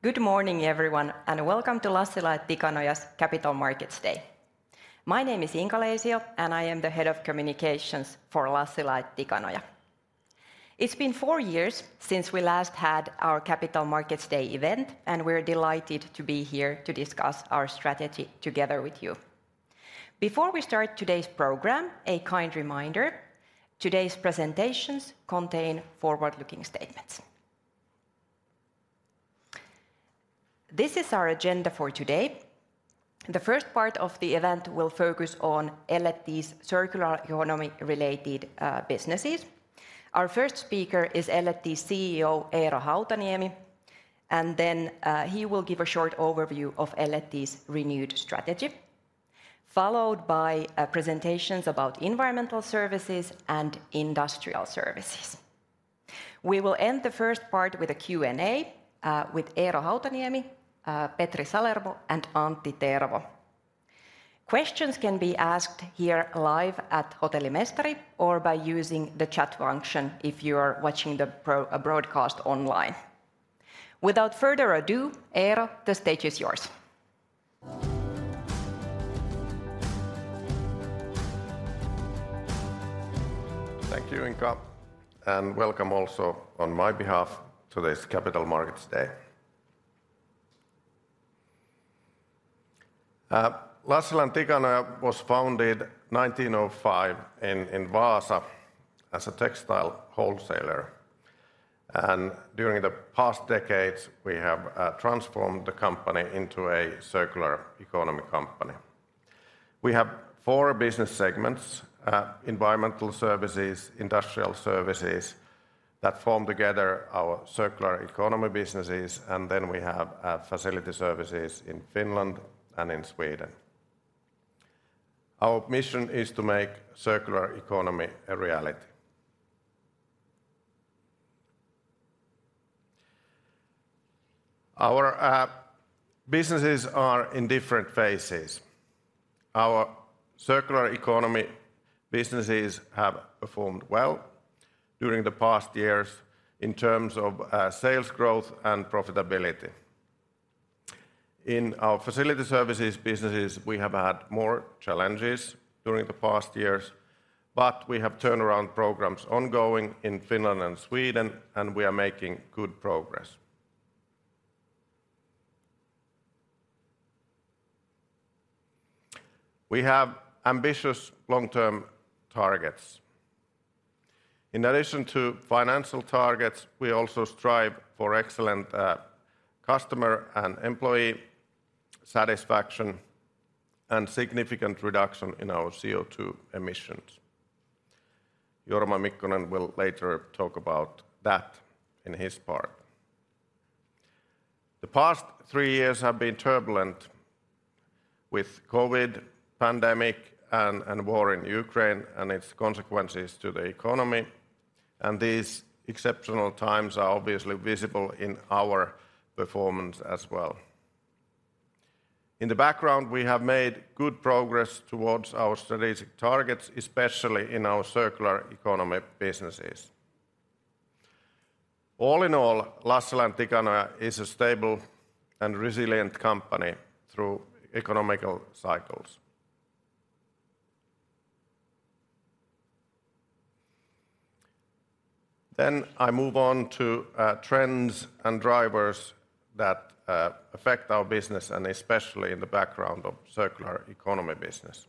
Good morning, everyone, and welcome to Lassila & Tikanoja's Capital Markets Day. My name is Inka Leisio, and I am the Head of Communications for Lassila & Tikanoja. It's been four years since we last had our Capital Markets Day event, and we're delighted to be here to discuss our strategy together with you. Before we start today's program, a kind reminder, today's presentations contain forward-looking statements. This is our agenda for today. The first part of the event will focus on L&T's circular economy-related businesses. Our first speaker is L&T's CEO, Eero Hautaniemi, and then he will give a short overview of L&T's renewed strategy, followed by presentations about Environmental Services and Industrial Services. We will end the first part with a Q&A with Eero Hautaniemi, Petri Salermo, and Antti Tervo. Questions can be asked here live at Hotelli Mestari, or by using the chat function if you are watching the broadcast online. Without further ado, Eero, the stage is yours. Thank you, Inka, and welcome also on my behalf to this Capital Markets Day. Lassila & Tikanoja was founded 1905 in Vaasa as a textile wholesaler, and during the past decades, we have transformed the company into a circular economy company. We have four business segments: Environmental Services, Industrial Services, that form together our circular economy businesses, and then we have Facility Services in Finland and in Sweden. Our mission is to make circular economy a reality. Our businesses are in different phases. Our circular economy businesses have performed well during the past years in terms of sales growth and profitability. In our Facility Services businesses, we have had more challenges during the past years, but we have turnaround programs ongoing in Finland and Sweden, and we are making good progress. We have ambitious long-term targets. In addition to financial targets, we also strive for excellent customer and employee satisfaction, and significant reduction in our CO2 emissions. Jorma Mikkonen will later talk about that in his part. The past three years have been turbulent, with COVID pandemic and war in Ukraine, and its consequences to the economy, and these exceptional times are obviously visible in our performance as well. In the background, we have made good progress towards our strategic targets, especially in our circular economy businesses. All in all, Lassila & Tikanoja is a stable and resilient company through economic cycles. Then, I move on to trends and drivers that affect our business, and especially in the background of circular economy business.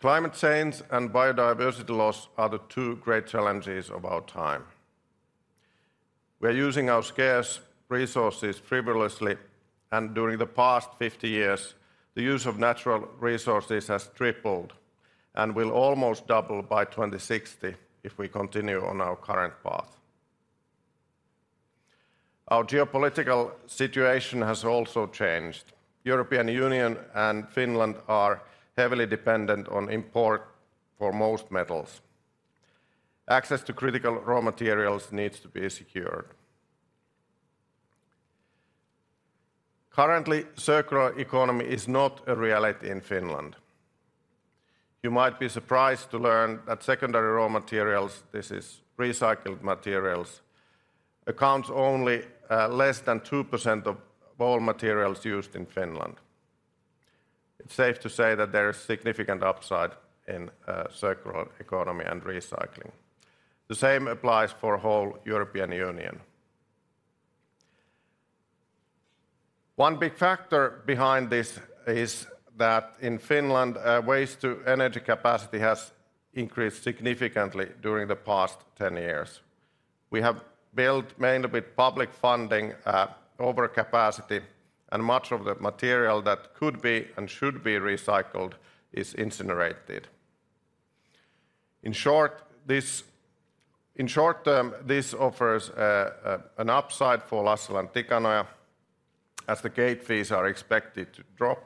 Climate change and biodiversity loss are the two great challenges of our time. We're using our scarce resources frivolously, and during the past 50 years, the use of natural resources has tripled and will almost double by 2060 if we continue on our current path. Our geopolitical situation has also changed. European Union and Finland are heavily dependent on import for most metals. Access to critical raw materials needs to be secure. Currently, circular economy is not a reality in Finland. You might be surprised to learn that secondary raw materials, this is recycled materials, accounts only less than 2% of all materials used in Finland. It's safe to say that there is significant upside in circular economy and recycling. The same applies for whole European Union. One big factor behind this is that in Finland, waste-to-energy capacity has increased significantly during the past 10 years. We have built, mainly with public funding, overcapacity, and much of the material that could be, and should be, recycled is incinerated. In short, this. In short term, this offers, an upside for Lassila & Tikanoja, as the gate fees are expected to drop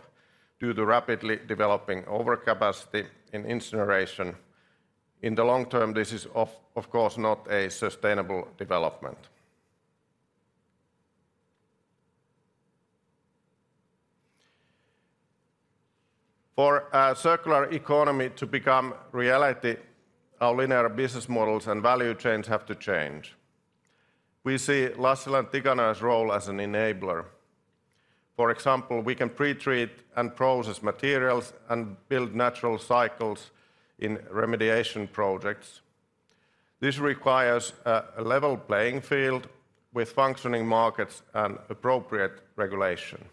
due to rapidly developing overcapacity in incineration. In the long term, this is of course not a sustainable development. For a circular economy to become reality, our linear business models and value chains have to change. We see Lassila & Tikanoja's role as an enabler. For example, we can pre-treat and process materials, and build natural cycles in remediation projects. This requires a level playing field with functioning markets and appropriate regulation.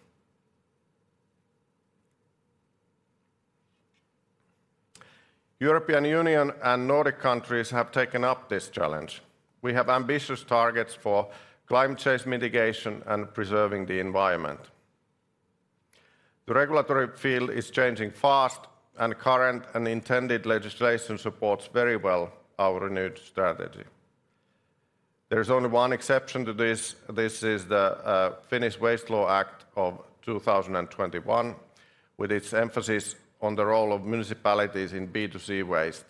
European Union and Nordic countries have taken up this challenge. We have ambitious targets for climate change mitigation and preserving the environment. The regulatory field is changing fast, and current and intended legislation supports very well our renewed strategy. There is only one exception to this. This is the Finnish Waste Law Act of 2021, with its emphasis on the role of municipalities in B2C waste.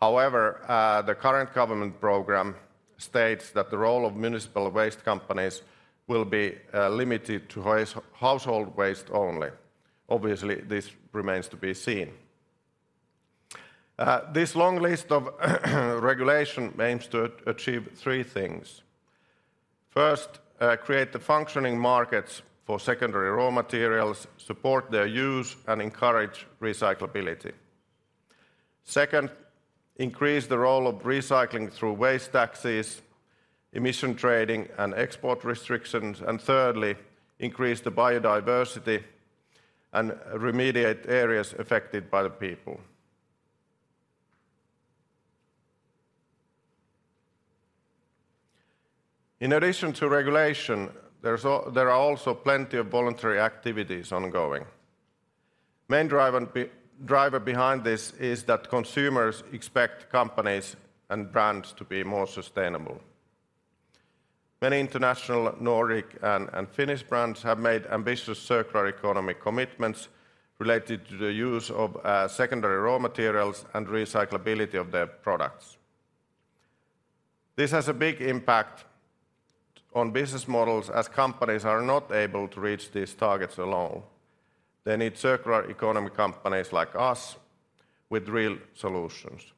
However, the current government program states that the role of municipal waste companies will be limited to household waste only. Obviously, this remains to be seen. This long list of regulation aims to achieve three things: First, create the functioning markets for secondary raw materials, support their use, and encourage recyclability. Second, increase the role of recycling through waste taxes, emission trading, and export restrictions. And thirdly, increase the biodiversity and remediate areas affected by the people. In addition to regulation, there are also plenty of voluntary activities ongoing. Main driver behind this is that consumers expect companies and brands to be more sustainable. Many international, Nordic, and Finnish brands have made ambitious circular economy commitments related to the use of secondary raw materials and recyclability of their products. This has a big impact on business models, as companies are not able to reach these targets alone. They need circular economy companies like us with real solutions.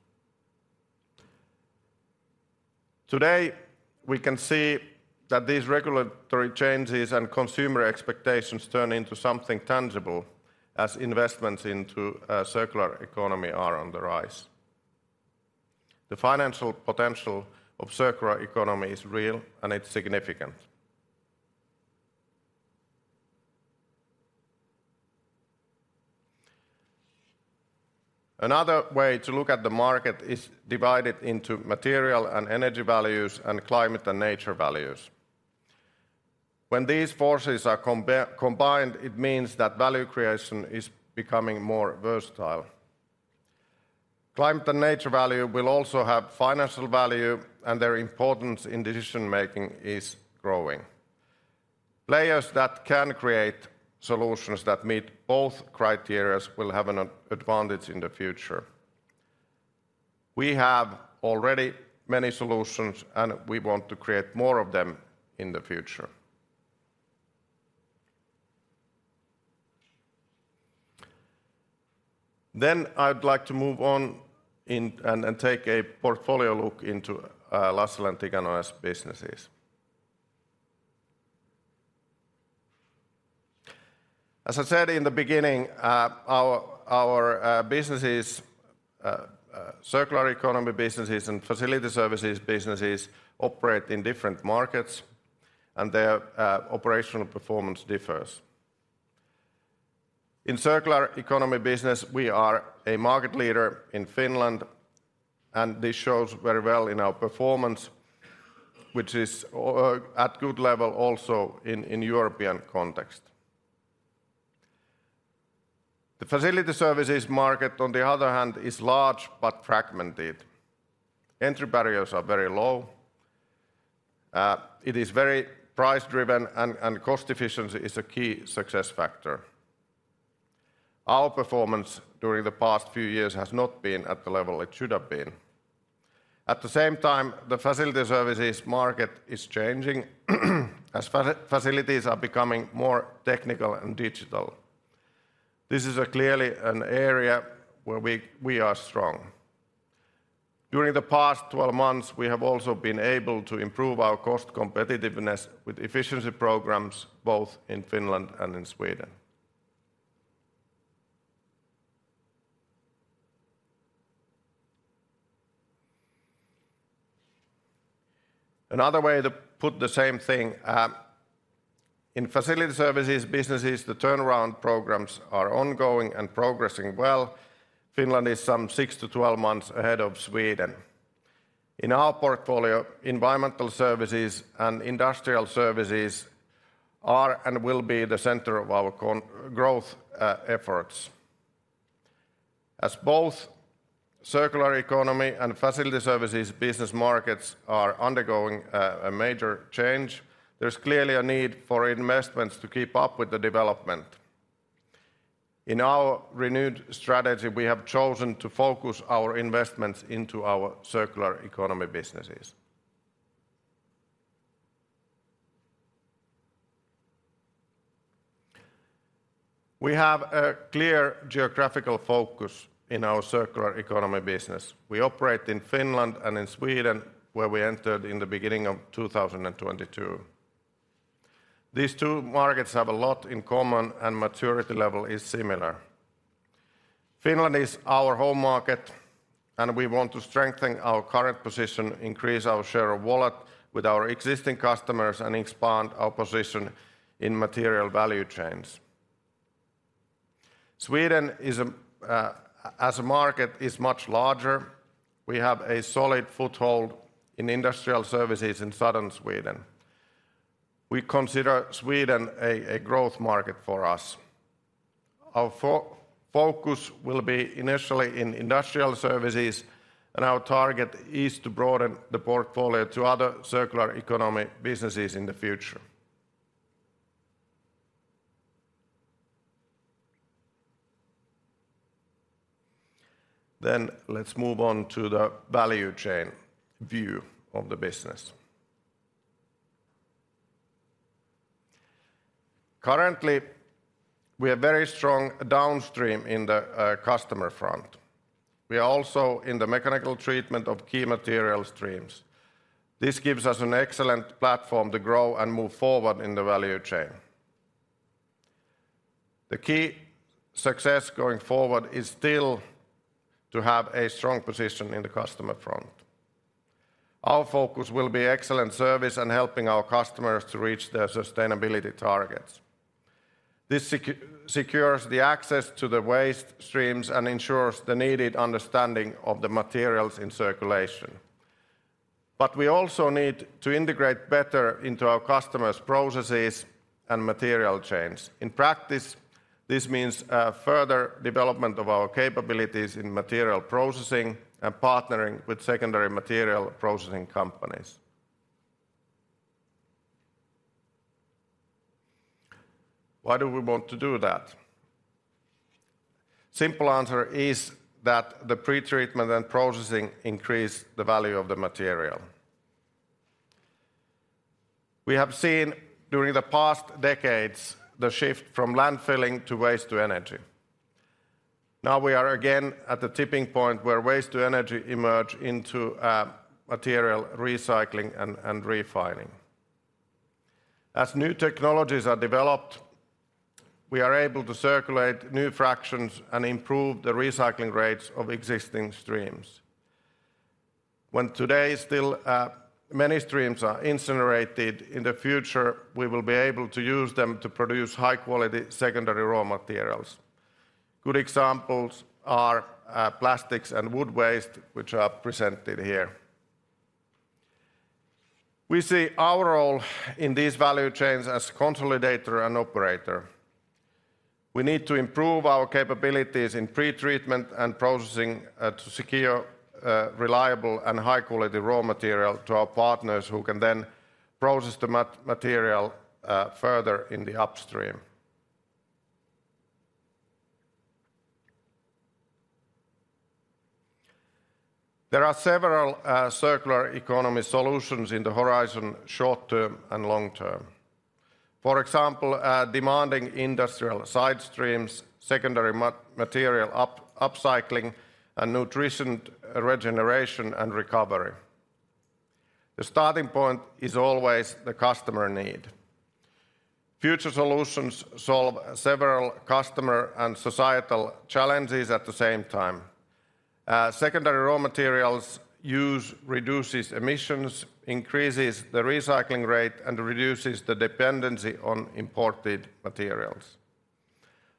Today, we can see that these regulatory changes and consumer expectations turn into something tangible, as investments into circular economy are on the rise. The financial potential of circular economy is real, and it's significant. Another way to look at the market is divide it into material and energy values, and climate and nature values. When these forces are combined, it means that value creation is becoming more versatile. Climate and nature value will also have financial value, and their importance in decision-making is growing. Players that can create solutions that meet both criteria will have an advantage in the future. We have already many solutions, and we want to create more of them in the future. Then, I'd like to move on and take a portfolio look into Lassila & Tikanoja's businesses. As I said in the beginning, our businesses, circular economy businesses and Facility Services businesses operate in different markets, and their operational performance differs. In circular economy business, we are a market leader in Finland, and this shows very well in our performance, which is at good level also in European context. The Facility Services market, on the other hand, is large but fragmented. Entry barriers are very low. It is very price-driven, and cost efficiency is a key success factor. Our performance during the past few years has not been at the level it should have been. At the same time, the Facility Services market is changing, as facilities are becoming more technical and digital. This is clearly an area where we are strong. During the past 12 months, we have also been able to improve our cost competitiveness with efficiency programs, both in Finland and in Sweden. Another way to put the same thing, in Facility Services businesses, the turnaround programs are ongoing and progressing well. Finland is some 6-12 months ahead of Sweden. In our portfolio, Environmental Services and Industrial Services are, and will be, the center of our growth efforts. As both circular economy and Facility Services business markets are undergoing a major change, there's clearly a need for investments to keep up with the development. In our renewed strategy, we have chosen to focus our investments into our circular economy businesses. We have a clear geographical focus in our circular economy business. We operate in Finland and in Sweden, where we entered in the beginning of 2022. These two markets have a lot in common, and maturity level is similar. Finland is our home market, and we want to strengthen our current position, increase our share of wallet with our existing customers, and expand our position in material value chains. Sweden, as a market, is much larger. We have a solid foothold in Industrial Services in southern Sweden. We consider Sweden a growth market for us. Our focus will be initially in Industrial Services, and our target is to broaden the portfolio to other circular economy businesses in the future. Then let's move on to the value chain view of the business. Currently, we are very strong downstream in the customer front. We are also in the mechanical treatment of key material streams. This gives us an excellent platform to grow and move forward in the value chain. The key success going forward is still to have a strong position in the customer front. Our focus will be excellent service and helping our customers to reach their sustainability targets. This secures the access to the waste streams and ensures the needed understanding of the materials in circulation. But we also need to integrate better into our customers' processes and material chains. In practice, this means further development of our capabilities in material processing and partnering with secondary material processing companies. Why do we want to do that? Simple answer is that the pretreatment and processing increase the value of the material. We have seen during the past decades the shift from landfilling to waste-to-energy. Now we are again at the tipping point where waste-to-energy emerge into material recycling and refining. As new technologies are developed, we are able to circulate new fractions and improve the recycling rates of existing streams. When today still many streams are incinerated, in the future, we will be able to use them to produce high-quality secondary raw materials. Good examples are plastics and wood waste, which are presented here. We see our role in these value chains as consolidator and operator. We need to improve our capabilities in pretreatment and processing to secure reliable and high-quality raw material to our partners, who can then process the material further in the upstream. There are several circular economy solutions in the horizon, short term and long term. For example, demanding industrial side streams, secondary material upcycling, and nutrition regeneration and recovery. The starting point is always the customer need. Future solutions solve several customer and societal challenges at the same time. Secondary raw materials use reduces emissions, increases the recycling rate, and reduces the dependency on imported materials.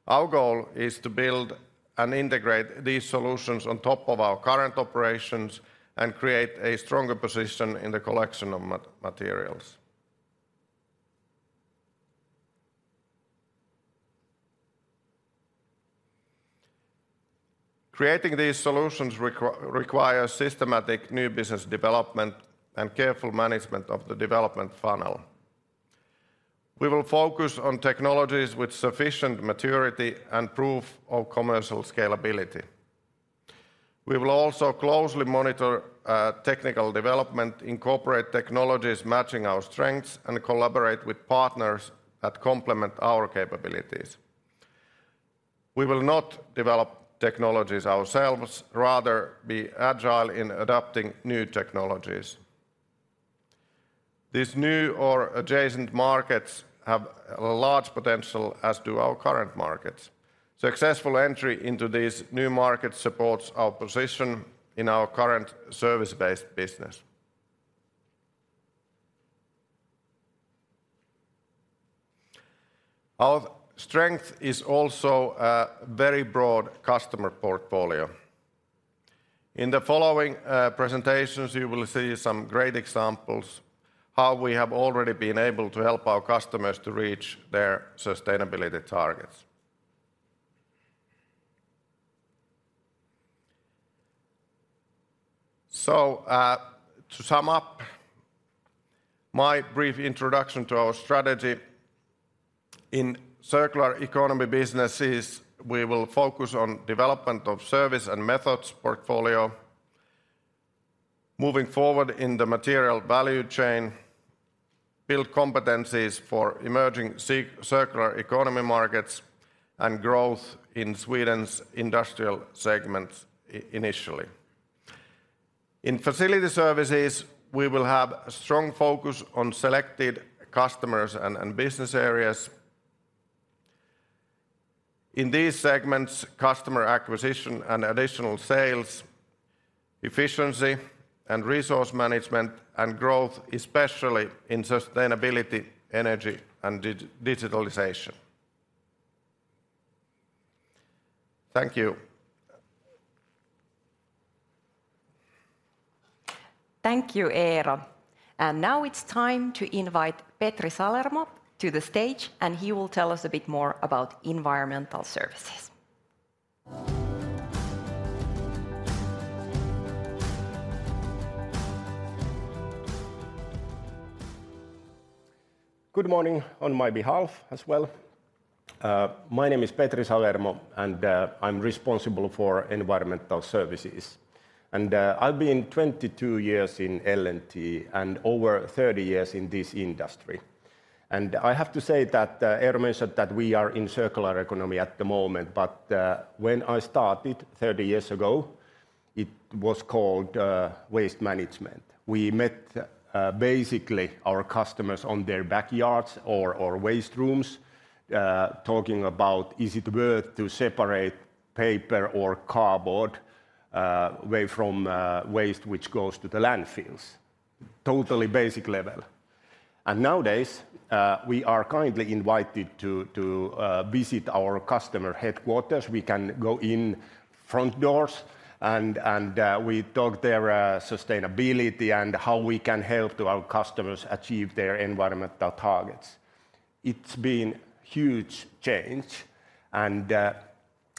Our goal is to build and integrate these solutions on top of our current operations and create a stronger position in the collection of materials. Creating these solutions requires systematic new business development and careful management of the development funnel. We will focus on technologies with sufficient maturity and proof of commercial scalability. We will also closely monitor technical development, incorporate technologies matching our strengths, and collaborate with partners that complement our capabilities. We will not develop technologies ourselves, rather be agile in adopting new technologies. These new or adjacent markets have a large potential, as do our current markets. Successful entry into these new markets supports our position in our current service-based business. Our strength is also a very broad customer portfolio. In the following presentations, you will see some great examples how we have already been able to help our customers to reach their sustainability targets. So, to sum up my brief introduction to our strategy, in circular economy businesses, we will focus on development of service and methods portfolio. Moving forward in the material value chain, build competencies for emerging circular economy markets, and growth in Sweden's industrial segments initially. In Facility Services, we will have a strong focus on selected customers and business areas. In these segments, customer acquisition and additional sales, efficiency, and resource management, and growth, especially in sustainability, energy, and digitalization. Thank you. Thank you, Eero. Now it's time to invite Petri Salermo to the stage, and he will tell us a bit more about Environmental Services. Good morning on my behalf as well. My name is Petri Salermo, and I'm responsible for Environmental Services. I've been 22 years in L&T and over 30 years in this industry. I have to say that Eero mentioned that we are in circular economy at the moment, but when I started 30 years ago, it was called waste management. We met basically our customers on their backyards or waste rooms, talking about, is it worth to separate paper or cardboard away from waste which goes to the landfills? Totally basic level. Nowadays we are kindly invited to visit our customer headquarters. We can go in front doors, and we talk their sustainability and how we can help to our customers achieve their environmental targets. It's been huge change, and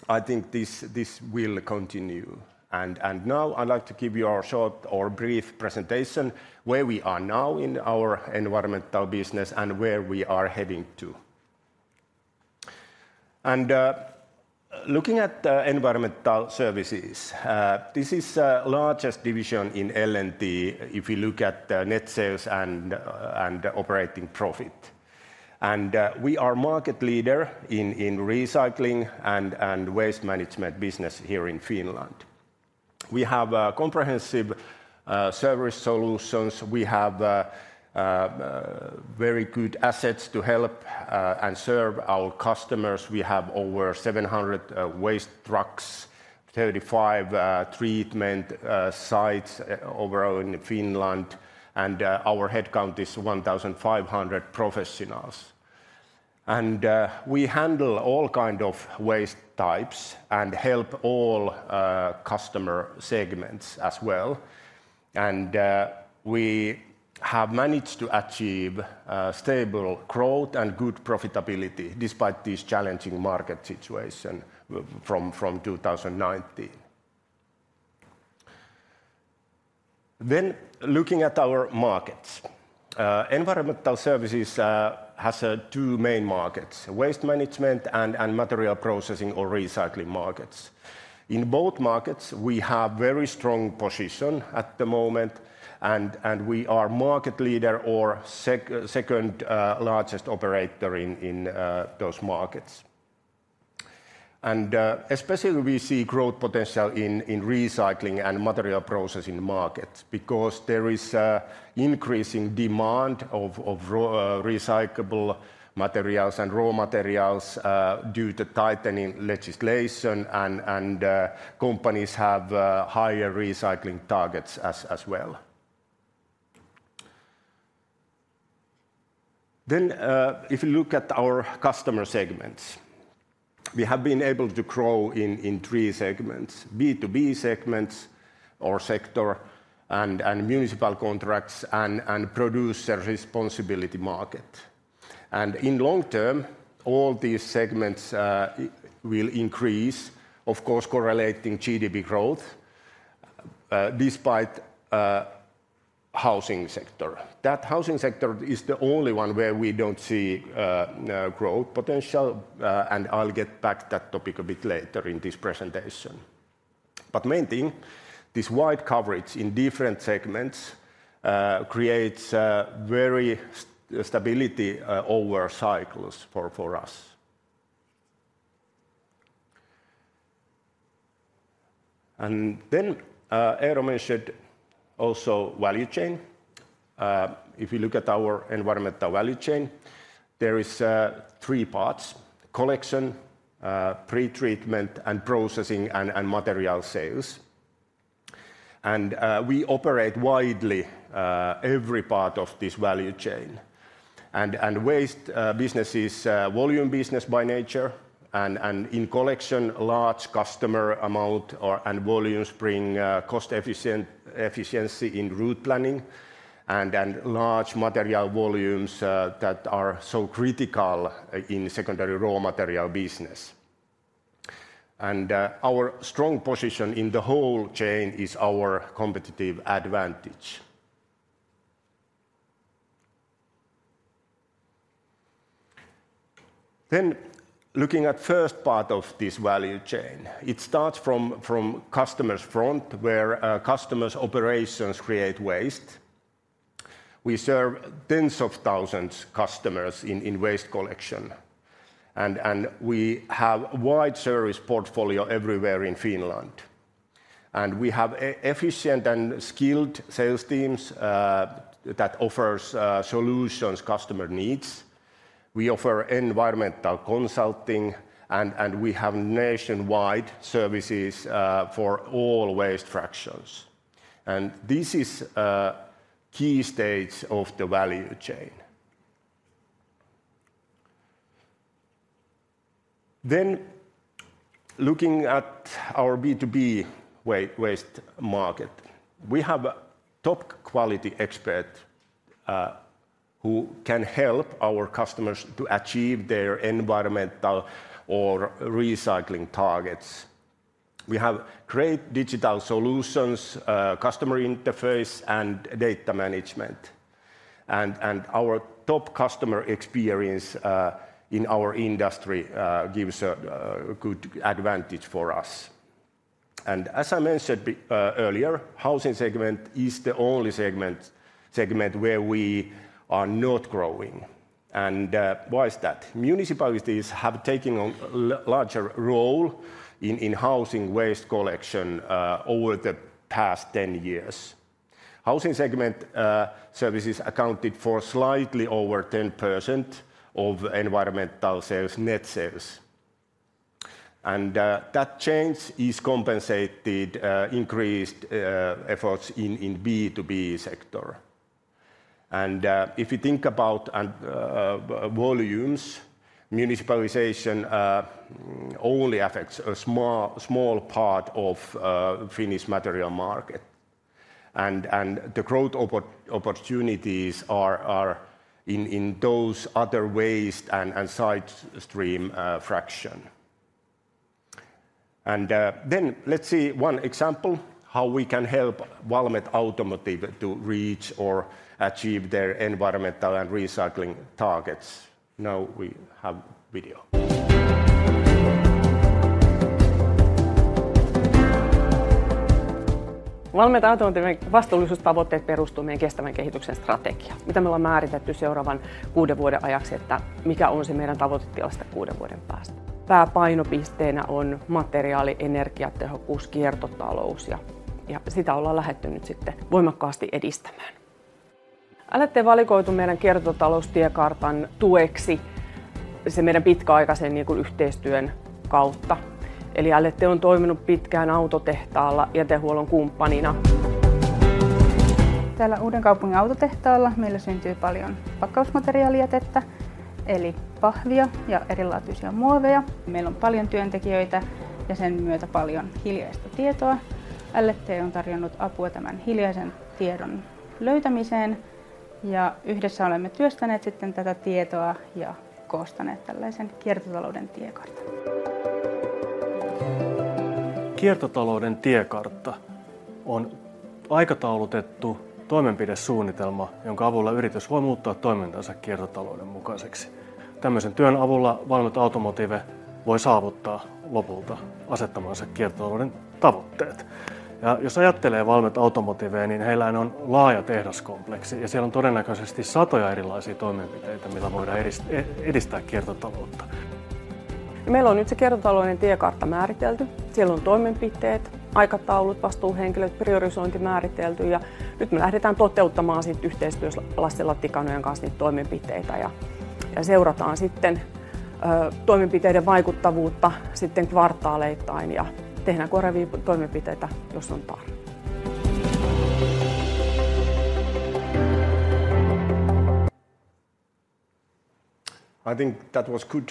I think this will continue. And now I'd like to give you a short or brief presentation where we are now in our environmental business and where we are heading to. And looking at Environmental Services, this is largest division in L&T if you look at net sales and operating profit. And we are market leader in recycling and waste management business here in Finland. We have comprehensive service solutions. We have very good assets to help and serve our customers. We have over 700 waste trucks, 35 treatment sites overall in Finland, and our head count is 1,500 professionals. And we handle all kind of waste types and help all customer segments as well. We have managed to achieve stable growth and good profitability despite this challenging market situation from 2019. Looking at our markets, Environmental Services has two main markets: waste management and material processing or recycling markets. In both markets, we have very strong position at the moment, and we are market leader or second largest operator in those markets. Especially we see growth potential in recycling and material processing markets because there is a increasing demand of recyclable materials and raw materials due to tightening legislation, and companies have higher recycling targets as well. If you look at our customer segments, we have been able to grow in three segments: B2B segments or sector, and municipal contracts, and producer responsibility market. In the long term, all these segments will increase, of course, correlating GDP growth, despite the housing sector. That housing sector is the only one where we don't see growth potential, and I'll get back to that topic a bit later in this presentation. But the main thing, this wide coverage in different segments creates very stability over cycles for us. And then, Eero mentioned also value chain. If you look at our environmental value chain, there is three parts: collection, pre-treatment, and processing and material sales. And we operate widely every part of this value chain. And waste business is volume business by nature, and in collection, large customer amount or... and volumes bring cost efficiency in route planning and large material volumes that are so critical in secondary raw material business. And our strong position in the whole chain is our competitive advantage. Then looking at first part of this value chain, it starts from customer's front, where customer's operations create waste. We serve tens of thousands customers in waste collection, and we have wide service portfolio everywhere in Finland. And we have efficient and skilled sales teams that offers solutions customer needs. We offer environmental consulting, and we have nationwide services for all waste fractions. And this is a key stage of the value chain. Then, looking at our B2B waste market, we have top quality expert who can help our customers to achieve their environmental or recycling targets. We have great digital solutions, customer interface, and data management. And our top customer experience in our industry gives a good advantage for us. And as I mentioned earlier, housing segment is the only segment where we are not growing. And why is that? Municipalities have taken a larger role in housing waste collection over the past 10 years. Housing segment services accounted for slightly over 10% of environmental sales, net sales. And that change is compensated increased efforts in B2B sector. And if you think about volumes, municipalization only affects a small part of Finnish material market. And the growth opportunities are in those other waste and side stream fraction. Let's see one example, how we can help Valmet Automotive to reach or achieve their environmental and recycling targets. Now, we have video. Valmet Automotive vastuullisuustavoitteet perustuu meidän kestävän kehityksen strategiaan, mitä me ollaan määritetty seuraavan kuuden vuoden ajaksi, että mikä on se meidän tavoitetila sitten kuuden vuoden päästä. Pääpainopisteenä on materiaali, energiatehokkuus, kiertotalous, ja sitä ollaan lähdetty nyt sitten voimakkaasti edistämään. L&T valikoitui meidän kiertotaloustiekartan tueksi sen meidän pitkäaikaisen, niinku, yhteistyön kautta. Eli L&T on toiminut pitkään autotehtaalla jätehuollon kumppanina. Täällä Uudenkaupungin autotehtaalla meillä syntyy paljon pakkausmateriaalijätettä, eli pahvia ja erilaisia muoveja. Meillä on paljon työntekijöitä ja sen myötä paljon hiljaista tietoa. L&T on tarjonnut apua tämän hiljaisen tiedon löytämiseen, ja yhdessä olemme työstäneet sitten tätä tietoa ja koostaneet tällaisen kiertotalouden tiekartan. Kiertotalouden tiekartta on aikataulutettu toimenpidesuunnitelma, jonka avulla yritys voi muuttaa toimintansa kiertotalouden mukaiseksi. Tällaisen työn avulla Valmet Automotive voi saavuttaa lopulta asettamansa kiertotalouden tavoitteet. Ja jos ajattelee Valmet Automotivea, niin heillähän on laaja tehdaskompleksi, ja siellä on todennäköisesti satoja erilaisia toimenpiteitä, millä voidaan edistää kiertotaloutta. Meillä on nyt se kiertotalouden tiekartta määritelty. Siellä on toimenpiteet, aikataulut, vastuuhenkilöt, priorisointi määritelty, ja nyt me lähdetään toteuttamaan sitten yhteistyössä Lassila & Tikanojan kanssa niitä toimenpiteitä ja seurataan sitten toimenpiteiden vaikuttavuutta sitten kvartaaleittain ja tehdään korjaavia toimenpiteitä, jos on tarve. I think that was good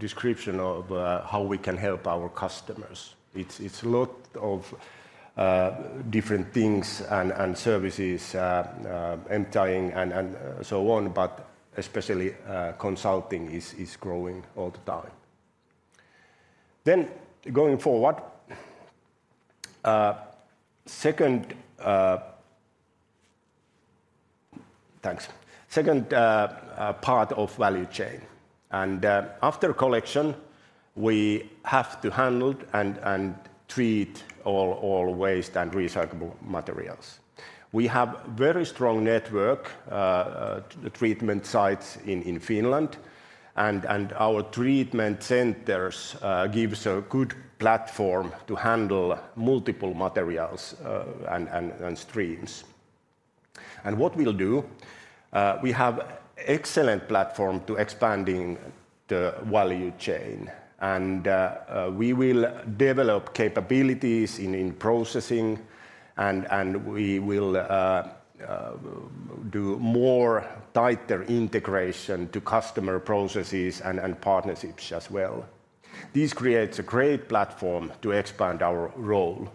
description of how we can help our customers. It's a lot of different things and services, emptying and so on, but especially consulting is growing all the time. Then, going forward, second... Thanks. Second part of value chain. And after collection, we have to handle and treat all waste and recyclable materials. We have very strong network treatment sites in Finland, and our treatment centers gives a good platform to handle multiple materials and streams. And what we'll do, we have excellent platform to expanding the value chain, and we will develop capabilities in processing, and we will do more tighter integration to customer processes and partnerships as well. This creates a great platform to expand our role.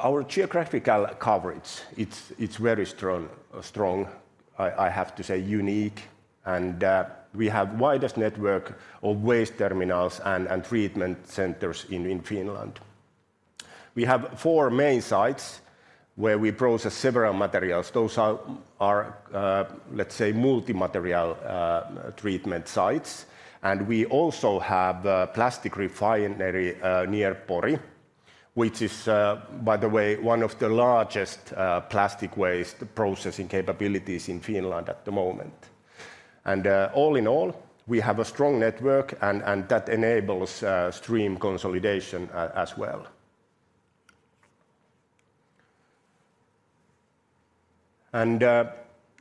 Our geographical coverage, it's very strong, I have to say unique, and we have widest network of waste terminals and treatment centers in Finland. We have four main sites where we process several materials. Those are, let's say, multi-material treatment sites, and we also have a plastic refinery near Pori, which is, by the way, one of the largest plastic waste processing capabilities in Finland at the moment. All in all, we have a strong network, and that enables stream consolidation as well.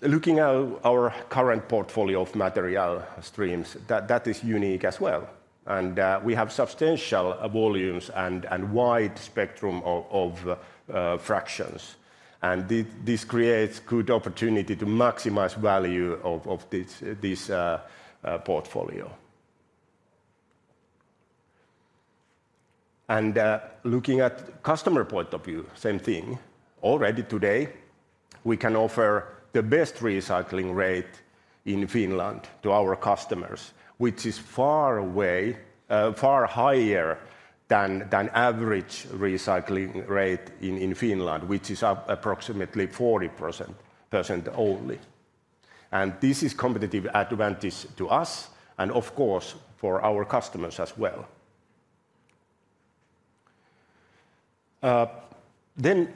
Looking at our current portfolio of material streams, that is unique as well, and we have substantial volumes and wide spectrum of fractions. This creates good opportunity to maximize value of this portfolio. Looking at customer point of view, same thing. Already today, we can offer the best recycling rate in Finland to our customers, which is far higher than average recycling rate in Finland, which is approximately 40% only. This is competitive advantage to us, and of course, for our customers as well. Then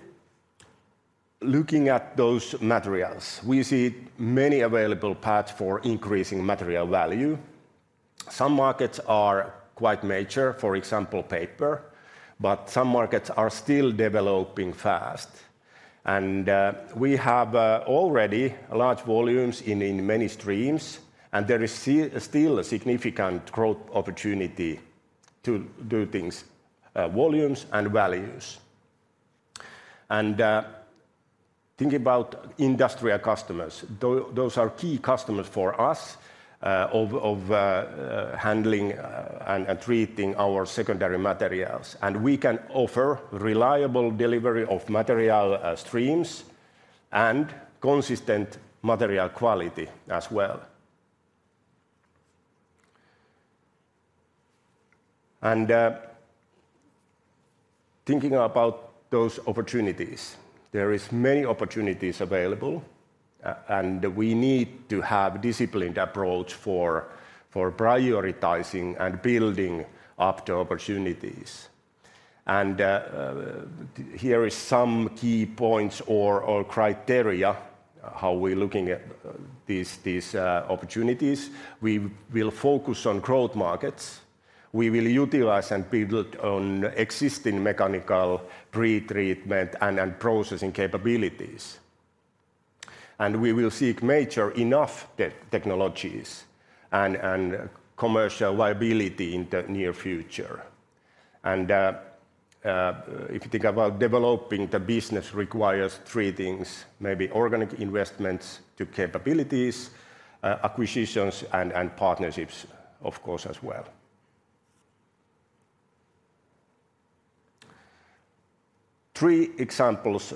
looking at those materials, we see many available paths for increasing material value. Some markets are quite mature, for example, paper, but some markets are still developing fast. We have already large volumes in many streams, and there is still a significant growth opportunity to do things, volumes and values. Thinking about industrial customers, those are key customers for us, of handling and treating our secondary materials. We can offer reliable delivery of material streams and consistent material quality as well. Thinking about those opportunities, there is many opportunities available, and we need to have disciplined approach for prioritizing and building up the opportunities. Here is some key points or criteria, how we're looking at these opportunities. We will focus on growth markets. We will utilize and build on existing mechanical pre-treatment and processing capabilities. We will seek mature enough technologies and commercial viability in the near future. If you think about developing, the business requires three things: maybe organic investments to capabilities, acquisitions, and partnerships, of course, as well. Three examples,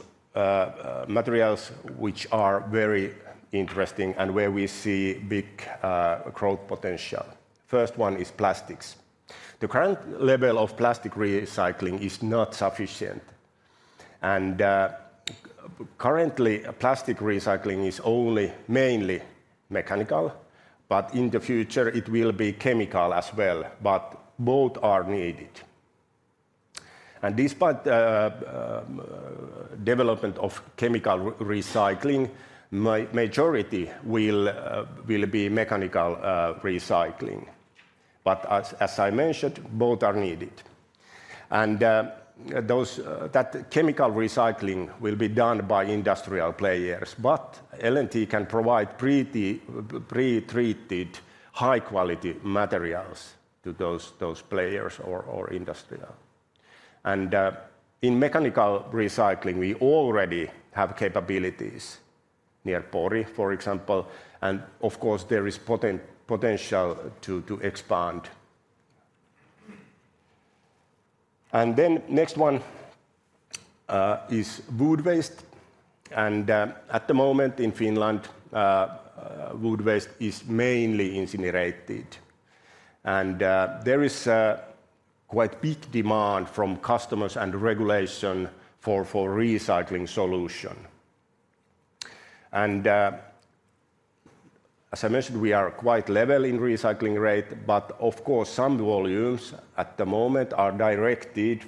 materials, which are very interesting and where we see big growth potential. First one is plastics. The current level of plastic recycling is not sufficient, and currently, plastic recycling is only mainly mechanical, but in the future it will be chemical as well, but both are needed. And despite development of chemical recycling, majority will be mechanical recycling. But as I mentioned, both are needed. And that chemical recycling will be done by industrial players, but L&T can provide pre-treated, high-quality materials to those players or industrial. And in mechanical recycling, we already have capabilities near Pori, for example, and of course, there is potential to expand. And then next one is wood waste, and at the moment in Finland, wood waste is mainly incinerated. There is a quite big demand from customers and regulation for recycling solution. As I mentioned, we are quite level in recycling rate, but of course, some volumes at the moment are directed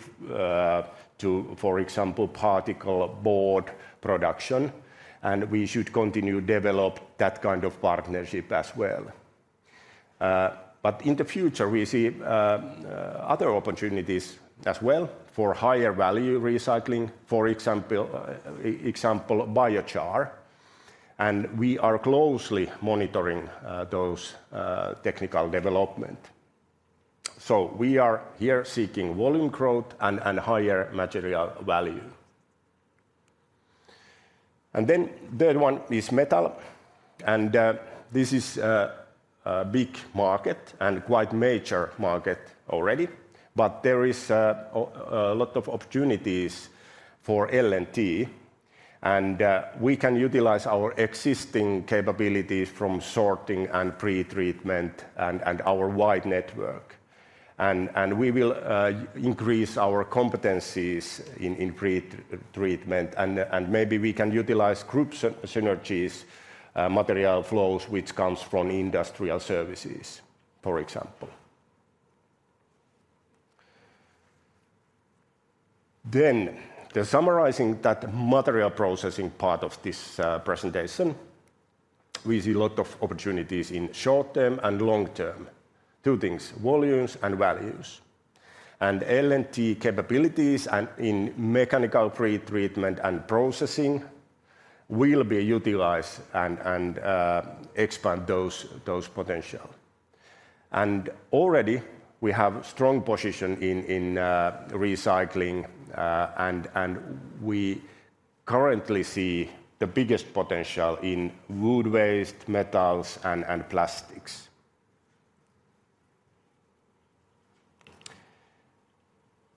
to, for example, particle board production, and we should continue to develop that kind of partnership as well. But in the future, we see other opportunities as well for higher value recycling, for example, biochar, and we are closely monitoring those technical development. So we are here seeking volume growth and higher material value. And then third one is metal, and this is a big market and quite major market already, but there is a lot of opportunities for L&T. And we can utilize our existing capabilities from sorting and pre-treatment and our wide network. We will increase our competencies in pre-treatment, and maybe we can utilize group synergies, material flows, which comes from Industrial Services, for example. Then, summarizing that material processing part of this presentation, we see a lot of opportunities in short term and long term. Two things: volumes and values. L&T capabilities and in mechanical pre-treatment and processing will be utilized and expand those potential. Already, we have strong position in recycling, and we currently see the biggest potential in wood waste, metals, and plastics.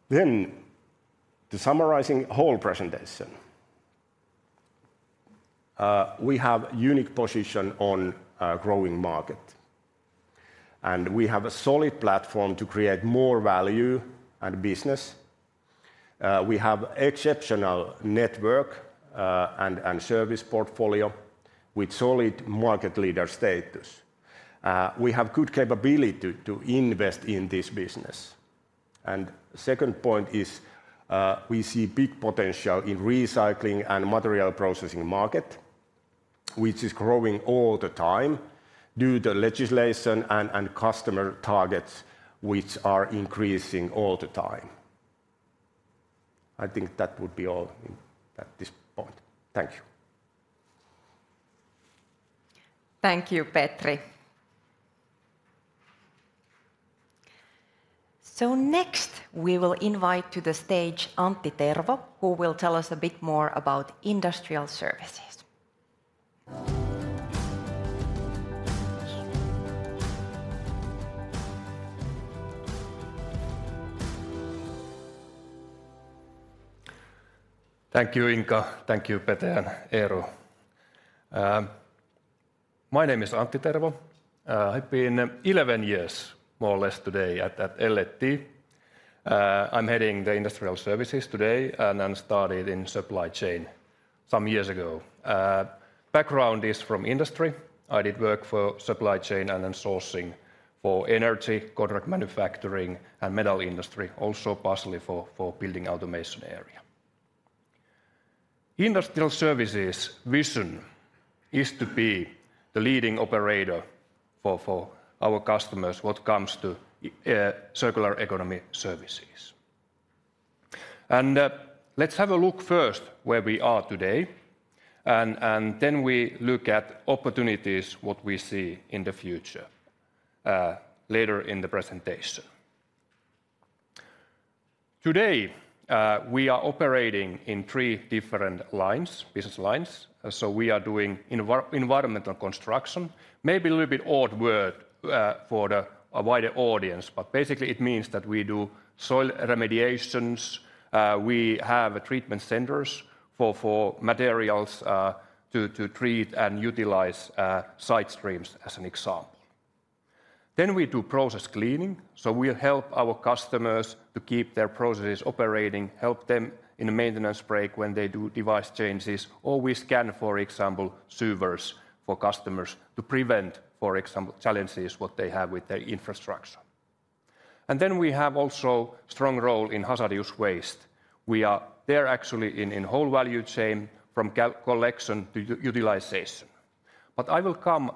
Then, summarizing whole presentation. We have unique position on a growing market, and we have a solid platform to create more value and business. We have exceptional network, and service portfolio with solid market leader status. We have good capability to invest in this business. Second point is, we see big potential in recycling and material processing market, which is growing all the time due to legislation and customer targets, which are increasing all the time. I think that would be all at this point. Thank you. Thank you, Petri. So next, we will invite to the stage Antti Tervo, who will tell us a bit more about Industrial Services. Thank you, Inka. Thank you, Petri and Eero. My name is Antti Tervo. I've been 11 years, more or less today, at L&T. I'm heading the Industrial Services today, and then started in supply chain some years ago. Background is from industry. I did work for supply chain and then sourcing for energy, contract manufacturing, and metal industry, also partially for building automation area. Industrial Services vision is to be the leading operator for our customers when it comes to circular economy services. Let's have a look first where we are today, and then we look at opportunities, what we see in the future, later in the presentation. Today, we are operating in 3 different lines, business lines. So we are doing environmental construction, maybe a little bit odd word, for a wider audience, but basically it means that we do soil remediations, we have treatment centers for materials to treat and utilize side streams, as an example. Then we do process cleaning, so we help our customers to keep their processes operating, help them in a maintenance break when they do device changes, or we scan, for example, sewers for customers to prevent, for example, challenges what they have with their infrastructure. And then we have also strong role in hazardous waste. We are there actually in whole value chain, from collection to utilization. But I will come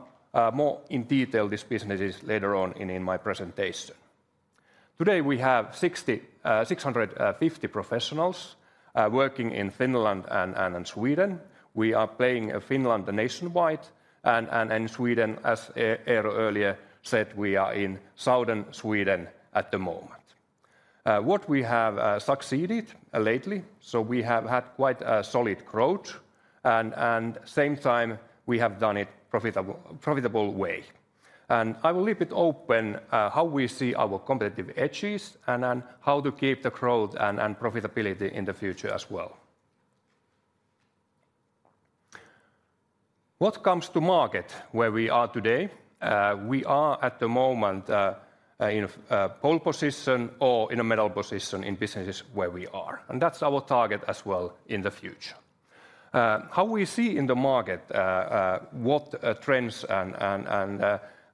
more in detail these businesses later on in my presentation. Today, we have 650 professionals working in Finland and Sweden. We are operating in Finland nationwide, and in Sweden, as Eero earlier said, we are in southern Sweden at the moment. What we have succeeded lately, so we have had quite a solid growth, and same time, we have done it profitable, profitable way. I will leave it open how we see our competitive edges, and then how to keep the growth and profitability in the future as well. What comes to market, where we are today? We are, at the moment, in pole position or in a middle position in businesses where we are, and that's our target as well in the future. How we see in the market, what trends and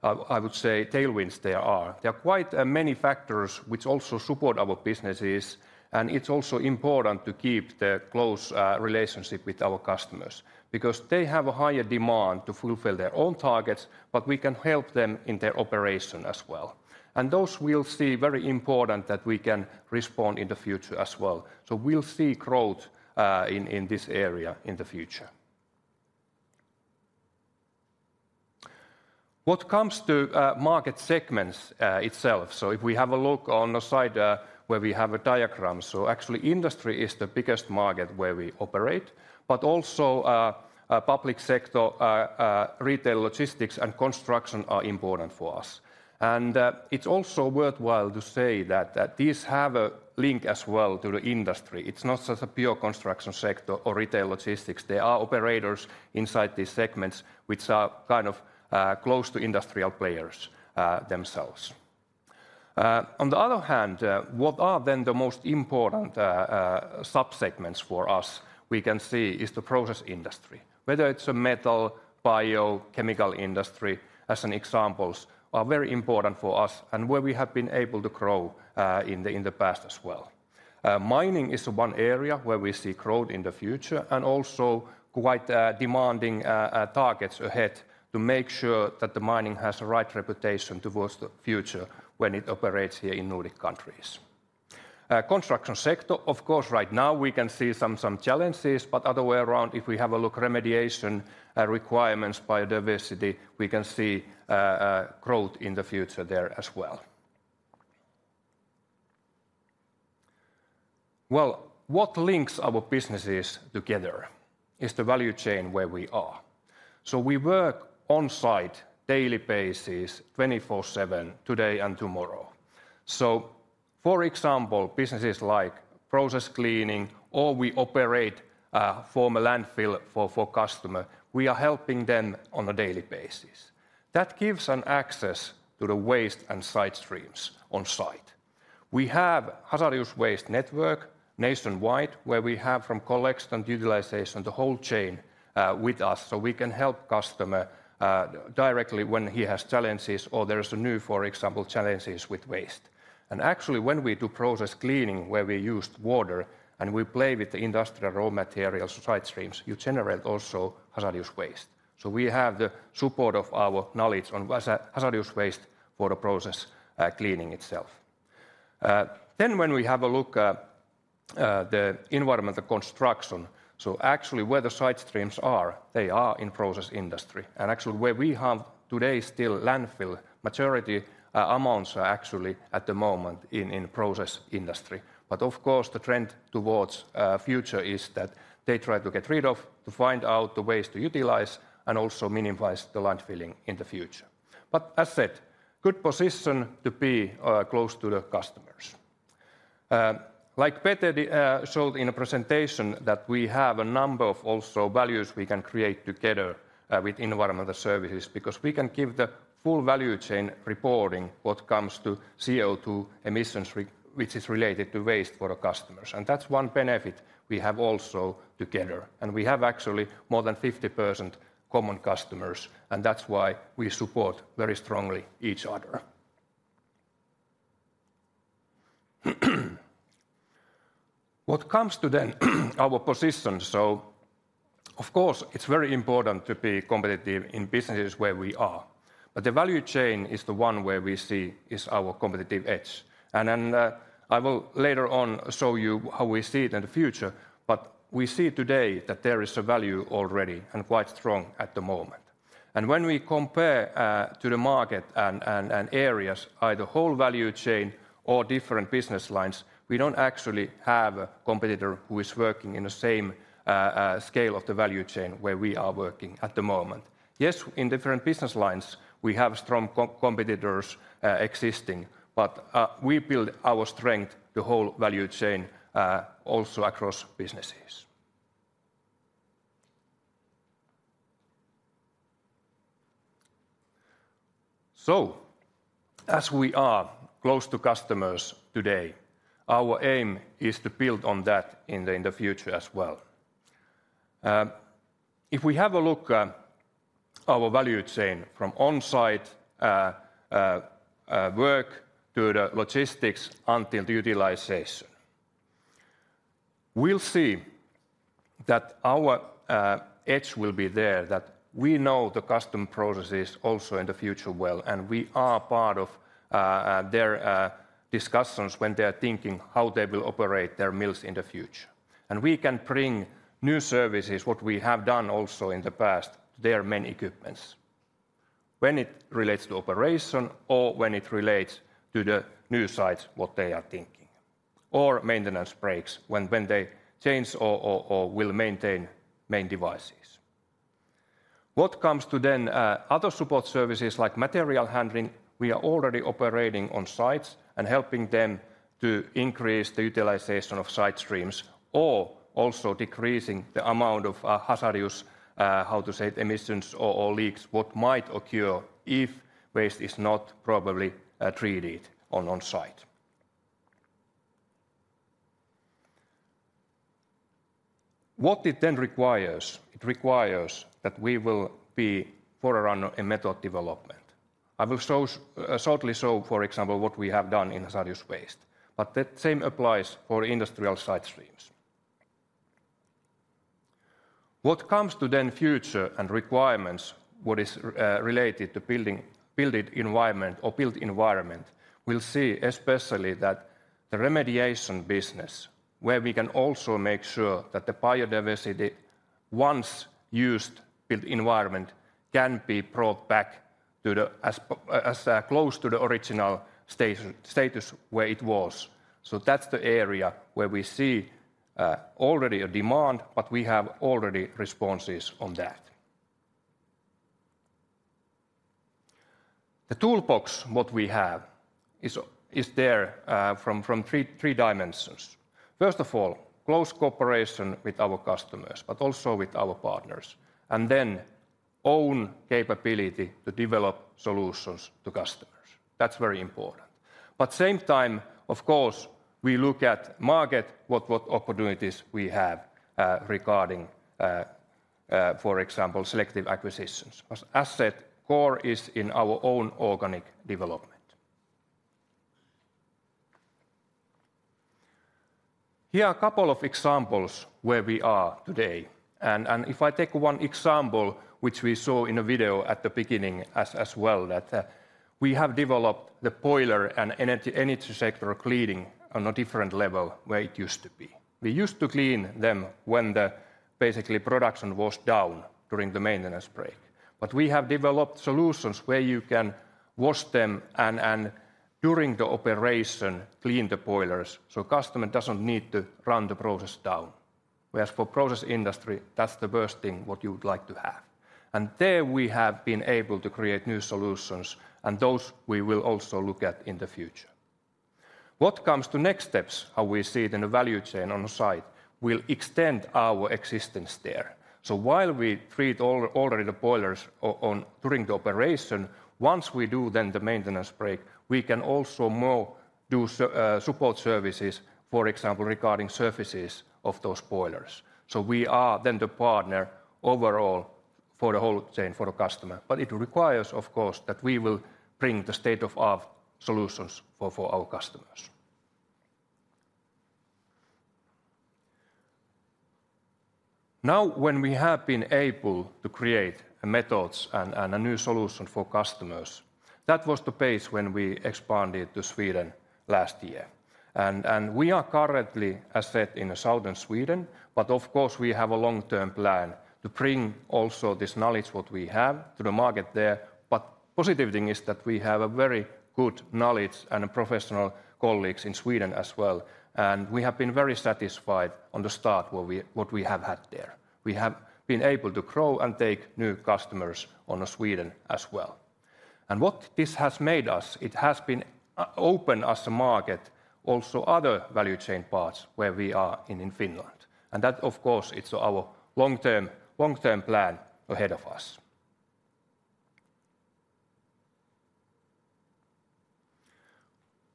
I would say tailwinds there are? There are quite many factors which also support our businesses, and it's also important to keep the close relationship with our customers, because they have a higher demand to fulfill their own targets, but we can help them in their operation as well. And those we'll see very important that we can respond in the future as well. So we'll see growth in this area in the future. What comes to market segments itself? So if we have a look on the side where we have a diagram, so actually industry is the biggest market where we operate, but also public sector, retail, logistics, and construction are important for us. It's also worthwhile to say that these have a link as well to the industry. It's not such a pure construction sector or retail logistics. There are operators inside these segments which are kind of close to industrial players themselves. On the other hand, what are then the most important sub-segments for us? We can see is the process industry, whether it's a metal, bio, chemical industry, as examples, are very important for us, and where we have been able to grow in the past as well. Mining is one area where we see growth in the future, and also quite demanding targets ahead to make sure that the mining has the right reputation towards the future when it operates here in Nordic countries. Construction sector, of course, right now, we can see some, some challenges, but other way around, if we have a look, remediation requirements, biodiversity, we can see growth in the future there as well. Well, what links our businesses together is the value chain where we are. So we work on site, daily basis, 24/7, today and tomorrow. So, for example, businesses like process cleaning, or we operate former landfill for customer, we are helping them on a daily basis. That gives an access to the waste and side streams on site. We have hazardous waste network nationwide, where we have from collection and utilization, the whole chain with us, so we can help customer directly when he has challenges or there is a new, for example, challenges with waste. Actually, when we do process cleaning, where we use water, and we play with the industrial raw materials side streams, you generate also hazardous waste. So we have the support of our knowledge on hazardous waste for the process cleaning itself. Then when we have a look, the environmental construction, so actually where the side streams are, they are in process industry. And actually, where we have today still landfill, majority amounts are actually at the moment in process industry. But of course, the trend towards future is that they try to get rid of, to find out the ways to utilize, and also minimize the landfilling in the future. But as said, good position to be close to the customers. Like Peter showed in a presentation, that we have a number of also values we can create together with Environmental Services, because we can give the full value chain reporting what comes to CO2 emissions, which is related to waste for the customers. And that's one benefit we have also together. And we have actually more than 50% common customers, and that's why we support very strongly each other. What comes to then our position, so of course it's very important to be competitive in businesses where we are, but the value chain is the one where we see is our competitive edge. And then I will later on show you how we see it in the future, but we see today that there is a value already, and quite strong at the moment. When we compare to the market and areas, either whole value chain or different business lines, we don't actually have a competitor who is working in the same scale of the value chain where we are working at the moment. Yes, in different business lines, we have strong competitors existing, but we build our strength, the whole value chain also across businesses. So as we are close to customers today, our aim is to build on that in the future as well. If we have a look, our value chain from on-site work to the logistics until the utilization, we'll see that our edge will be there, that we know the customer processes also in the future well, and we are part of their discussions when they are thinking how they will operate their mills in the future. We can bring new services, what we have done also in the past, to their main equipments, when it relates to operation, or when it relates to the new sites, what they are thinking, or maintenance breaks, when they change or will maintain main devices. What comes to then, other support services like material handling, we are already operating on sites and helping them to increase the utilization of side streams, or also decreasing the amount of, hazardous, how to say, emissions or, or leaks, what might occur if waste is not properly, treated on-site. What it then requires? It requires that we will be forerunner in method development. I will show, shortly show, for example, what we have done in hazardous waste, but the same applies for industrial side streams. What comes to then future and requirements, what is, related to building environment or built environment, we'll see especially that the remediation business, where we can also make sure that the biodiversity, once used built environment, can be brought back to as close to the original status where it was. So that's the area where we see already a demand, but we have already responses on that. The toolbox what we have is there from three dimensions. First of all, close cooperation with our customers, but also with our partners, and then own capability to develop solutions to customers. That's very important. But same time, of course, we look at market, what opportunities we have, regarding for example, selective acquisitions. As said, core is in our own organic development. Here are a couple of examples where we are today, and if I take one example, which we saw in a video at the beginning as well, that we have developed the boiler and energy sector cleaning on a different level where it used to be. We used to clean them when the basically production was down during the maintenance break. But we have developed solutions where you can wash them, and during the operation, clean the boilers, so customer doesn't need to run the process down. Whereas for process industry, that's the worst thing what you would like to have. And there we have been able to create new solutions, and those we will also look at in the future. What comes to next steps, how we see it in the value chain on-site, we'll extend our existence there. So while we treat all of the boilers on during the operation, once we do then the maintenance break, we can also more do support services, for example, regarding services of those boilers. So we are then the partner overall for the whole chain, for the customer. But it requires, of course, that we will bring the state-of-the-art solutions for our customers. Now, when we have been able to create methods and a new solution for customers, that was the base when we expanded to Sweden last year. And we are currently, as said, in the southern Sweden, but of course, we have a long-term plan to bring also this knowledge what we have to the market there. But positive thing is that we have a very good knowledge and professional colleagues in Sweden as well, and we have been very satisfied with the start what we have had there. We have been able to grow and take new customers in Sweden as well. And what this has made us, it has been open as a market, also other value chain parts where we are in Finland. That, of course, it's our long-term, long-term plan ahead of us.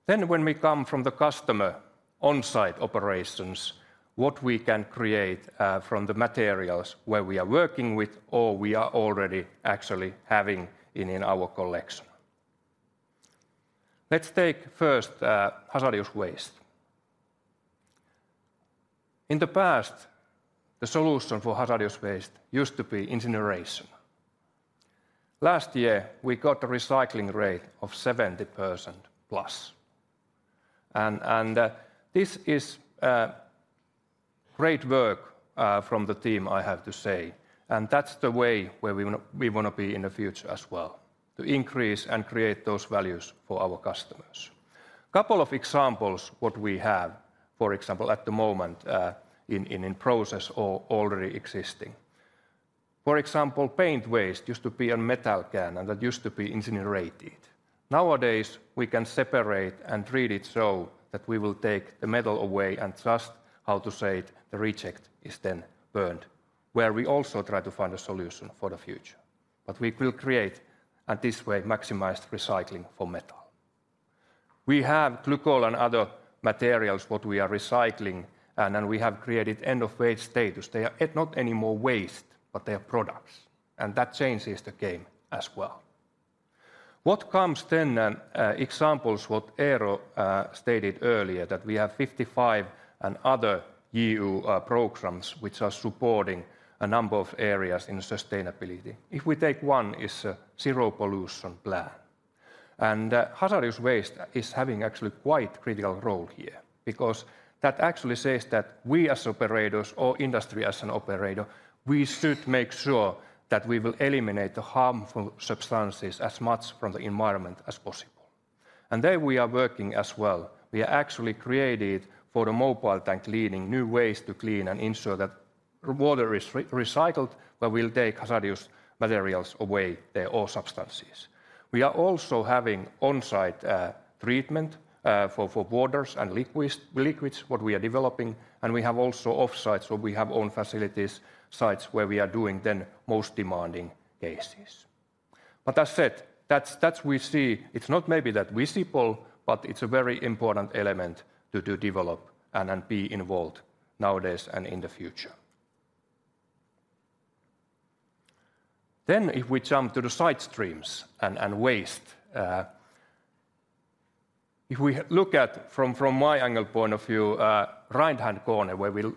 Then when we come from the customer on-site operations, what we can create from the materials where we are working with or we are already actually having in our collection. Let's take first hazardous waste. In the past, the solution for hazardous waste used to be incineration. Last year, we got a recycling rate of 70%+, and this is great work from the team, I have to say, and that's the way where we wanna, we wanna be in the future as well, to increase and create those values for our customers. Couple of examples what we have, for example, at the moment in process or already existing. For example, paint waste used to be a metal can, and that used to be incinerated. Nowadays, we can separate and treat it so that we will take the metal away and just, how to say it, the reject is then burned, where we also try to find a solution for the future. But we will create, and this way, maximize recycling for metal. We have glycol and other materials what we are recycling, and then we have created end-of-waste status. They are not anymore waste, but they are products, and that changes the game as well. What comes then, examples what Eero stated earlier, that we have Fit for 55 and other EU programs which are supporting a number of areas in sustainability. If we take one, is a Zero Pollution Plan, and hazardous waste is having actually quite critical role here because that actually says that we, as operators, or industry as an operator, we should make sure that we will eliminate the harmful substances as much from the environment as possible. And there we are working as well. We actually created for the mobile tank cleaning, new ways to clean and ensure that water is recycled, but we'll take hazardous materials away, or substances. We are also having on-site treatment for waters and liquids, what we are developing, and we have also off-sites, where we have own facilities, sites where we are doing then most demanding cases. But as said, that's, that's we see. It's not maybe that visible, but it's a very important element to develop and be involved nowadays and in the future. Then if we jump to the side streams and waste, if we look at from my angle point of view, right-hand corner, where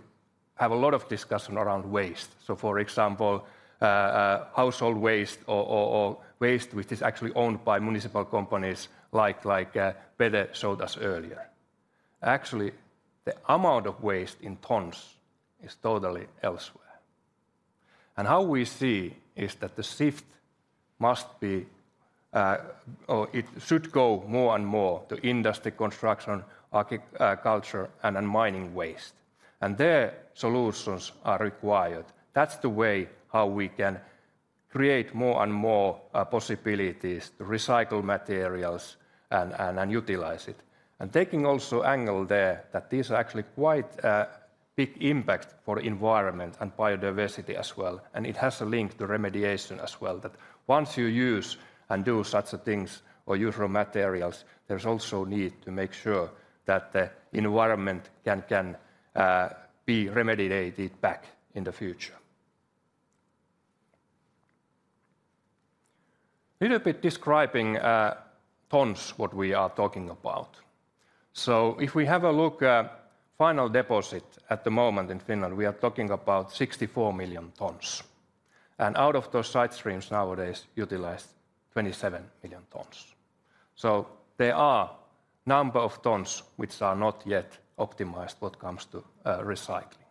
we'll have a lot of discussion around waste. So for example, household waste or waste, which is actually owned by municipal companies like Petri showed us earlier. Actually, the amount of waste in tons is totally elsewhere. And how we see is that the shift must be, or it should go more and more to industry, construction, agriculture, and mining waste. And there, solutions are required. That's the way how we can create more and more possibilities to recycle materials and utilize it. Taking also angle there, that is actually quite a big impact for environment and biodiversity as well, and it has a link to remediation as well, that once you use and do such things or use raw materials, there's also need to make sure that the environment can be remediated back in the future. Little bit describing tons, what we are talking about. So if we have a look at final deposit at the moment in Finland, we are talking about 64 million tons, and out of those waste streams nowadays utilize 27 million tons. So there are number of tons which are not yet optimized when it comes to recycling.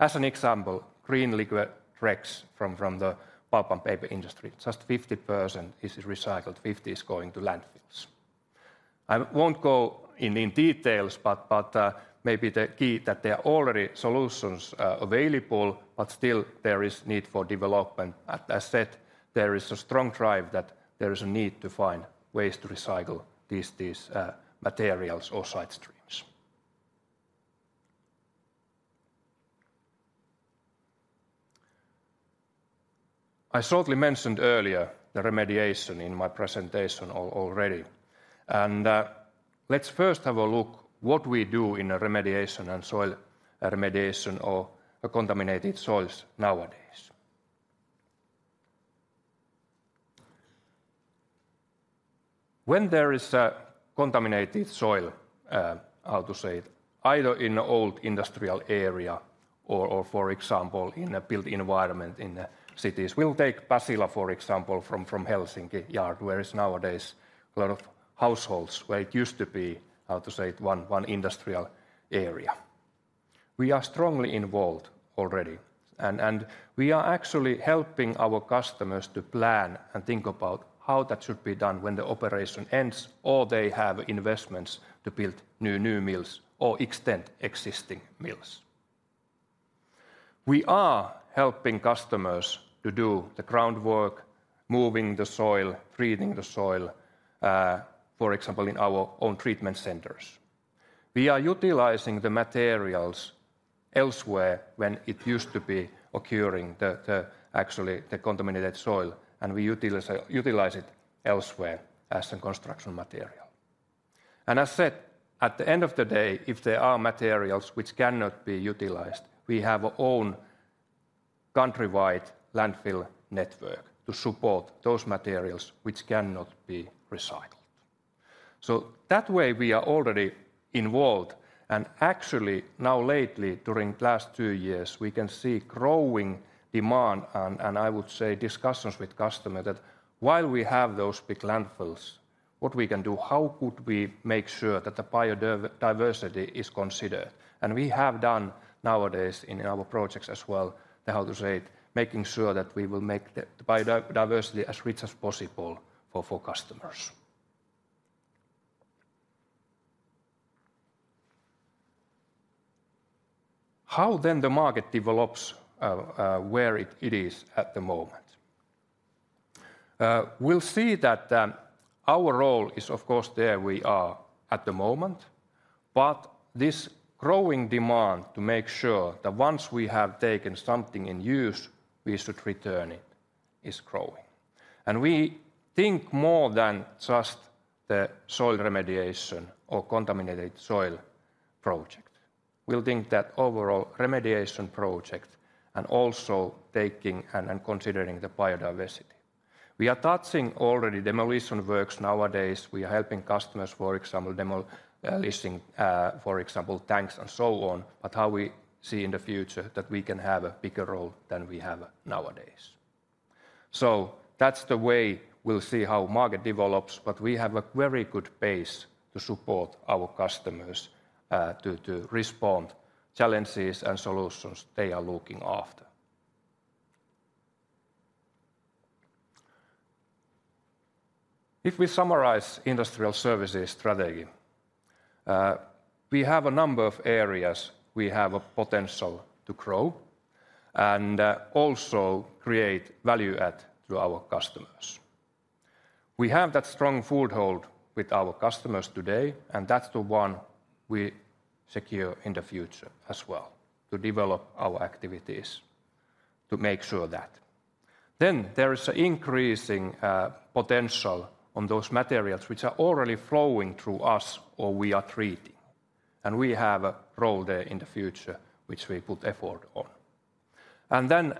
As an example, green liquor dregs from the pulp and paper industry, just 50% is recycled, 50% is going to landfills. I won't go in details, but maybe the key that there are already solutions available, but still there is need for development. As I said, there is a strong drive that there is a need to find ways to recycle these materials or side streams. I shortly mentioned earlier the remediation in my presentation already, and let's first have a look what we do in a remediation and soil remediation or contaminated soils nowadays. When there is a contaminated soil, how to say, either in old industrial area or for example, in a built environment in the cities. We'll take Pasila, for example, from Helsinki yard, where is nowadays a lot of households, where it used to be, how to say it, one industrial area. We are strongly involved already, and we are actually helping our customers to plan and think about how that should be done when the operation ends, or they have investments to build new mills or extend existing mills. We are helping customers to do the groundwork, moving the soil, treating the soil, for example, in our own treatment centers. We are utilizing the materials elsewhere when it used to be occurring, actually, the contaminated soil, and we utilize it elsewhere as a construction material. And as said, at the end of the day, if there are materials which cannot be utilized, we have our own countrywide landfill network to support those materials which cannot be recycled. So that way, we are already involved, and actually, now lately, during last two years, we can see growing demand and I would say, discussions with customer that while we have those big landfills, what we can do, how could we make sure that the biodiversity is considered? And we have done nowadays in our projects as well, how to say it, making sure that we will make the biodiversity as rich as possible for customers. How then the market develops, where it is at the moment? We'll see that, our role is of course there, we are at the moment, but this growing demand to make sure that once we have taken something in use, we should return it, is growing. And we think more than just the soil remediation or contaminated soil project. We'll think that overall remediation project and also taking and considering the biodiversity. We are touching already demolition works nowadays. We are helping customers, for example, demolishing, for example, tanks and so on, but how we see in the future that we can have a bigger role than we have nowadays. So that's the way we'll see how market develops, but we have a very good base to support our customers, to respond challenges and solutions they are looking after. If we summarize Industrial Services strategy, we have a number of areas we have a potential to grow and also create value add to our customers. We have that strong foothold with our customers today, and that's the one we secure in the future as well, to develop our activities, to make sure of that. Then there is an increasing potential on those materials which are already flowing through us or we are treating, and we have a role there in the future, which we put effort on. And then,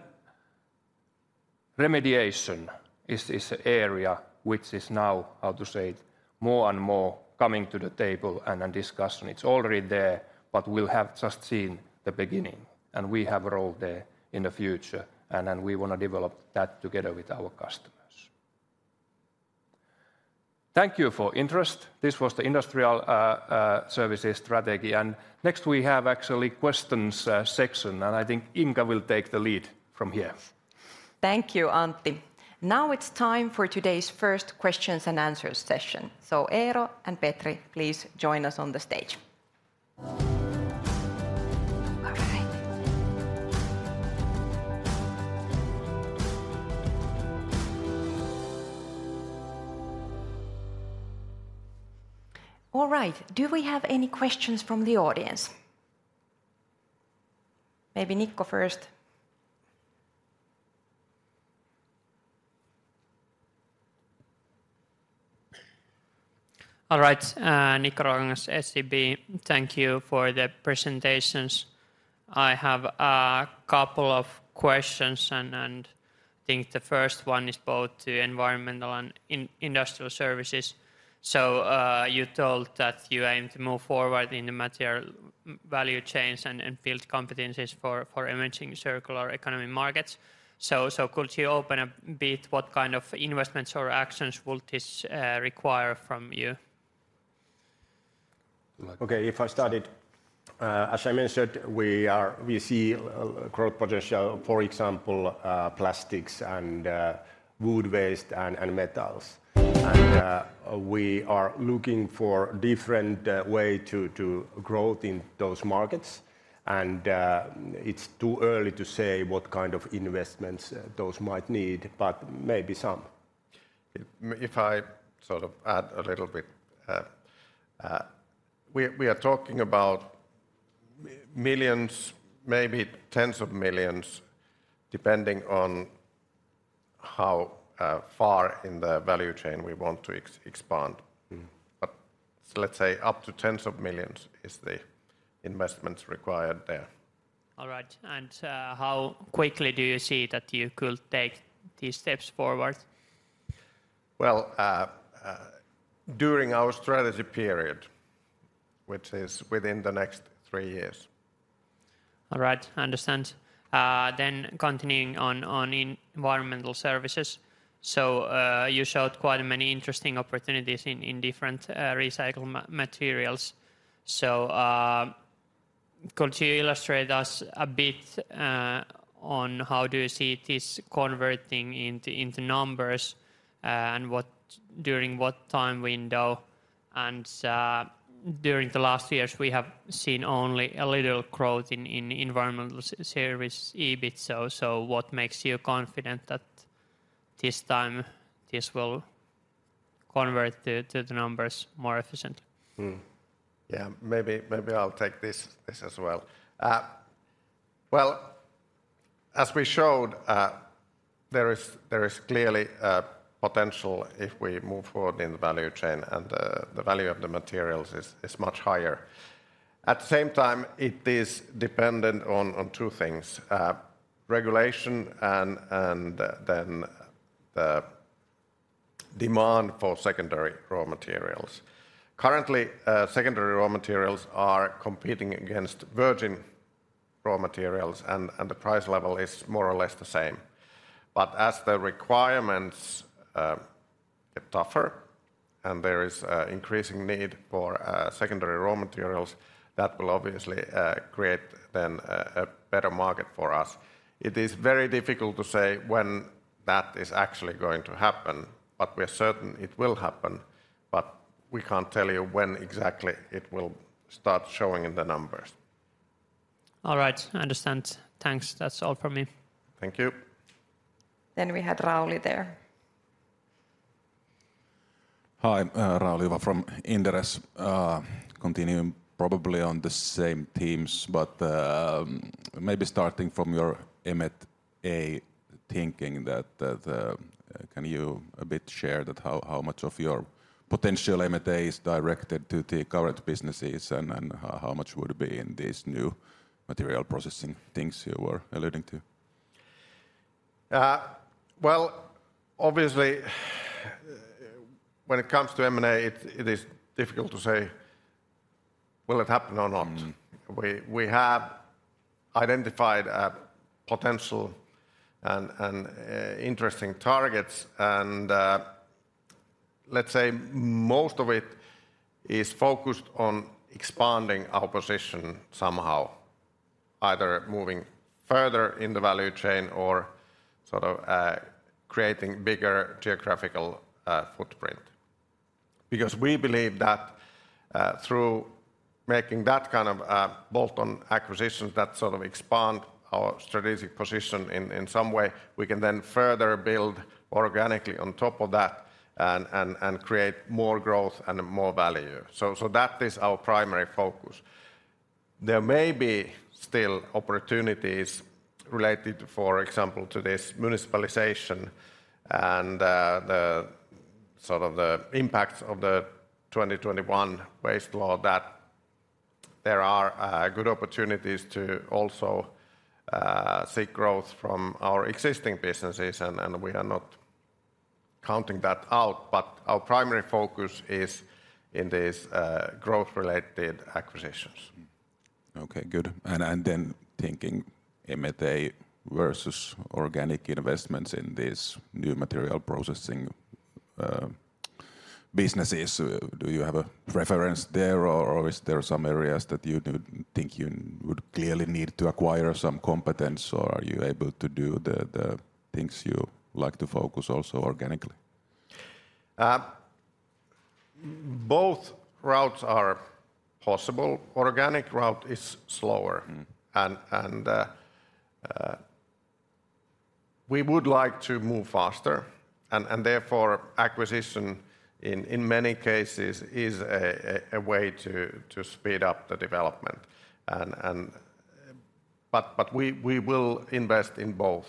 remediation is this area which is now, how to say, more and more coming to the table and in discussion. It's already there, but we'll have just seen the beginning, and we have a role there in the future, and we want to develop that together with our customers. Thank you for interest. This was the Industrial Services strategy, and next we have actually questions section, and I think Inka will take the lead from here. Thank you, Antti. Now it's time for today's first questions and answers session, so Eero and Petri, please join us on the stage. All right. All right, do we have any questions from the audience? Maybe Nikko first. All right, Nikko Ruokangas, SEB. Thank you for the presentations. I have a couple of questions, and I think the first one is both to environmental and Industrial Services. So, you told that you aim to move forward in the material value chains and build competencies for emerging circular economy markets. So, could you open a bit what kind of investments or actions will this require from you? Okay, if I start it. As I mentioned, we see growth potential, for example, plastics and wood waste, and metals. We are looking for different way to growth in those markets. It's too early to say what kind of investments those might need, but maybe some. If I sort of add a little bit, we are talking about millions, maybe tens of millions, depending on how far in the value chain we want to expand. Let's say up to tens of millions is the investments required there. All right. How quickly do you see that you could take these steps forward? Well, during our strategy period, which is within the next three years. All right, I understand. Then continuing on Environmental Services, you showed quite many interesting opportunities in different recycled materials. Could you illustrate us a bit on how do you see this converting into numbers and during what time window? During the last years, we have seen only a little growth in environmental service EBIT, what makes you confident that this time, this will convert to the numbers more efficient? Yeah, maybe, maybe I'll take this, this as well. Well, as we showed, there is, there is clearly potential if we move forward in the value chain, and the value of the materials is, is much higher. At the same time, it is dependent on, on two things: regulation, and, and then demand for secondary raw materials. Currently, secondary raw materials are competing against virgin raw materials, and, and the price level is more or less the same. But as the requirements get tougher, and there is increasing need for secondary raw materials, that will obviously create then a better market for us. It is very difficult to say when that is actually going to happen, but we're certain it will happen, but we can't tell you when exactly it will start showing in the numbers. All right, I understand. Thanks. That's all from me. Thank you. Then we had Rauli there. Hi, Rauli from Inderes. Continuing probably on the same themes, but maybe starting from your M&A thinking, that, the... Can you a bit share that how, how much of your potential M&A is directed to the current businesses, and how much would it be in these new material processing things you were alluding to? Well, obviously, when it comes to M&A, it is difficult to say, will it happen or not? We have identified potential and interesting targets, and let's say most of it is focused on expanding our position somehow, either moving further in the value chain or sort of creating bigger geographical footprint. Because we believe that through making that kind of bolt-on acquisitions that sort of expand our strategic position in some way, we can then further build organically on top of that and create more growth and more value. So that is our primary focus. There may be still opportunities related, for example, to this municipalization and the sort of impact of the 2021 waste law, that there are good opportunities to also seek growth from our existing businesses, and we are not counting that out, but our primary focus is in these growth-related acquisitions. Okay, good. And then thinking M&A versus organic investments in this new material processing businesses. Do you have a preference there, or is there some areas that you do think you would clearly need to acquire some competence, or are you able to do the things you like to focus also organically? Both routes are possible. Organic route is slower. We would like to move faster, and therefore, acquisition in many cases is a way to speed up the development. But we will invest in both,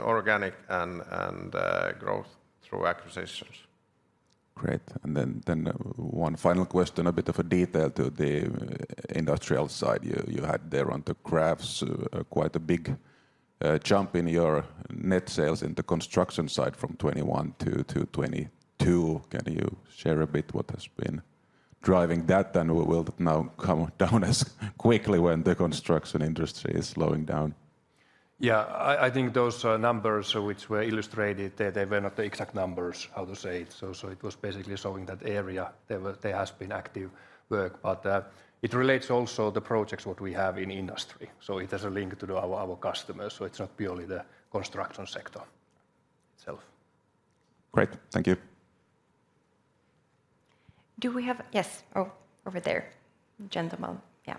organic and growth through acquisitions. Great. And then one final question, a bit of a detail to the industrial side. You had there on the graphs quite a big jump in your net sales in the construction side from 2021 to 2022. Can you share a bit what has been driving that, and will it now come down as quickly when the construction industry is slowing down? Yeah, I think those numbers which were illustrated, they were not the exact numbers, how to say it. So, it was basically showing that area, there has been active work. But, it relates also the projects what we have in industry, so it has a link to our customers, so it's not purely the construction sector itself. Great, thank you. Do we have... Yes. Oh, over there, gentleman. Yeah.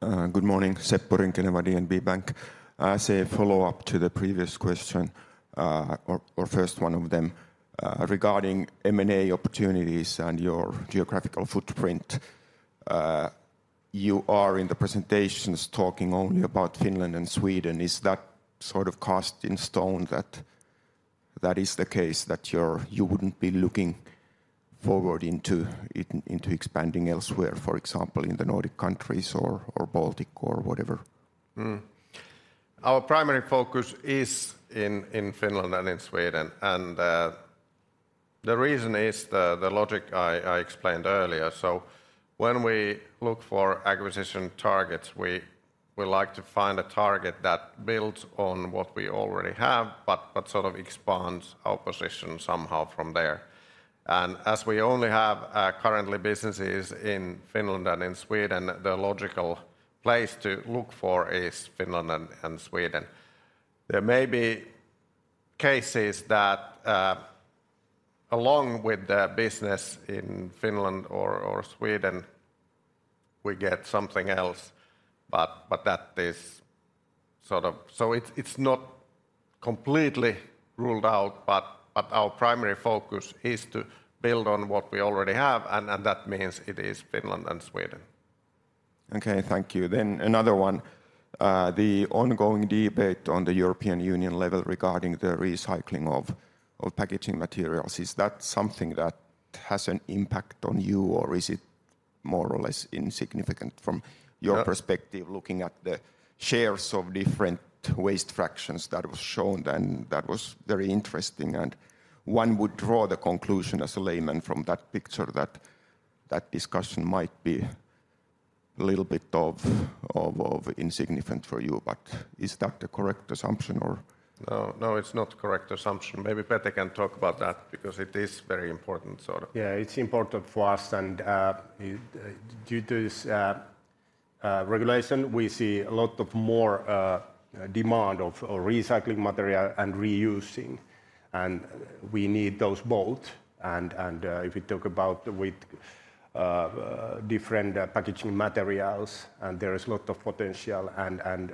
Good morning. Seppo Rinkineva, DNB Bank. As a follow-up to the previous question, or, or first one of them, regarding M&A opportunities and your geographical footprint, you are in the presentations talking only about Finland and Sweden. Is that sort of cast in stone that that is the case, that you wouldn't be looking forward into, into expanding elsewhere, for example, in the Nordic countries or, or Baltic, or whatever? Our primary focus is in Finland and in Sweden, and the reason is the logic I explained earlier. So when we look for acquisition targets, we like to find a target that builds on what we already have, but sort of expands our position somehow from there. And as we only have currently businesses in Finland and in Sweden, the logical place to look for is Finland and Sweden. There may be cases that along with the business in Finland or Sweden, we get something else, but that is sort of... So it's not completely ruled out, but our primary focus is to build on what we already have, and that means it is Finland and Sweden. Okay, thank you. Then another one: The ongoing debate on the European Union level regarding the recycling of packaging materials, is that something that has an impact on you, or is it more or less insignificant from your perspective, looking at the shares of different waste fractions that was shown, then that was very interesting, and one would draw the conclusion as a layman from that picture that that discussion might be a little bit of insignificant for you, but is that the correct assumption, or? No, no, it's not correct assumption. Maybe Petri can talk about that because it is very important, sort of. Yeah, it's important for us, and due to this regulation, we see a lot more demand of recycling material and reusing, and we need those both. If you talk about with different packaging materials, and there is a lot of potential, and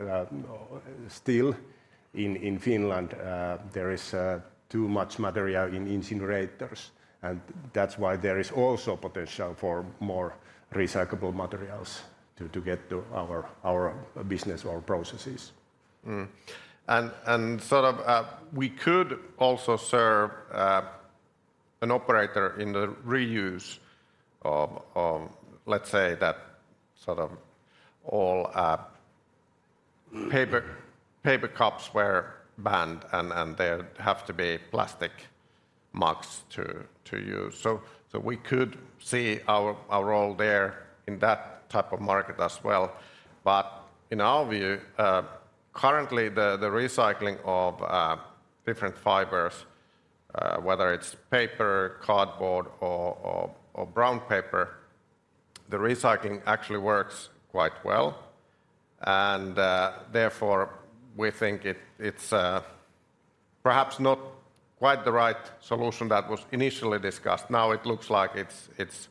still in Finland, there is too much material in incinerators, and that's why there is also potential for more recyclable materials to get to our business, our processes. And sort of, we could also serve an operator in the reuse of, let's say, that sort of all paper cups were banned, and there have to be plastic mugs to use. So we could see our role there in that type of market as well. But in our view, currently the recycling of different fibers, whether it's paper, cardboard or brown paper, the recycling actually works quite well, and therefore, we think it's perhaps not quite the right solution that was initially discussed. Now it looks like it's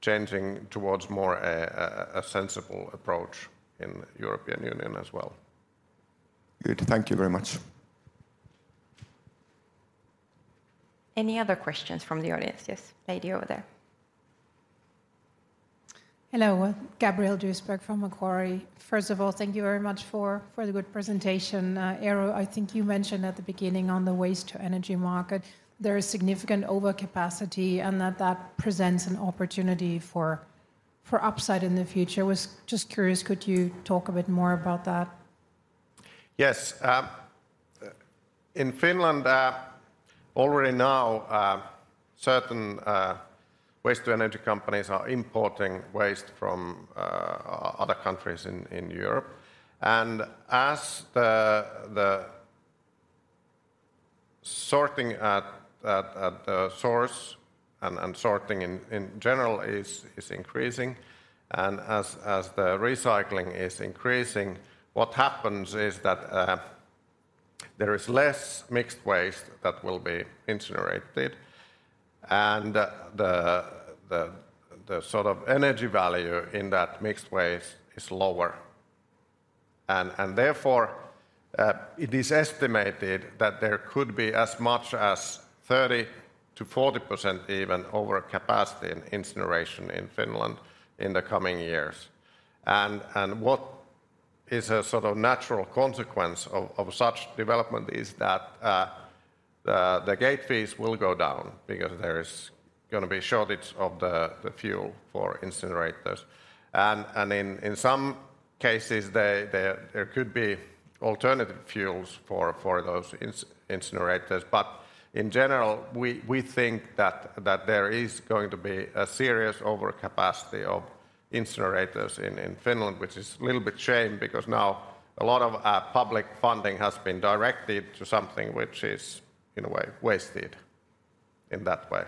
changing towards more a sensible approach in European Union as well. Good. Thank you very much. Any other questions from the audience? Yes, lady over there. Hello. Gabriele Duseberg from Macquarie. First of all, thank you very much for, for the good presentation. Eero, I think you mentioned at the beginning on the waste-to-energy market, there is significant overcapacity, and that that presents an opportunity for, for upside in the future. I was just curious: could you talk a bit more about that? Yes, in Finland, already now, certain waste-to-energy companies are importing waste from other countries in Europe. And as the sorting at the source and sorting in general is increasing, and as the recycling is increasing, what happens is that there is less mixed waste that will be incinerated, and the sort of energy value in that mixed waste is lower. And therefore, it is estimated that there could be as much as 30%-40% even over capacity in incineration in Finland in the coming years. And what is a sort of natural consequence of such development is that the gate fees will go down because there is gonna be a shortage of the fuel for incinerators. And in some cases, there could be alternative fuels for those incinerators. But in general, we think that there is going to be a serious overcapacity of incinerators in Finland, which is a little bit shame, because now a lot of public funding has been directed to something which is, in a way, wasted in that way.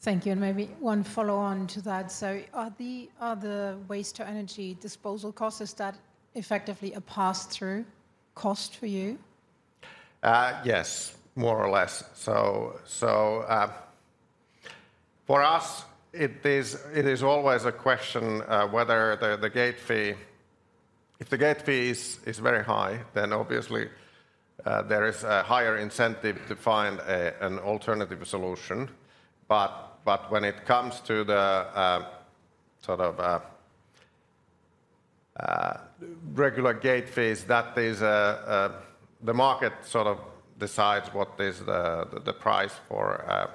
Thank you. Maybe one follow-on to that. So are the waste-to-energy disposal costs, is that effectively a pass-through cost for you? Yes, more or less. For us, it is always a question whether the gate fee—if the gate fee is very high, then obviously there is a higher incentive to find an alternative solution. But when it comes to the sort of regular gate fees, that is the market sort of decides what is the price for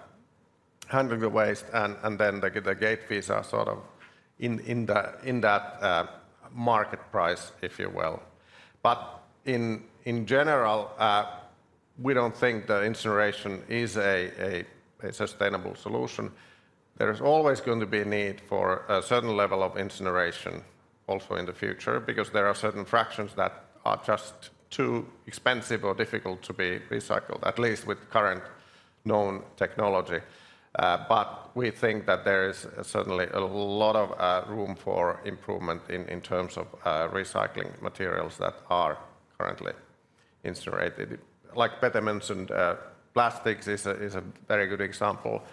handling the waste, and then the gate fees are sort of in that market price, if you will. But in general, we don't think that incineration is a sustainable solution. There is always going to be a need for a certain level of incineration also in the future, because there are certain fractions that are just too expensive or difficult to be recycled, at least with current known technology. But we think that there is certainly a lot of room for improvement in terms of recycling materials that are currently incinerated. Like Petri mentioned, plastics is a very good example.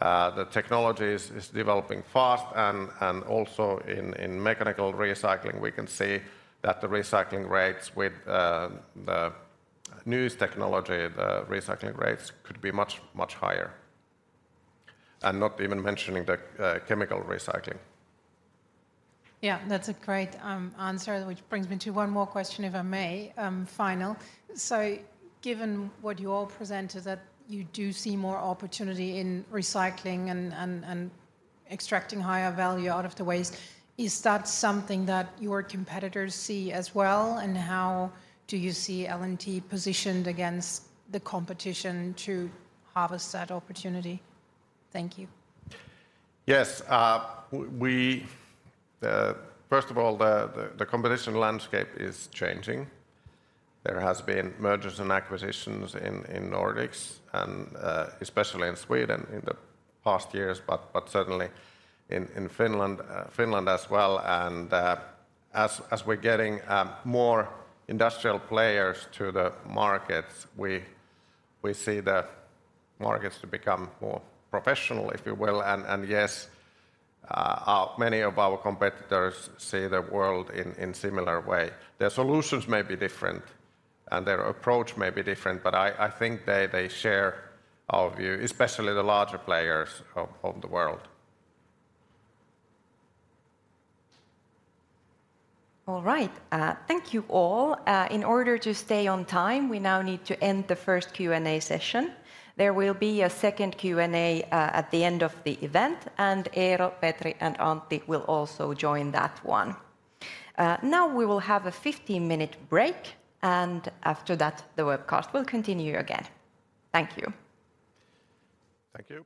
The technology is developing fast, and also in mechanical recycling, we can see that the recycling rates with the newest technology, the recycling rates could be much, much higher, and not even mentioning the chemical recycling. Yeah, that's a great answer, which brings me to one more question, if I may, final. So given what you all presented, that you do see more opportunity in recycling and extracting higher value out of the waste, is that something that your competitors see as well? And how do you see L&T positioned against the competition to harvest that opportunity? Thank you. Yes, we... First of all, the competition landscape is changing. There has been mergers and acquisitions in Nordics and especially in Sweden in the past years, but certainly in Finland as well. As we're getting more industrial players to the markets, we see the markets to become more professional, if you will. Yes, many of our competitors see the world in similar way. Their solutions may be different, and their approach may be different, but I think they share our view, especially the larger players of the world. All right, thank you, all. In order to stay on time, we now need to end the first Q&A session. There will be a second Q&A at the end of the event, and Eero, Petri, and Antti will also join that one. Now we will have a 15-minute break, and after that, the webcast will continue again. Thank you. Thank you.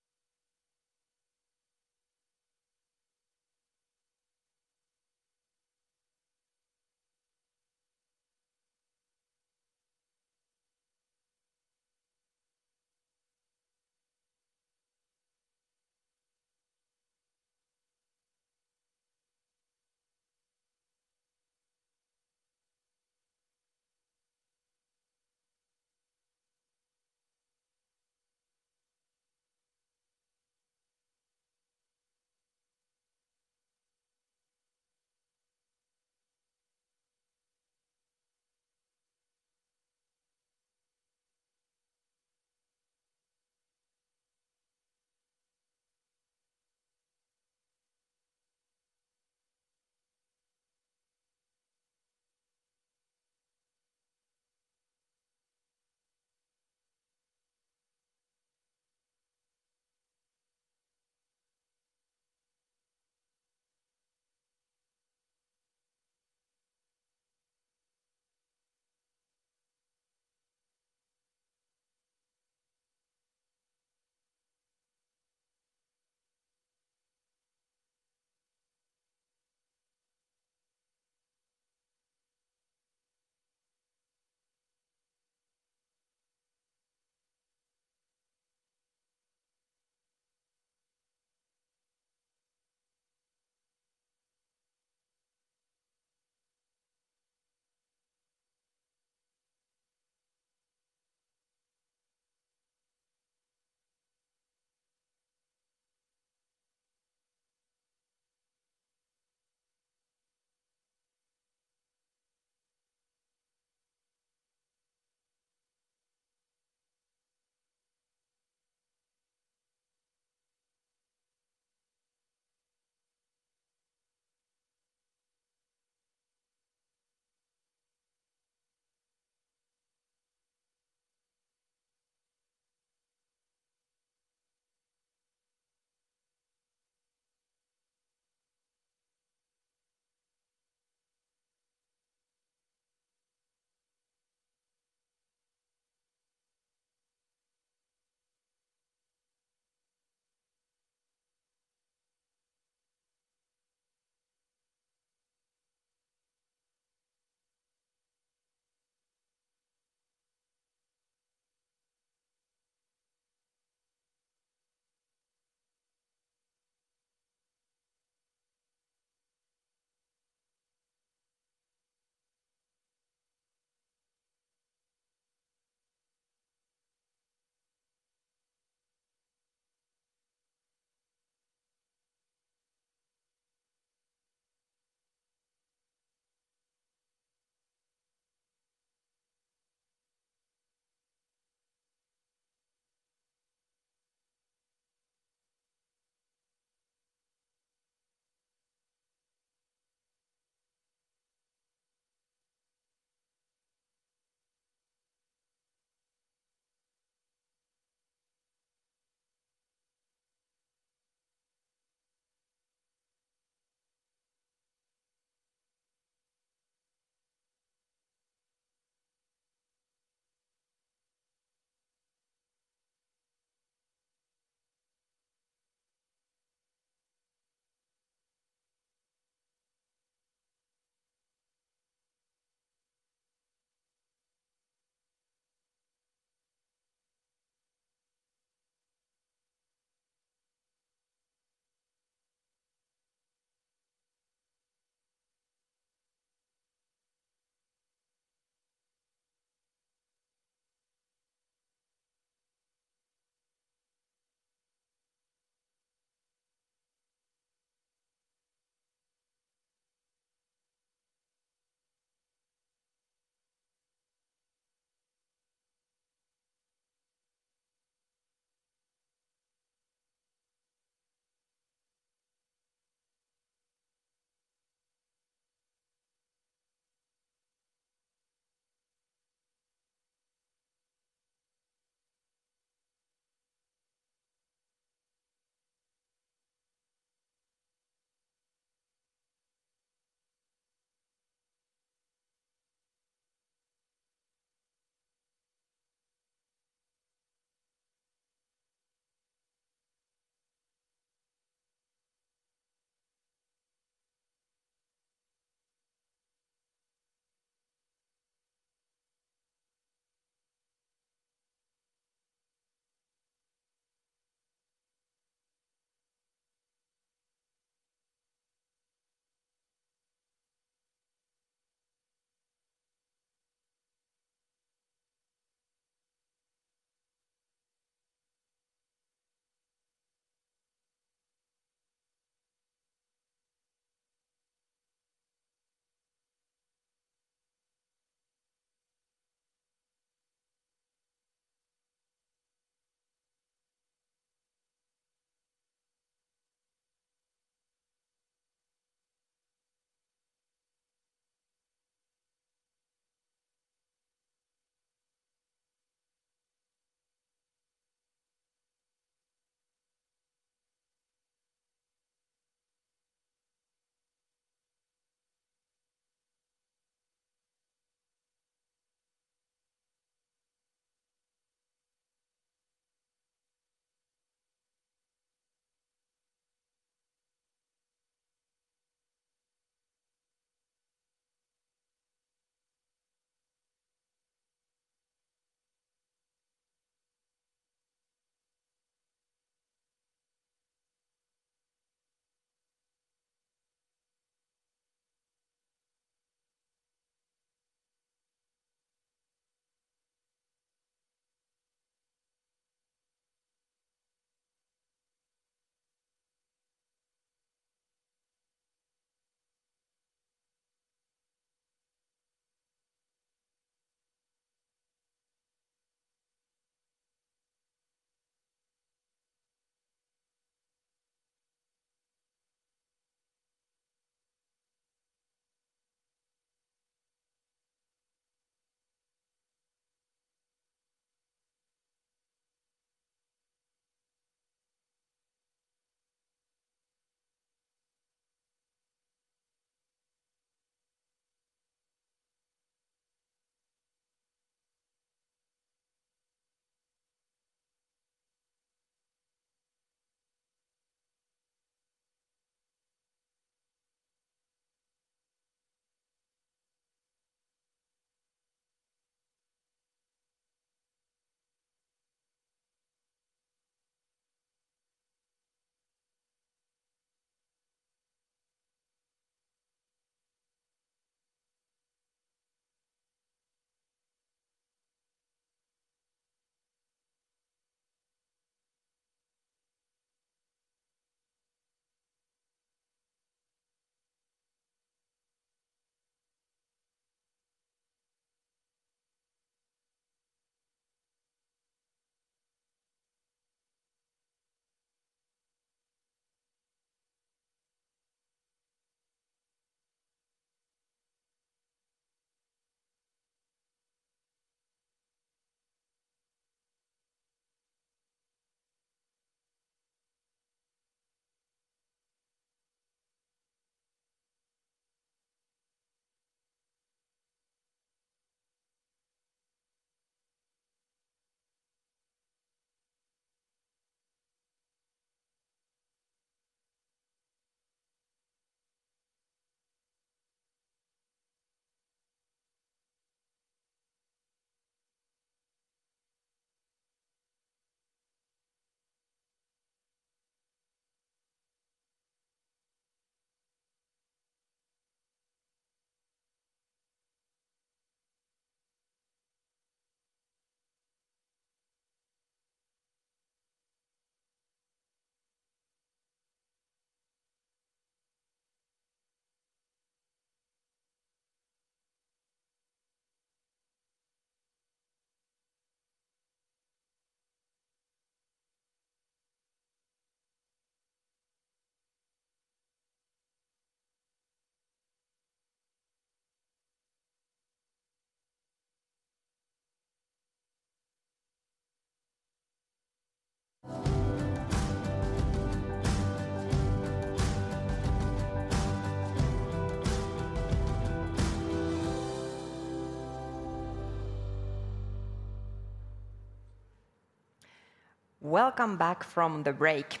Welcome back from the break.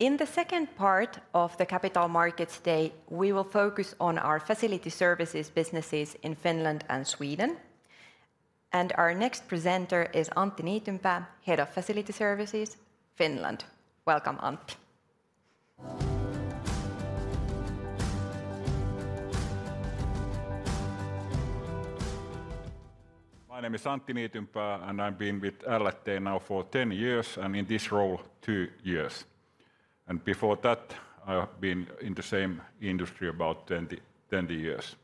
In the second part of the Capital Markets Day, we will focus on our Facility Services businesses in Finland and Sweden. Our next presenter is Antti Niitynpää, Head of Facility Services, Finland. Welcome, Antti. My name is Antti Niitynpää, and I've been with L&T now for 10 years, and in this role, two years. And before that, I have been in the same industry about 20, 20 years.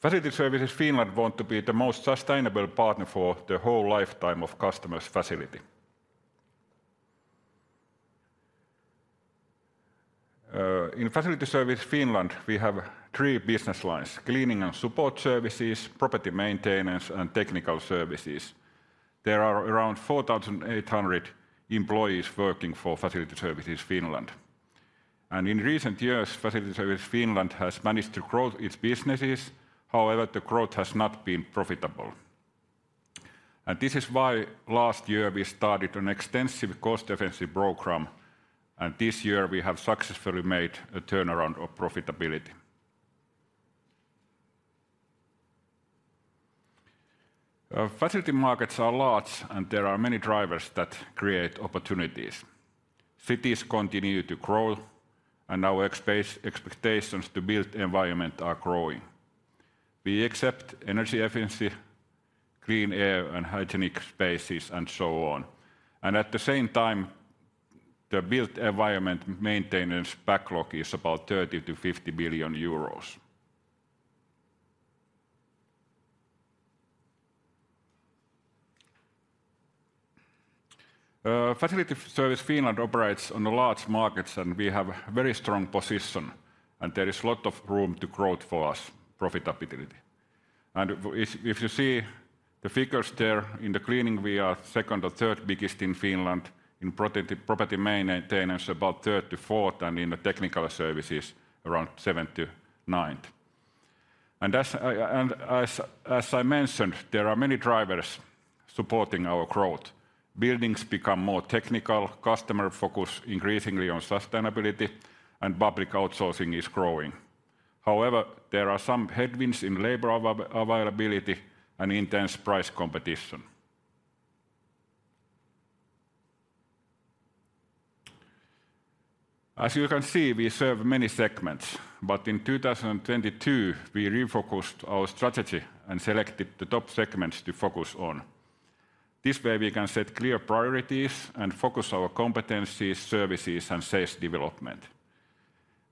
Facility Services Finland want to be the most sustainable partner for the whole lifetime of customers' facility. In Facility Services Finland, we have three business lines: cleaning and support services, property maintenance, and technical services. There are around 4,800 employees working for Facility Services Finland. In recent years, Facility Services Finland has managed to grow its businesses. However, the growth has not been profitable. And this is why last year we started an extensive cost-efficiency program, and this year we have successfully made a turnaround of profitability. Facility markets are large, and there are many drivers that create opportunities. Cities continue to grow, and our expectations for the built environment are growing. We expect energy efficiency, clean air, and hygienic spaces, and so on. At the same time, the built environment maintenance backlog is about 30 billion-50 billion euros. Facility Services Finland operates on the large markets, and we have a very strong position, and there is a lot of room to grow for us profitability. And if you see the figures there, in the cleaning, we are second or third biggest in Finland, in property maintenance, about third to fourth, and in the technical services, around seventh to ninth. And as I mentioned, there are many drivers supporting our growth. Buildings become more technical, customer focus increasingly on sustainability, and public outsourcing is growing. However, there are some headwinds in labor availability and intense price competition. As you can see, we serve many segments, but in 2022, we refocused our strategy and selected the top segments to focus on. This way, we can set clear priorities and focus our competencies, services, and sales development.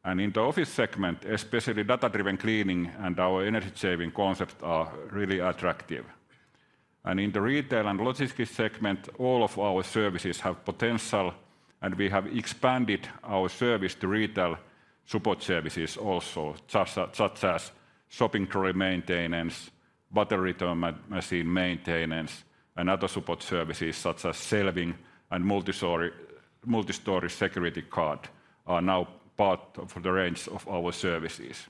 In the office segment, especially data-driven cleaning and our energy-saving concepts are really attractive. In the retail and logistics segment, all of our services have potential, and we have expanded our service to retail support services also, such as shopping trolley maintenance, bottle return machine maintenance, and other support services, such as shelving and multistory security card, are now part of the range of our services.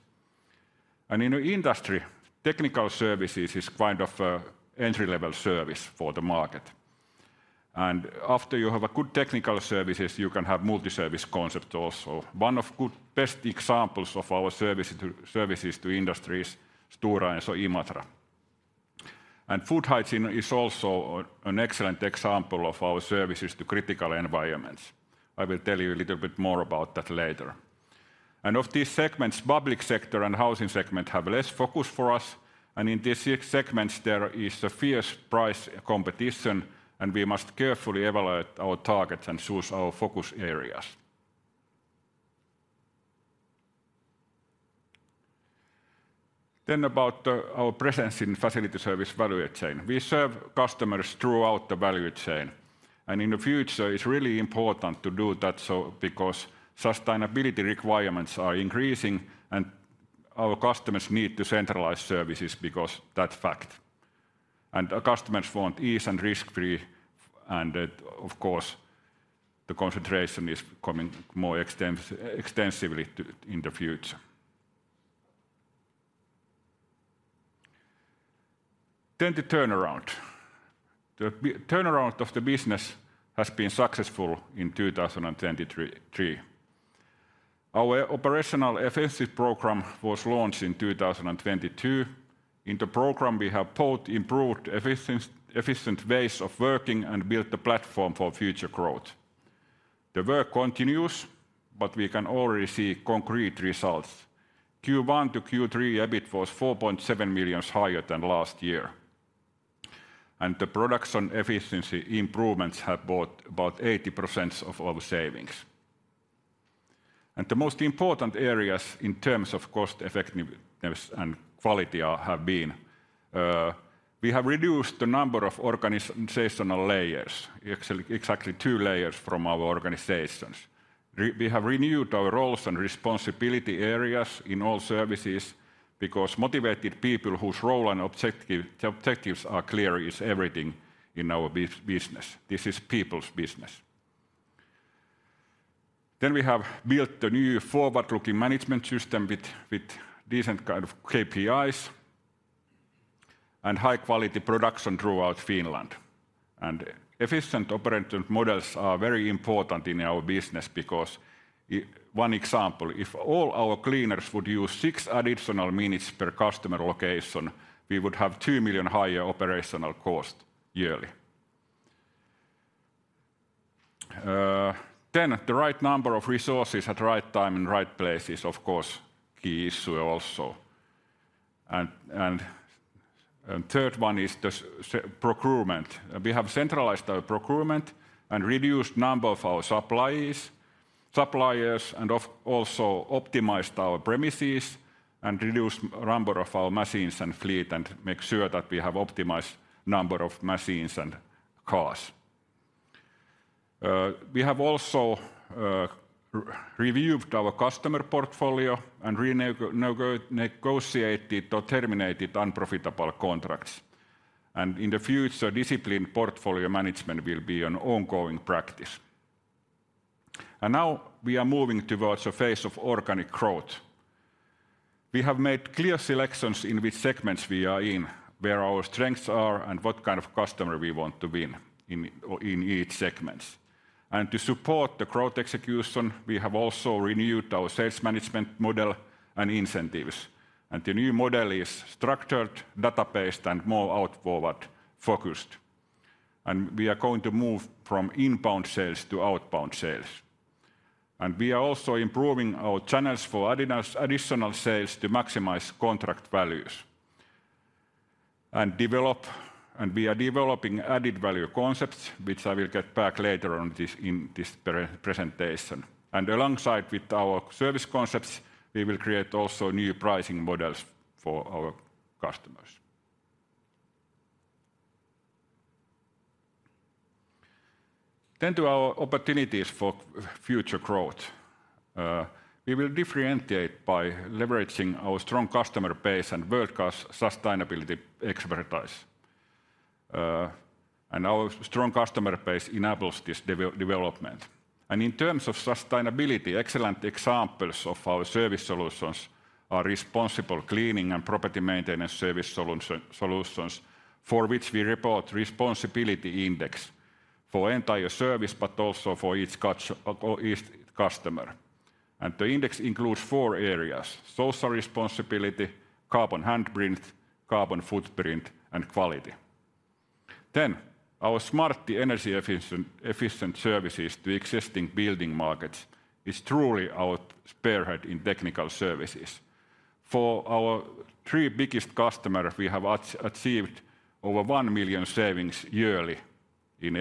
In the industry, technical services is kind of an entry-level service for the market. After you have a good technical services, you can have multi-service concept also. One of the good, best examples of our service to, services to industry is Stora Enso Imatra. And food hygiene is also an excellent example of our services to critical environments. I will tell you a little bit more about that later. And of these segments, public sector and housing segment have less focus for us, and in these segments, there is a fierce price competition, and we must carefully evaluate our targets and choose our focus areas. Then about our presence in facility service value chain. We serve customers throughout the value chain, and in the future, it's really important to do that so because sustainability requirements are increasing, and our customers need to centralize services because that fact. And our customers want ease and risk-free, and, of course, the concentration is coming more extensively in the future. Then the turnaround. The turnaround of the business has been successful in 2023. Our operational efficiency program was launched in 2022. In the program, we have both improved efficient ways of working and built the platform for future growth. The work continues, but we can already see concrete results. Q1 to Q3, EBIT was 4.7 million higher than last year, and the production efficiency improvements have brought about 80% of our savings. The most important areas in terms of cost effectiveness and quality have been we have reduced the number of organizational layers, exactly two layers from our organizations. We have renewed our roles and responsibility areas in all services because motivated people whose role and objectives are clear is everything in our business. This is people's business. Then we have built the new forward-looking management system with decent kind of KPIs and high-quality production throughout Finland. Efficient operational models are very important in our business because one example: if all our cleaners would use six additional minutes per customer location, we would have 2 million higher operational cost yearly. Then the right number of resources at right time and right place is, of course, key issue also. And the third one is the procurement. We have centralized our procurement and reduced number of our suppliers and also optimized our premises, and reduced number of our machines and fleet, and make sure that we have optimized number of machines and cars. We have also reviewed our customer portfolio and negotiated or terminated unprofitable contracts. In the future, disciplined portfolio management will be an ongoing practice. Now we are moving towards a phase of organic growth. We have made clear selections in which segments we are in, where our strengths are, and what kind of customer we want to win in, in each segments. To support the growth execution, we have also renewed our sales management model and incentives, and the new model is structured, data-based, and more outward-focused. We are going to move from inbound sales to outbound sales. We are also improving our channels for additional sales to maximize contract values. We are developing added value concepts, which I will get back later on this, in this presentation. Alongside with our service concepts, we will create also new pricing models for our customers. Then to our opportunities for future growth. We will differentiate by leveraging our strong customer base and world-class sustainability expertise. And our strong customer base enables this development. And in terms of sustainability, excellent examples of our service solutions are responsible cleaning and property maintenance service solutions, for which we report responsibility index for entire service, but also for each customer. And the index includes four areas: social responsibility, carbon handprint, carbon footprint, and quality. Then, our smart energy efficient services to existing building markets is truly our spearhead in technical services. For our three biggest customers, we have achieved over 1 million savings yearly in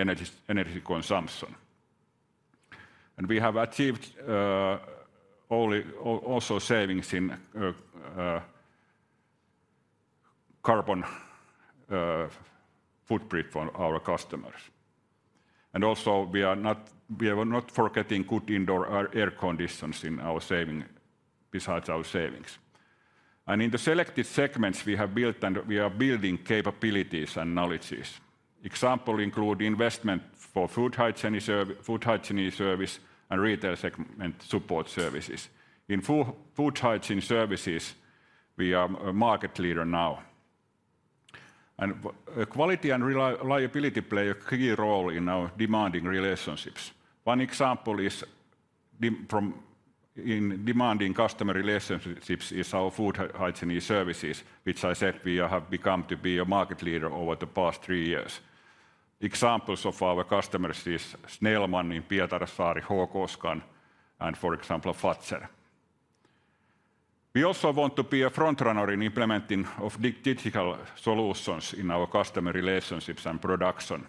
energy consumption. And we have achieved also savings in carbon footprint for our customers. And also, we are not forgetting good indoor air conditions in our saving, besides our savings. In the selected segments, we have built and we are building capabilities and knowledges. Example include investment for food hygiene service and retail segment support services. In food hygiene services, we are a market leader now. And quality and liability play a key role in our demanding relationships. One example is, in demanding customer relationships, is our food hygiene services, which I said we have become to be a market leader over the past three years. Examples of our customers is Snellman in Pietarsaari, HKScan, and for example, Fazer. We also want to be a frontrunner in implementing of digital solutions in our customer relationships and production.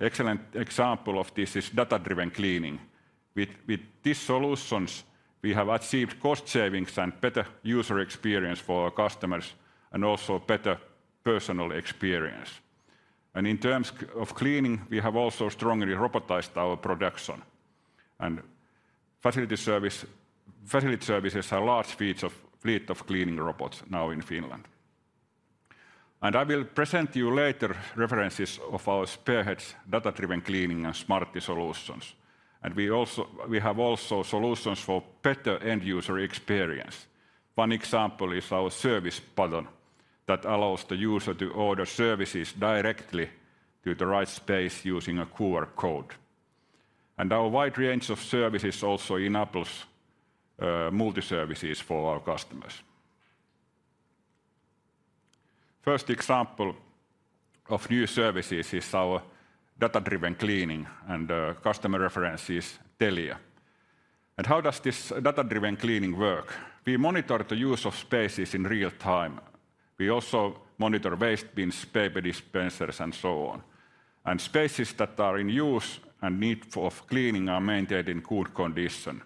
Excellent example of this is data-driven cleaning. With these solutions, we have achieved cost savings and better user experience for our customers and also better personal experience. In terms of cleaning, we have also strongly robotized our production and facility service. Facility Services have large fleet of cleaning robots now in Finland, and I will present you later references of our spearheads, data-driven cleaning and smart solutions. We also have solutions for better end user experience. One example is our service button, that allows the user to order services directly to the right space using a QR code. Our wide range of services also enables multi-services for our customers. First example of new services is our data-driven cleaning and customer references Telia. How does this data-driven cleaning work? We monitor the use of spaces in real time. We also monitor waste bins, paper dispensers and so on, and spaces that are in use and need for cleaning are maintained in good condition.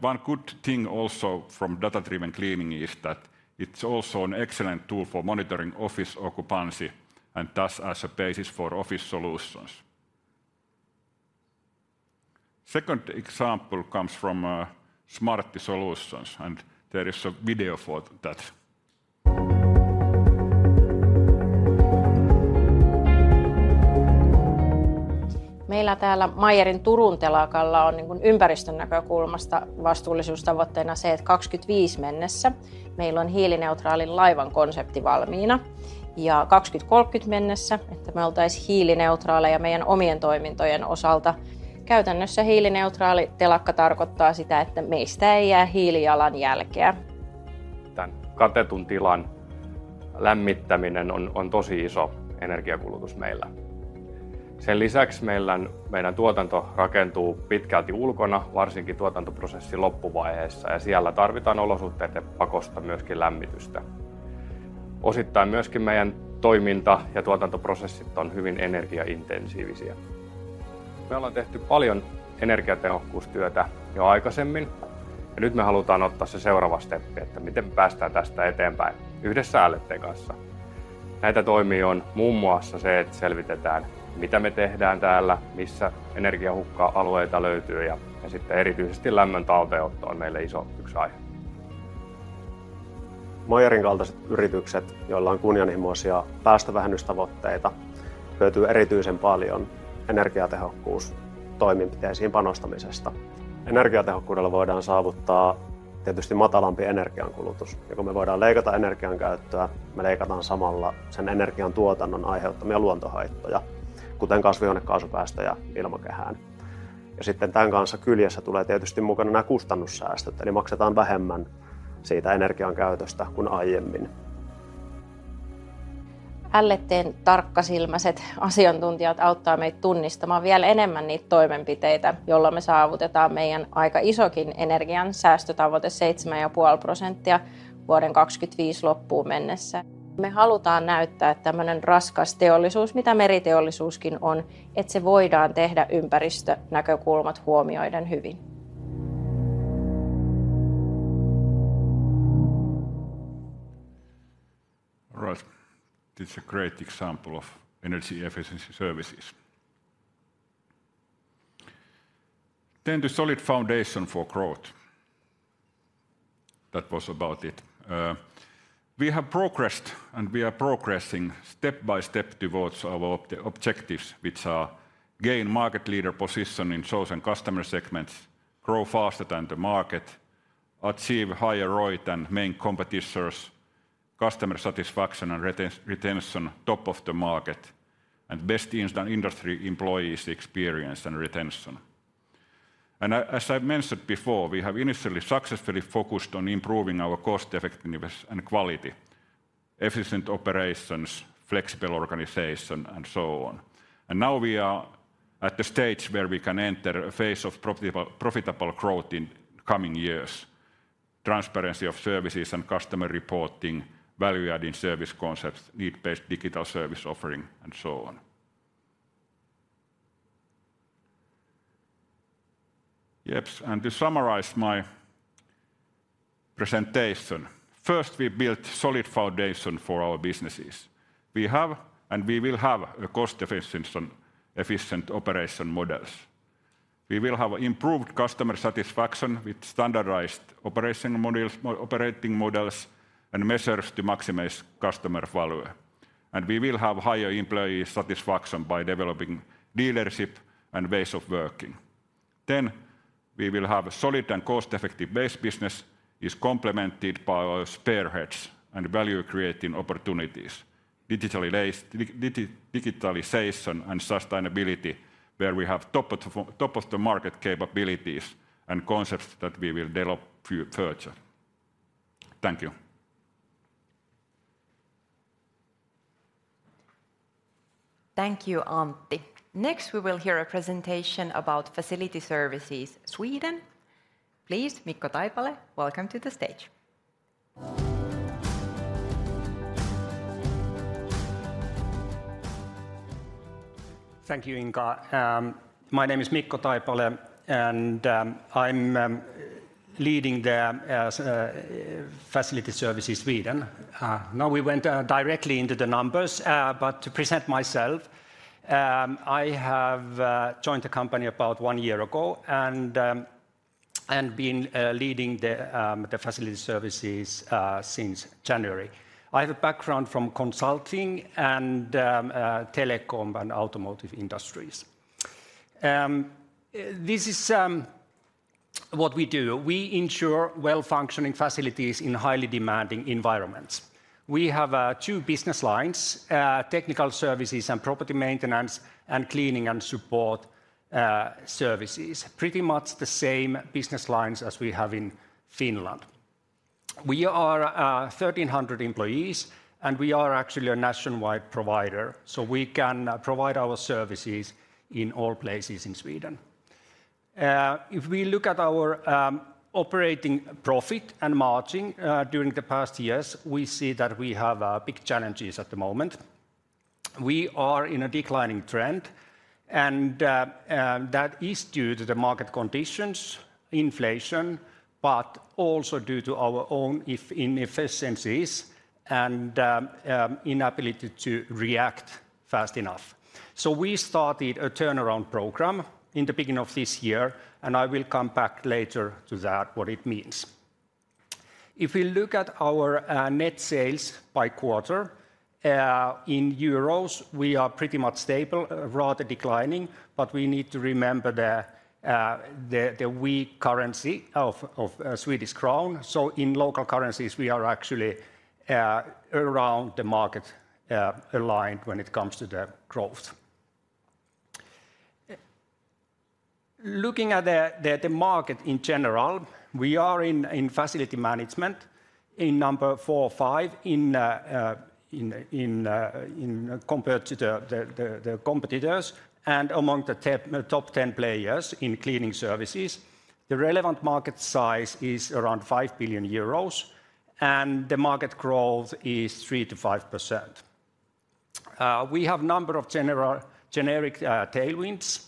One good thing also from data-driven cleaning is that it's also an excellent tool for monitoring office occupancy and thus as a basis for office solutions. Second example comes from Smart Solutions and there is a video for that. Meillä täällä Meyer Turun telakalla on, niin kuin, ympäristönäkökulmasta vastuullisuustavoitteena se, että 2025 mennessä meillä on hiilineutraalin laivan konsepti valmiina, ja 2030 mennessä, että me oltaisiin hiilineutraaleja meidän omien toimintojen osalta. Käytännössä hiilineutraali telakka tarkoittaa sitä, että meistä ei jää hiilijalanjälkeä. Tän katetun tilan lämmittäminen on tosi iso energiankulutus meillä. Sen lisäksi meidän tuotanto rakentuu pitkälti ulkona, varsinkin tuotantoprosessin loppuvaiheessa, ja siellä tarvitaan olosuhteiden pakosta myöskin lämmitystä. Osittain myöskin meidän toiminta ja tuotantoprosessit on hyvin energiaintensiivisiä. Me ollaan tehty paljon energiatehokkuustyötä jo aikaisemmin ja nyt me halutaan ottaa se seuraava steppi, että miten me päästään tästä eteenpäin yhdessä Älveten kanssa. Näitä toimii on muun muassa se, että selvitetään, mitä me tehdään täällä, missä energiahukka-alueita löytyy ja, ja sitten erityisesti lämmön talteenotto on meille iso yksi aihe. Meyerin kaltaiset yritykset, joilla on kunnianhimoisia päästövähennystavoitteita, hyötyy erityisen paljon energiatehokkuustoimenpiteisiin panostamisesta. Energiatehokkuudella voidaan saavuttaa tietysti matalampi energiankulutus, ja kun me voidaan leikata energiankäyttöä, me leikataan samalla sen energian tuotannon aiheuttamia luontohaittoja, kuten kasvihuonekaasupäästöjä ilmakehään. Ja sitten tämän kanssa kyljessä tulee tietysti mukana nämä kustannussäästöt, eli maksetaan vähemmän siitä energiankäytöstä kuin aiemmin. Alueen tarkkasilmäiset asiantuntijat auttaa meitä tunnistamaan vielä enemmän niitä toimenpiteitä, joilla me saavutetaan meidän aika isokin energiansäästötavoite, 7.5% vuoden 2025 loppuun mennessä. Me halutaan näyttää, että tämmöinen raskas teollisuus, mitä meriteollisuuskin on, että se voidaan tehdä ympäristönäkökohdat huomioiden hyvin. Right. This a great example of energy efficiency services. Then the solid foundation for growth. That was about it. We have progressed, and we are progressing step by step towards our objectives, which are: gain market leader position in chosen customer segments, grow faster than the market, achieve higher ROI than main competitors, customer satisfaction and retention, top of the market and best in industry employees experience and retention. And as I mentioned before, we have initially successfully focused on improving our cost effectiveness and quality, efficient operations, flexible organization and so on. And now we are at the stage where we can enter a phase of profitable growth in coming years. Transparency of services and customer reporting, value adding service concepts, need based digital service offering and so on. Yes, and to summarize my presentation. First, we built solid foundation for our businesses. We have and we will have a cost-efficient system, efficient operation models. We will have improved customer satisfaction with standardized operation models, operating models, and measures to maximize customer value. We will have higher employee satisfaction by developing leadership and ways of working. We will have a solid and cost-effective base. Business is complemented by our spare heads and value-creating opportunities. Digitalization and sustainability, where we have top-of-the-market capabilities and concepts that we will develop further. Thank you! Thank you, Antti. Next, we will hear a presentation about Facility Services Sweden. Please, Mikko Taipale, welcome to the stage. Thank you, Inka. My name is Mikko Taipale, and I'm leading the Facility Services Sweden. Now we went directly into the numbers, but to present myself, I have joined the company about one year ago and been leading the Facility Services since January. I have a background from consulting and telecom and automotive industries. This is what we do. We ensure well-functioning facilities in highly demanding environments. We have two business lines: technical services and property maintenance, and cleaning and support services. Pretty much the same business lines as we have in Finland. We are 1,300 employees, and we are actually a nationwide provider, so we can provide our services in all places in Sweden. If we look at our operating profit and margin during the past years, we see that we have big challenges at the moment. We are in a declining trend, and that is due to the market conditions, inflation, but also due to our own inefficiencies and inability to react fast enough. So we started a turnaround program in the beginning of this year, and I will come back later to that, what it means. If we look at our net sales by quarter in euro, we are pretty much stable, rather declining, but we need to remember the weak currency of Swedish krona. So in local currencies, we are actually around the market aligned when it comes to the growth. Looking at the market in general, we are in facility management, in number 4 or 5, compared to the competitors, and among the top 10 players in cleaning services. The relevant market size is around 5 billion euros, and the market growth is 3%-5%. We have number of generic tailwinds.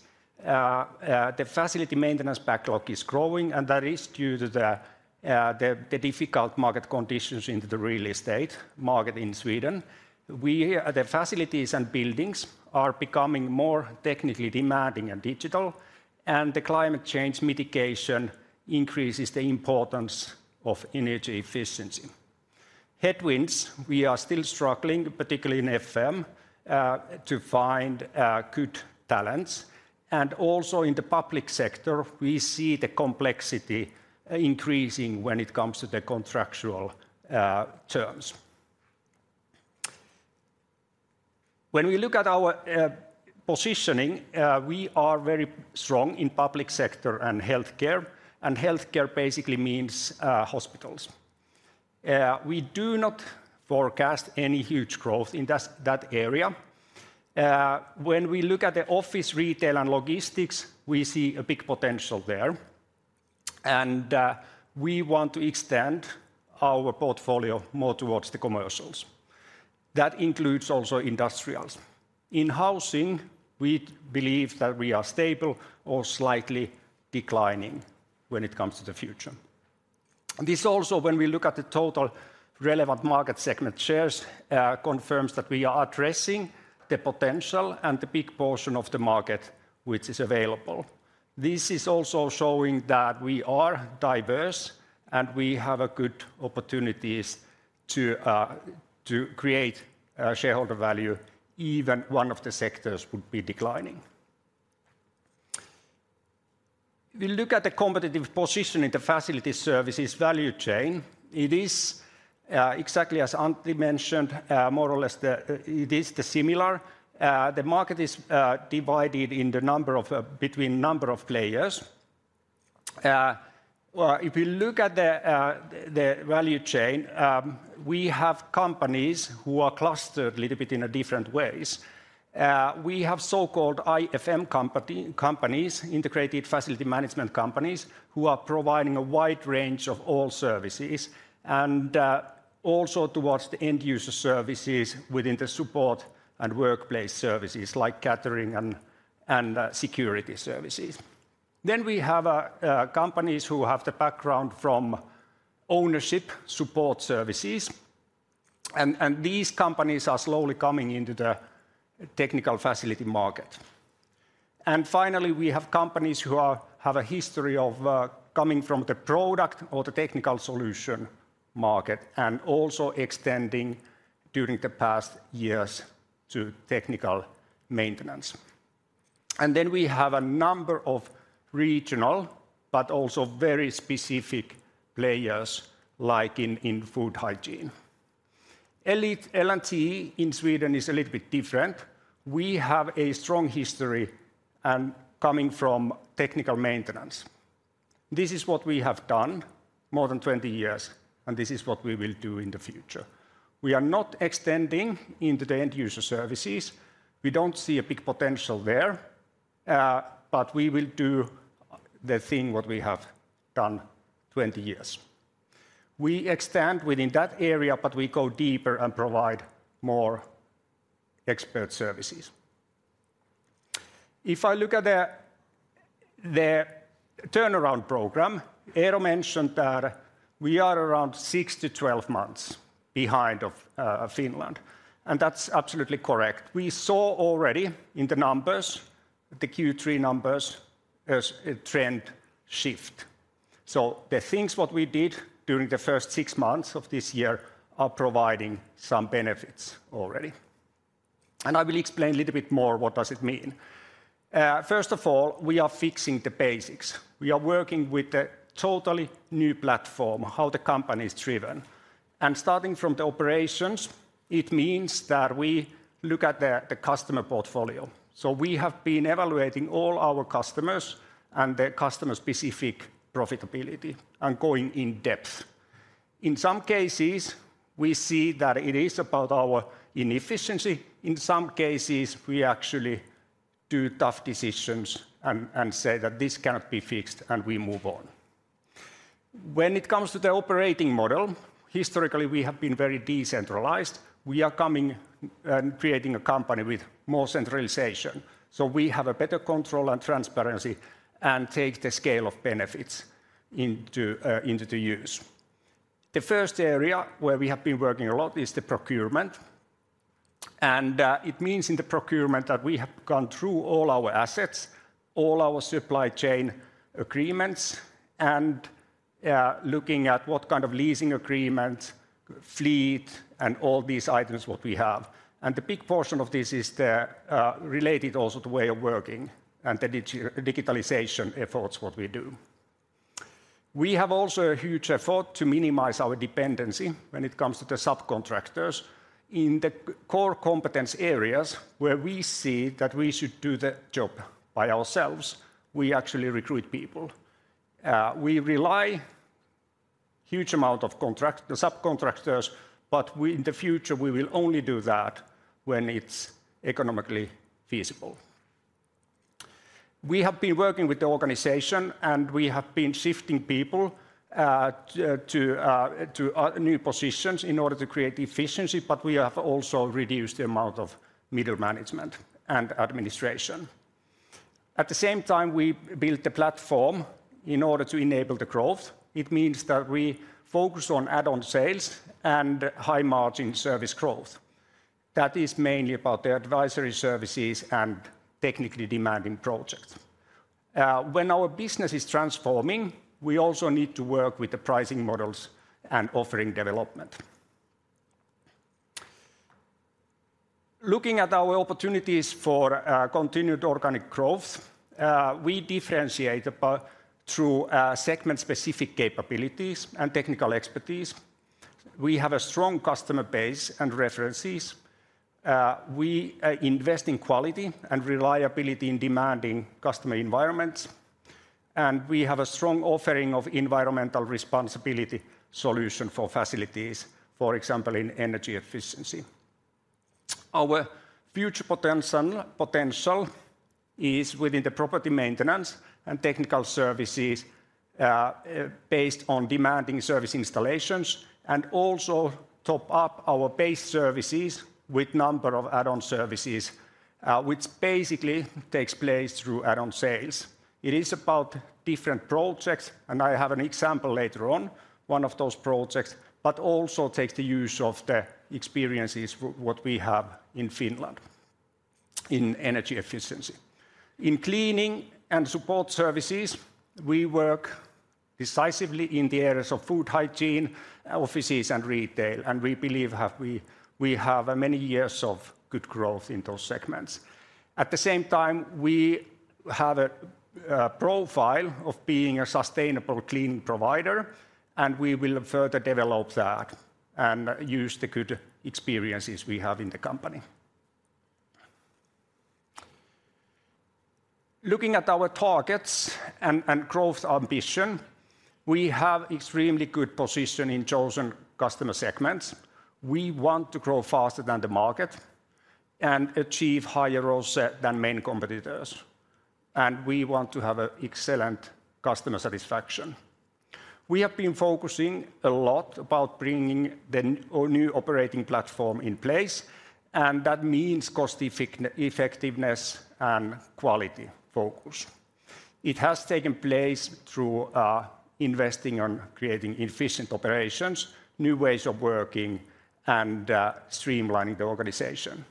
The facility maintenance backlog is growing, and that is due to the difficult market conditions in the real estate market in Sweden. The facilities and buildings are becoming more technically demanding and digital, and the climate change mitigation increases the importance of energy efficiency. Headwinds: We are still struggling, particularly in FM, to find good talents, and also in the public sector, we see the complexity increasing when it comes to the contractual terms. When we look at our positioning, we are very strong in public sector and healthcare, and healthcare basically means hospitals. We do not forecast any huge growth in that area. When we look at the office, retail, and logistics, we see a big potential there, and we want to extend our portfolio more towards the commercials. That includes also industrials. In housing, we believe that we are stable or slightly declining when it comes to the future. This also, when we look at the total relevant market segment shares, confirms that we are addressing the potential and the big portion of the market which is available. This is also showing that we are diverse, and we have a good opportunities to create shareholder value, even one of the sectors would be declining. We look at the competitive position in the Facility Services value chain. It is exactly as Antti mentioned, more or less the it is the similar. The market is divided in the number of between number of players. Well, if you look at the value chain, we have companies who are clustered a little bit in a different ways. We have so-called IFM companies, integrated facility management companies, who are providing a wide range of all services, and also towards the end-user services within the support and workplace services, like catering and security services. Then we have companies who have the background from ownership support services, and, and these companies are slowly coming into the technical facility market. And finally, we have companies who have a history of coming from the product or the technical solution market, and also extending during the past years to technical maintenance. And then we have a number of regional, but also very specific players, like in food hygiene. L&T in Sweden is a little bit different. We have a strong history and coming from technical maintenance. This is what we have done more than 20 years, and this is what we will do in the future. We are not extending into the end user services. We don't see a big potential there, but we will do the thing what we have done 20 years. We extend within that area, but we go deeper and provide more expert services. If I look at the turnaround program, Eero mentioned that we are around 6-12 months behind of Finland, and that's absolutely correct. We saw already in the numbers, the Q3 numbers, as a trend shift. So the things what we did during the first six months of this year are providing some benefits already. And I will explain a little bit more what does it mean. First of all, we are fixing the basics. We are working with a totally new platform, how the company is driven. And starting from the operations, it means that we look at the customer portfolio. So we have been evaluating all our customers and their customer-specific profitability and going in depth. In some cases, we see that it is about our inefficiency. In some cases, we actually do tough decisions and say that this cannot be fixed, and we move on. When it comes to the operating model, historically, we have been very decentralized. We are coming and creating a company with more centralization, so we have a better control and transparency and take the scale of benefits into use. The first area where we have been working a lot is the procurement, and it means in the procurement that we have gone through all our assets, all our supply chain agreements, and looking at what kind of leasing agreement, fleet, and all these items what we have. The big portion of this is the related also the way of working and the digitalization efforts, what we do. We have also a huge effort to minimize our dependency when it comes to the subcontractors. In the core competence areas, where we see that we should do the job by ourselves, we actually recruit people. We rely huge amount of contractors the subcontractors, but we, in the future, we will only do that when it's economically feasible. We have been working with the organization, and we have been shifting people to new positions in order to create efficiency, but we have also reduced the amount of middle management and administration. At the same time, we built a platform in order to enable the growth. It means that we focus on add-on sales and high-margin service growth. That is mainly about the advisory services and technically demanding projects. When our business is transforming, we also need to work with the pricing models and offering development. Looking at our opportunities for continued organic growth, we differentiate about through segment-specific capabilities and technical expertise. We have a strong customer base and references. We invest in quality and reliability in demanding customer environments, and we have a strong offering of environmental responsibility solution for facilities, for example, in energy efficiency. Our future potential, potential is within the property maintenance and technical services, based on demanding service installations, and also top up our base services with number of add-on services, which basically takes place through add-on sales. It is about different projects, and I have an example later on, one of those projects, but also takes the use of the experiences what we have in Finland in energy efficiency. In cleaning and support services, we work decisively in the areas of food hygiene, offices, and retail, and we believe we have many years of good growth in those segments. At the same time, we have a profile of being a sustainable cleaning provider, and we will further develop that and use the good experiences we have in the company. Looking at our targets and growth ambition, we have extremely good position in chosen customer segments. We want to grow faster than the market and achieve higher ROCE than main competitors, and we want to have a excellent customer satisfaction. We have been focusing a lot about bringing the new operating platform in place, and that means cost effectiveness and quality focus. It has taken place through investing on creating efficient operations, new ways of working, and streamlining the organization.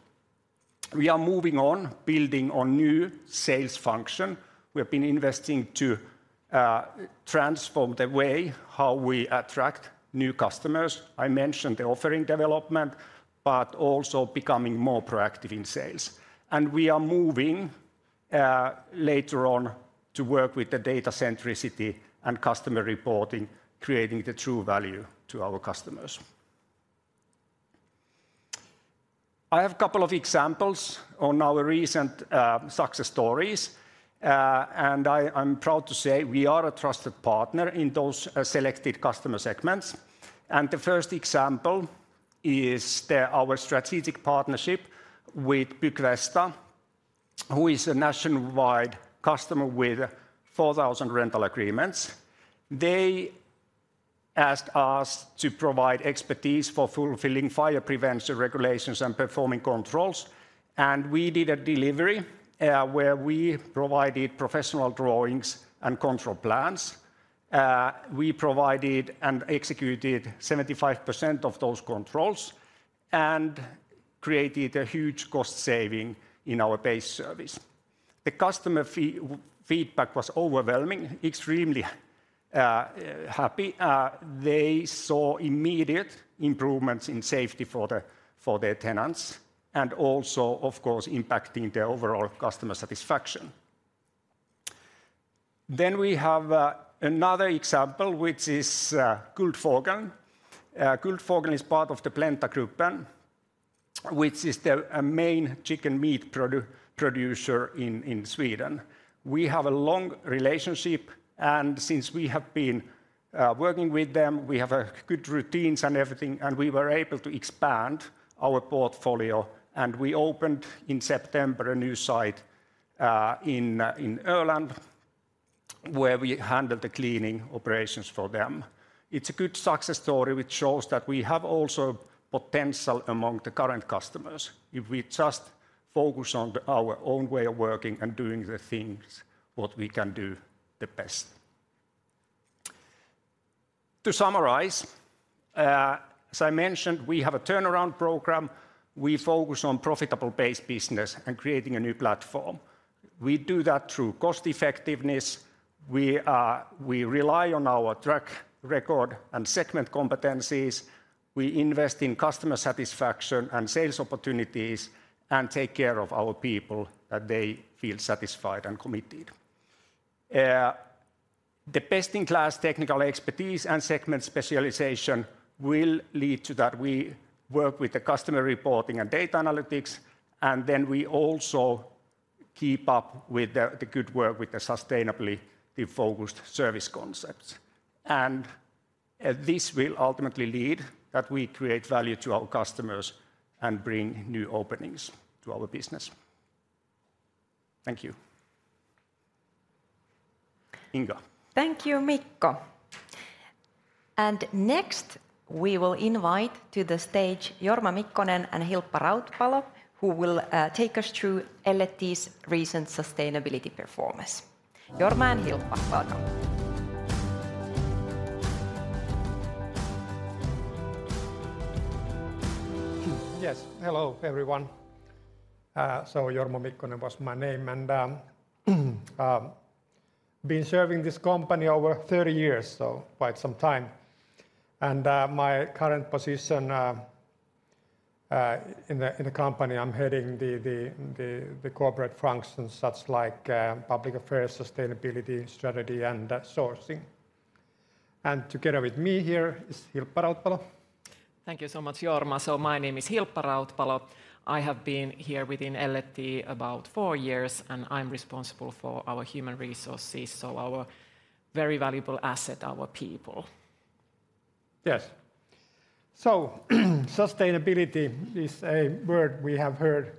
We are moving on, building on new sales function. We have been investing to transform the way how we attract new customers. I mentioned the offering development, but also becoming more proactive in sales. And we are moving later on to work with the data centricity and customer reporting, creating the true value to our customers.... I have a couple of examples on our recent success stories. And I, I'm proud to say we are a trusted partner in those selected customer segments. And the first example is the our strategic partnership with ByggVesta, who is a nationwide customer with 4,000 rental agreements. They asked us to provide expertise for fulfilling fire prevention regulations and performing controls, and we did a delivery where we provided professional drawings and control plans. We provided and executed 75% of those controls and created a huge cost saving in our base service. The customer feedback was overwhelming, extremely happy. They saw immediate improvements in safety for their tenants, and also, of course, impacting their overall customer satisfaction. Then we have another example, which is Guldfågeln. Guldfågeln is part of the Blentagruppen, which is the main chicken meat producer in Sweden. We have a long relationship, and since we have been working with them, we have good routines and everything, and we were able to expand our portfolio, and we opened in September a new site in Öland, where we handle the cleaning operations for them. It's a good success story, which shows that we have also potential among the current customers, if we just focus on our own way of working and doing the things what we can do the best. To summarize, as I mentioned, we have a turnaround program. We focus on profitable base business and creating a new platform. We do that through cost effectiveness. We rely on our track record and segment competencies. We invest in customer satisfaction and sales opportunities, and take care of our people, that they feel satisfied and committed. The best-in-class technical expertise and segment specialization will lead to that. We work with the customer reporting and data analytics, and then we also keep up with the good work with the sustainably focused service concepts. This will ultimately lead that we create value to our customers and bring new openings to our business. Thank you. Inka? Thank you, Mikko. Next, we will invite to the stage Jorma Mikkonen and Hilppa Rautpalo, who will take us through L&T's recent sustainability performance. Jorma and Hilppa, welcome. Yes, hello, everyone. So Jorma Mikkonen was my name, and, been serving this company over 30 years, so quite some time. And, my current position, in the company, I'm heading the corporate functions, such like, public affairs, sustainability, strategy, and sourcing. And together with me here is Hilppa Rautpalo. Thank you so much, Jorma. So my name is Hilppa Rautpalo. I have been here within L&T about four years, and I'm responsible for our human resources, so our very valuable asset, our people. Yes. So, sustainability is a word we have heard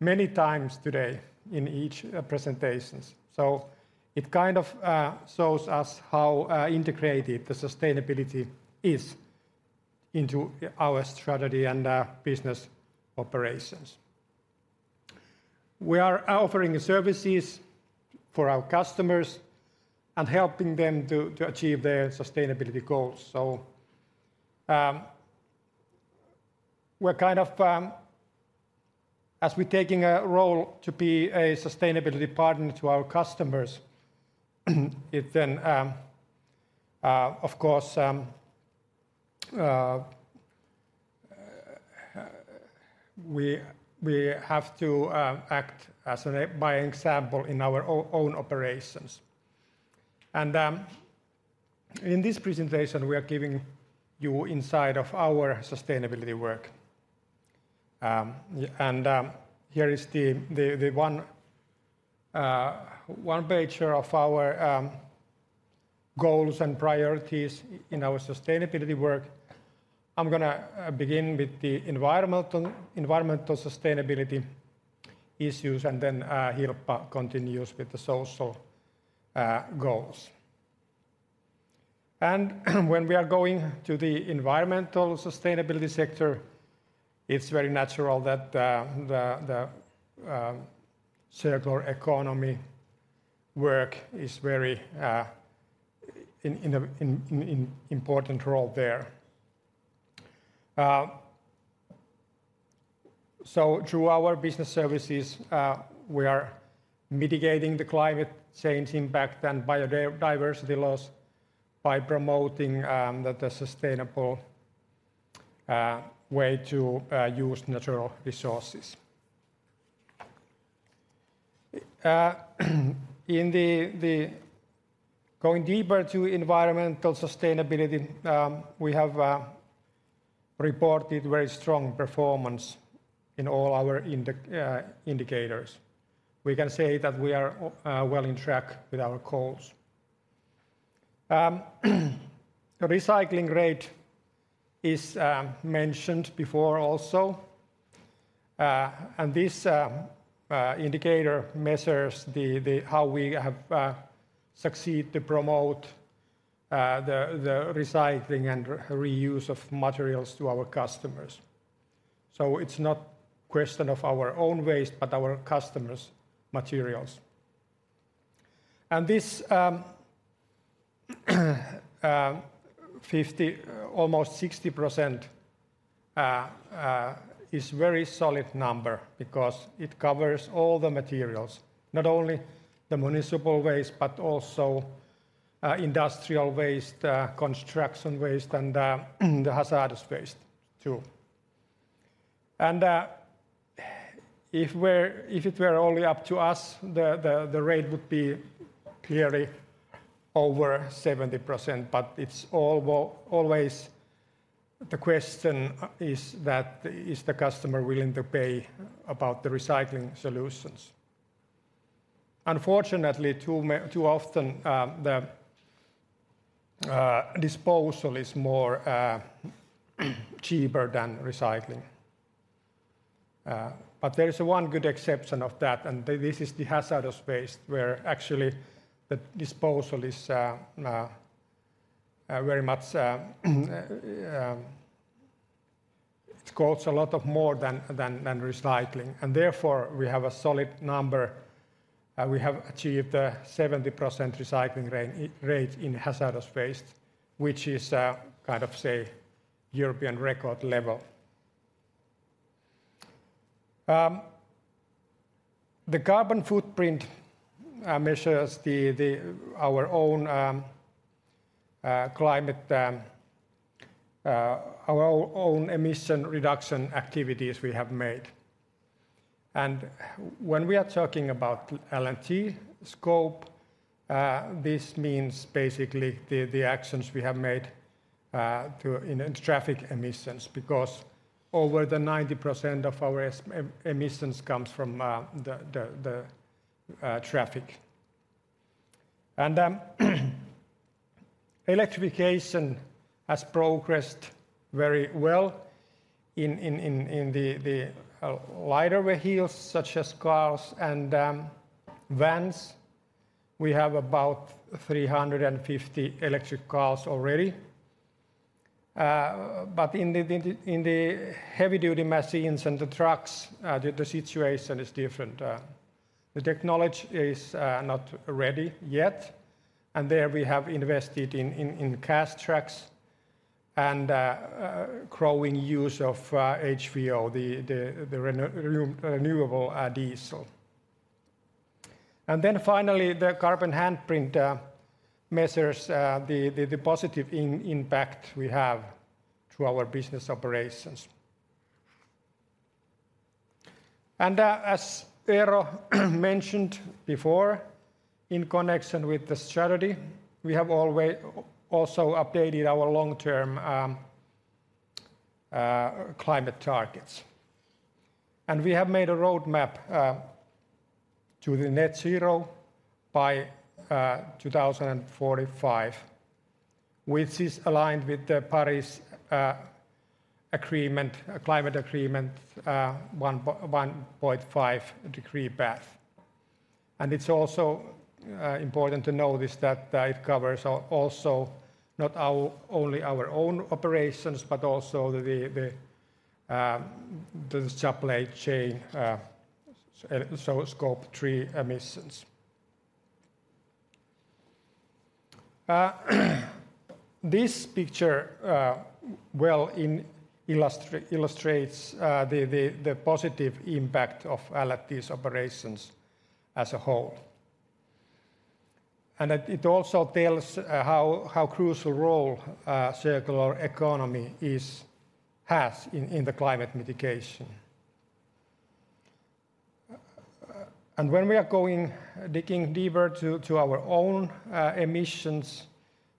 many times today in each presentations. So it kind of shows us how integrated the sustainability is into our strategy and business operations. We are offering services for our customers and helping them to achieve their sustainability goals. So, we're kind of as we're taking a role to be a sustainability partner to our customers, it then of course we have to act by example in our own operations. And in this presentation, we are giving you insight of our sustainability work. Yeah, and here is the one page here of our goals and priorities in our sustainability work. I'm gonna begin with the environmental sustainability issues, and then Hilppa continues with the social goals. When we are going to the environmental sustainability sector, it's very natural that the circular economy work is very in an important role there. So through our business services, we are mitigating the climate change impact and biodiversity loss by promoting the sustainable way to use natural resources. In going deeper to environmental sustainability, we have reported very strong performance in all our indicators. We can say that we are well in track with our goals. The recycling rate is mentioned before also, and this indicator measures the, the, how we have succeeded to promote the, the recycling and reuse of materials to our customers. So it's not question of our own waste, but our customers' materials. And this 50%, almost 60% is very solid number because it covers all the materials, not only the municipal waste, but also industrial waste, construction waste, and the hazardous waste too. And if it were only up to us, the rate would be clearly over 70%, but it's always the question is that, is the customer willing to pay about the recycling solutions? Unfortunately, too often, the disposal is more cheaper than recycling. But there is one good exception of that, and this is the hazardous waste, where actually the disposal is very much. It costs a lot more than recycling, and therefore, we have a solid number. We have achieved a 70% recycling rate in hazardous waste, which is kind of, say, European record level. The carbon footprint measures our own climate emission reduction activities we have made. And when we are talking about L&T scope, this means basically the actions we have made to in traffic emissions, because over 90% of our emissions comes from the traffic. Electrification has progressed very well in the lighter wheels, such as cars and vans. We have about 350 electric cars already. But in the heavy-duty machines and the trucks, the situation is different. The technology is not ready yet, and there we have invested in gas trucks and growing use of HVO, the renewable diesel. And then finally, the carbon handprint measures the positive impact we have through our business operations. As Eero mentioned before, in connection with the strategy, we have also updated our long-term climate targets. And we have made a roadmap to net zero by 2045, which is aligned with the Paris Agreement climate agreement 1.5-degree path. It's also important to notice that it covers not only our own operations, but also the supply chain, so Scope 3 emissions. This picture illustrates the positive impact of L&T's operations as a whole. And it also tells how crucial role circular economy has in the climate mitigation. And when we are digging deeper to our own emissions,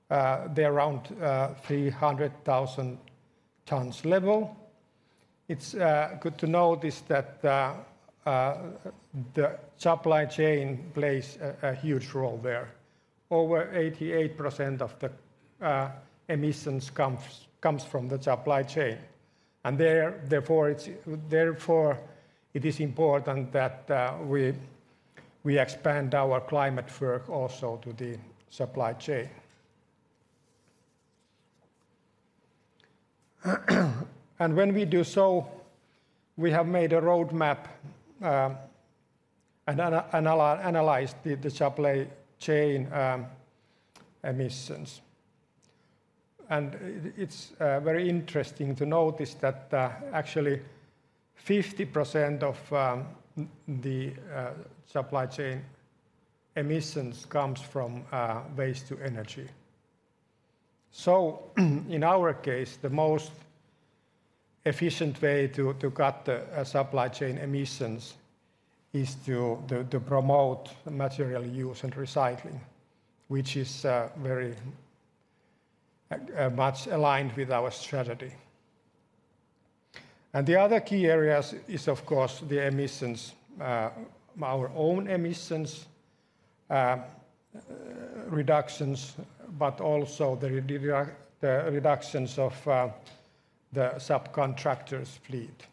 they're around 300,000 tons level. It's good to notice that the supply chain plays a huge role there. Over 88% of the emissions comes from the supply chain, and therefore, it is important that we expand our climate work also to the supply chain. And when we do so, we have made a roadmap and analyzed the supply chain emissions. And it is very interesting to notice that actually 50% of the supply chain emissions comes from waste-to-energy. So in our case, the most efficient way to cut the supply chain emissions is to promote material use and recycling, which is very much aligned with our strategy. And the other key areas is, of course, the emissions, our own emissions reductions, but also the reductions of the subcontractor's fleet.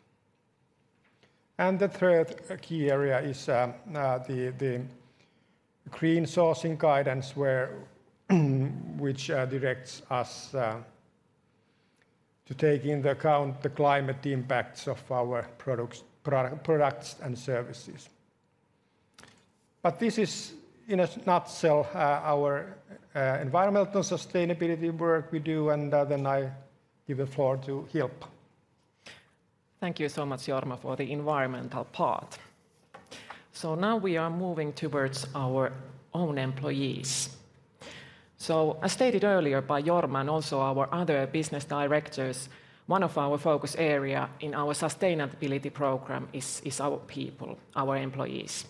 The third key area is the green sourcing guidance, which directs us to take into account the climate impacts of our products and services. But this is, in a nutshell, our environmental sustainability work we do, and then I give the floor to Hilppa. Thank you so much, Jorma, for the environmental part. So now we are moving towards our own employees. So as stated earlier by Jorma and also our other business directors, one of our focus area in our sustainability program is our people, our employees.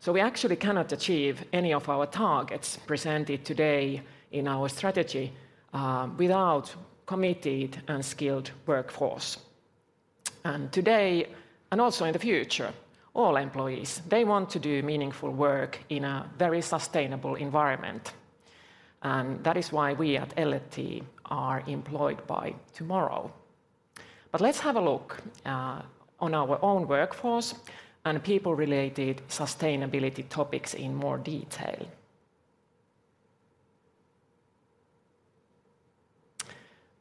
So we actually cannot achieve any of our targets presented today in our strategy without committed and skilled workforce. And today, and also in the future, all employees, they want to do meaningful work in a very sustainable environment, and that is why we at L&T are Employed by Tomorrow. But let's have a look on our own workforce and people-related sustainability topics in more detail.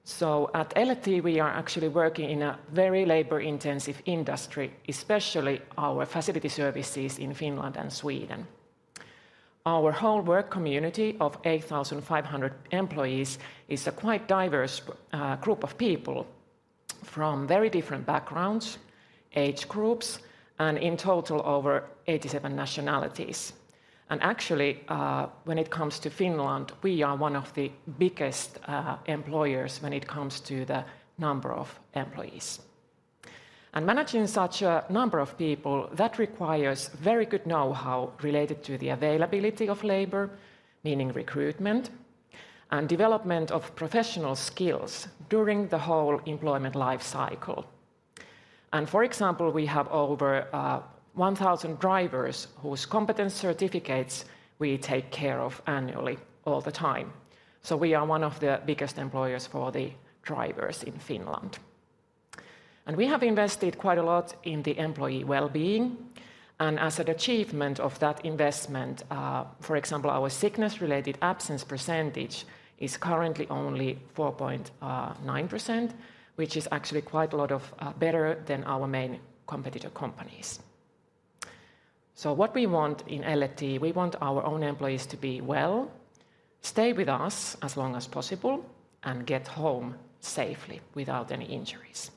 So at L&T, we are actually working in a very labor-intensive industry, especially our Facility Services in Finland and Sweden. Our whole work community of 8,500 employees is a quite diverse group of people from very different backgrounds, age groups, and in total, over 87 nationalities. Actually, when it comes to Finland, we are one of the biggest employers when it comes to the number of employees. Managing such a number of people, that requires very good know-how related to the availability of labor, meaning recruitment, and development of professional skills during the whole employment life cycle. For example, we have over 1,000 drivers whose competence certificates we take care of annually, all the time. So we are one of the biggest employers for the drivers in Finland. We have invested quite a lot in the employee well-being, and as an achievement of that investment, for example, our sickness-related absence percentage is currently only 4.9%, which is actually quite a lot better than our main competitor companies. So what we want in L&T, we want our own employees to be well, stay with us as long as possible, and get home safely without any injuries.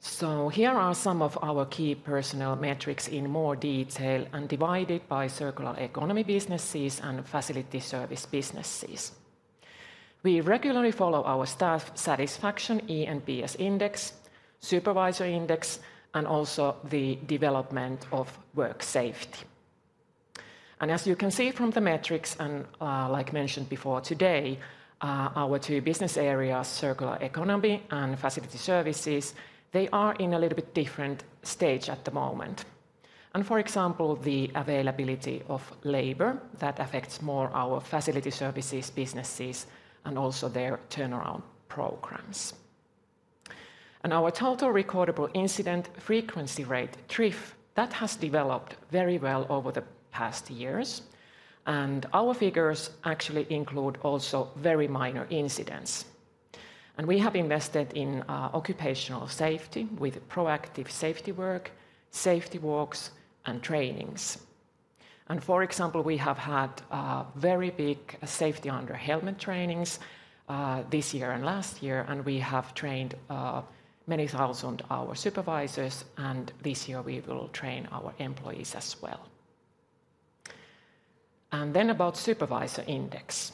So here are some of our key personnel metrics in more detail, and divided by circular economy businesses and facility service businesses. We regularly follow our staff satisfaction, eNPS index, Supervisor Index, and also the development of work safety. And as you can see from the metrics, and, like mentioned before today, our two business areas, circular economy and Facility Services, they are in a little bit different stage at the moment. For example, the availability of labor, that affects more our Facility Services businesses and also their turnaround programs. Our Total Recordable Incident Frequency Rate, TRIF, that has developed very well over the past years, and our figures actually include also very minor incidents. We have invested in occupational safety with proactive safety work, safety walks, and trainings. For example, we have had very big Safety Under Helmet trainings this year and last year, and we have trained many thousand our supervisors, and this year we will train our employees as well. Then about Supervisor Index.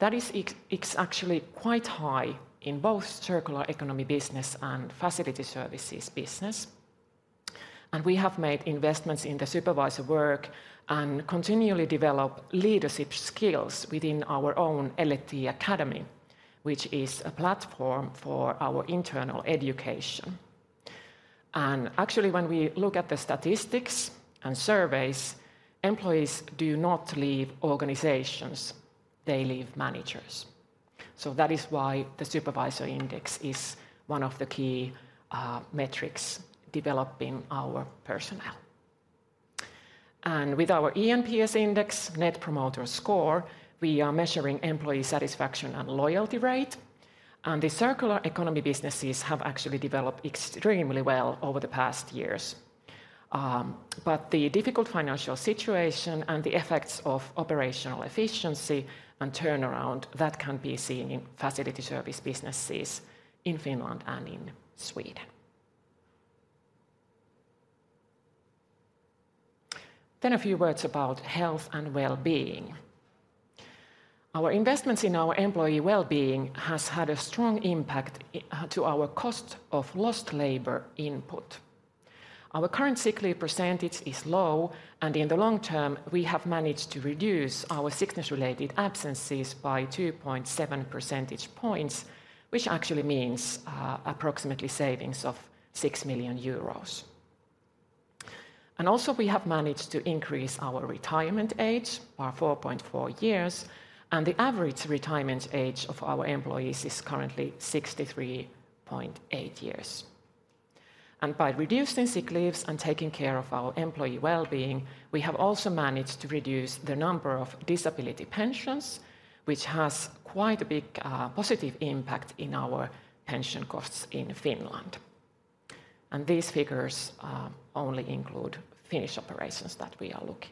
That is, it's actually quite high in both circular economy business and Facility Services business, and we have made investments in the supervisor work and continually develop leadership skills within our own L&T Academy, which is a platform for our internal education. Actually, when we look at the statistics and surveys, employees do not leave organizations, they leave managers. So that is why the Supervisor Index is one of the key metrics developing our personnel. And with our eNPS index, Net Promoter Score, we are measuring employee satisfaction and loyalty rate, and the circular economy businesses have actually developed extremely well over the past years. But the difficult financial situation and the effects of operational efficiency and turnaround, that can be seen in facility service businesses in Finland and in Sweden. Then a few words about health and well-being. Our investments in our employee well-being has had a strong impact to our cost of lost labor input. Our current sick leave % is low, and in the long term, we have managed to reduce our sickness-related absences by 2.7 percentage points, which actually means, approximately savings of 6 million euros. Also, we have managed to increase our retirement age by 4.4 years, and the average retirement age of our employees is currently 63.8 years. By reducing sick leaves and taking care of our employee well-being, we have also managed to reduce the number of disability pensions, which has quite a big positive impact in our pension costs in Finland. These figures only include Finnish operations that we are looking.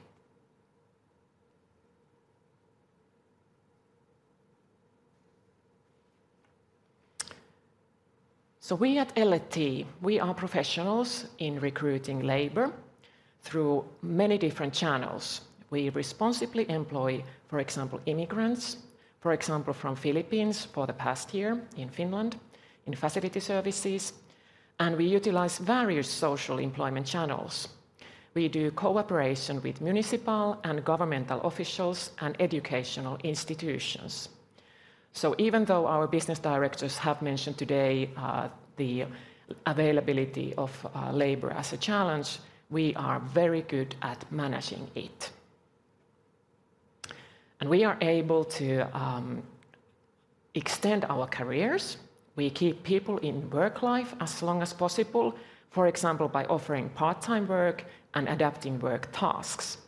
So we at L&T, we are professionals in recruiting labor through many different channels. We responsibly employ, for example, immigrants, for example, from Philippines for the past year in Finland, in Facility Services, and we utilize various social employment channels. We do cooperation with municipal and governmental officials and educational institutions. So even though our business directors have mentioned today the availability of labor as a challenge, we are very good at managing it. And we are able to extend our careers. We keep people in work life as long as possible, for example, by offering part-time work and adapting work tasks.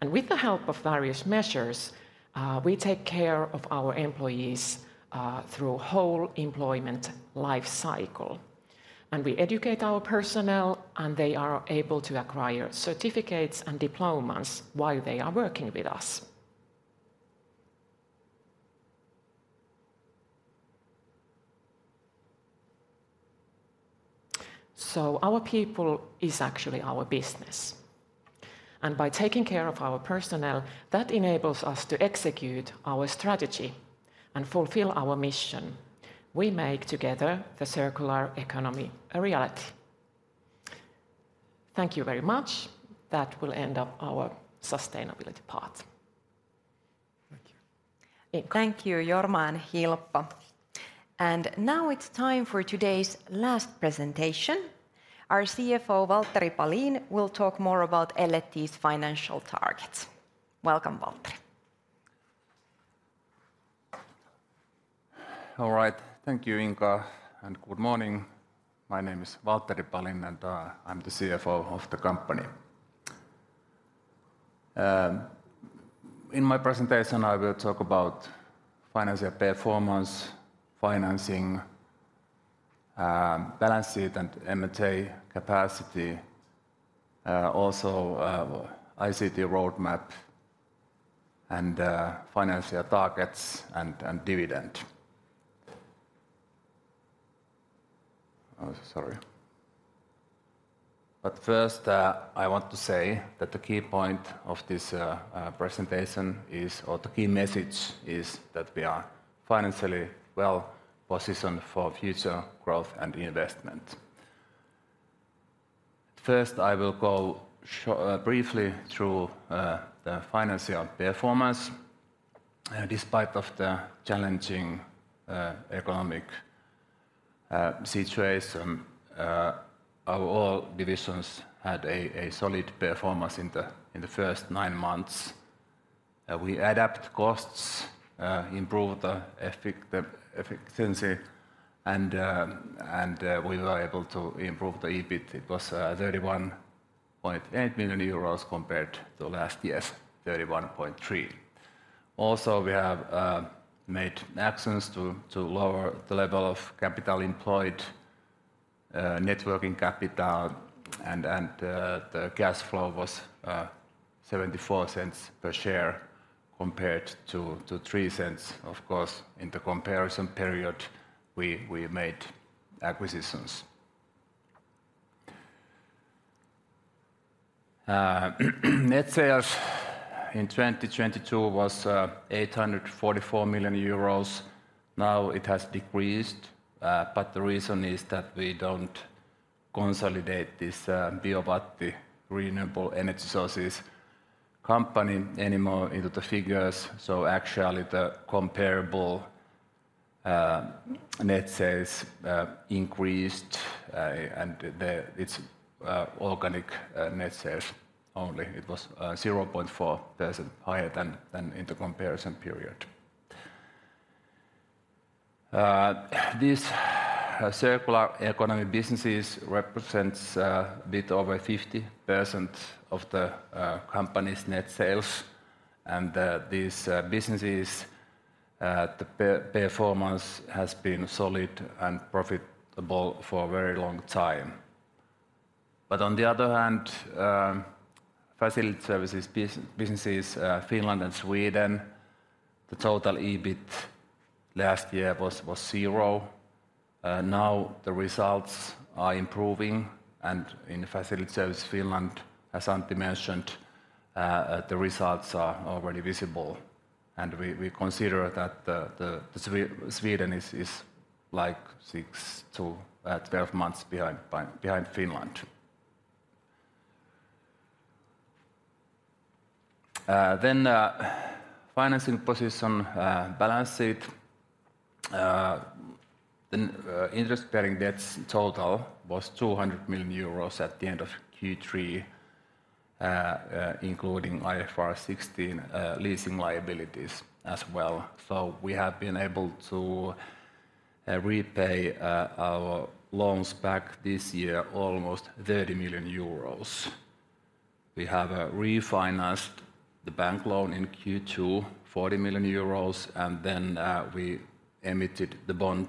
And with the help of various measures, we take care of our employees through whole employment life cycle, and we educate our personnel, and they are able to acquire certificates and diplomas while they are working with us. So our people is actually our business, and by taking care of our personnel, that enables us to execute our strategy and fulfill our mission. We make together the circular economy a reality. Thank you very much. That will end up our sustainability part. Thank you. Thank you, Jorma and Hilppa. Now it's time for today's last presentation. Our CFO, Valtteri Palin, will talk more about L&T's financial targets. Welcome, Valtteri. All right. Thank you, Inka, and good morning. My name is Valtteri Palin, and I'm the CFO of the company. In my presentation, I will talk about financial performance, financing, balance sheet, and M&A capacity, also, ICT roadmap, and financial targets, and dividend. Oh, sorry. But first, I want to say that the key point of this presentation is, or the key message is that we are financially well positioned for future growth and investment. First, I will go briefly through the financial performance. Despite of the challenging economic situation, our all divisions had a solid performance in the first nine months. We adapt costs, improve the efficiency, and we were able to improve the EBIT. It was 31.8 million euros compared to last year's 31.3 million. Also, we have made actions to lower the level of capital employed, net working capital, and the cash flow was 0.74 per share, compared to 0.03. Of course, in the comparison period, we made acquisitions. Net sales in 2022 was 844 million euros. Now it has decreased, but the reason is that we don't consolidate this Biowatti renewable energy sources company anymore into the figures. So actually, the comparable net sales increased, and its organic net sales only, it was 0.4% higher than in the comparison period. These circular economy businesses represents a bit over 50% of the company's net sales, and these businesses the performance has been solid and profitable for a very long time. But on the other hand, Facility Services businesses, Finland and Sweden. The total EBIT last year was zero. Now the results are improving, and in Facility Services Finland, as Antti mentioned, the results are already visible, and we consider that the Sweden is like 6-12 months behind Finland. Then financing position, balance sheet. The interest-bearing debts total was 200 million euros at the end of Q3, including IFRS 16 leasing liabilities as well. So we have been able to repay our loans back this year, almost 30 million euros. We have refinanced the bank loan in Q2, 40 million euros, and then we emitted the bond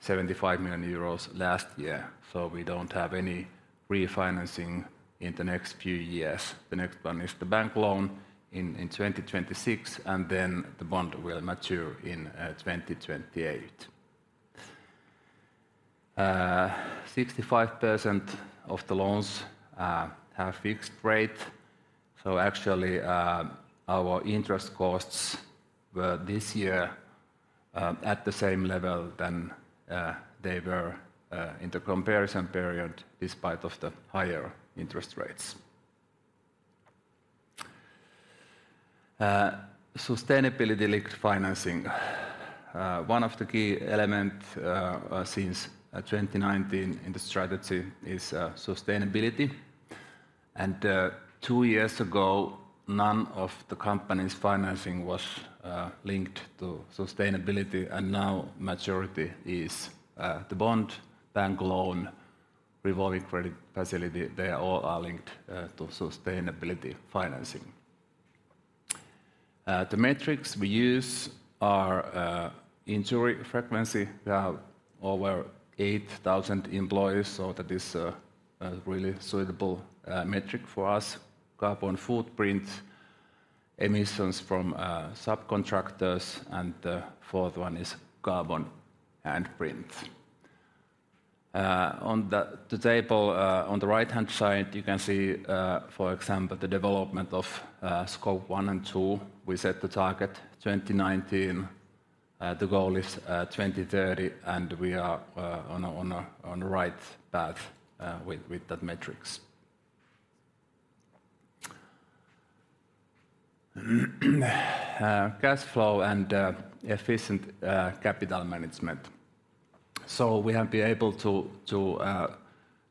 75 million euros last year. So we don't have any refinancing in the next few years. The next one is the bank loan in 2026, and then the bond will mature in 2028. 65% of the loans have fixed rate, so actually our interest costs were this year at the same level than they were in the comparison period, despite of the higher interest rates. Sustainability-linked financing. One of the key element since 2019 in the strategy is sustainability, and two years ago, none of the company's financing was linked to sustainability, and now majority is. The bond, bank loan, revolving credit facility, they all are linked to sustainability financing. The metrics we use are injury frequency. We have over 8,000 employees, so that is a really suitable metric for us. Carbon footprint, emissions from subcontractors, and the fourth one is carbon handprint. On the table on the right-hand side, you can see, for example, the development of Scope 1 and 2. We set the target 2019, the goal is 2030, and we are on the right path with that metrics. Cash flow and efficient capital management. So we have been able to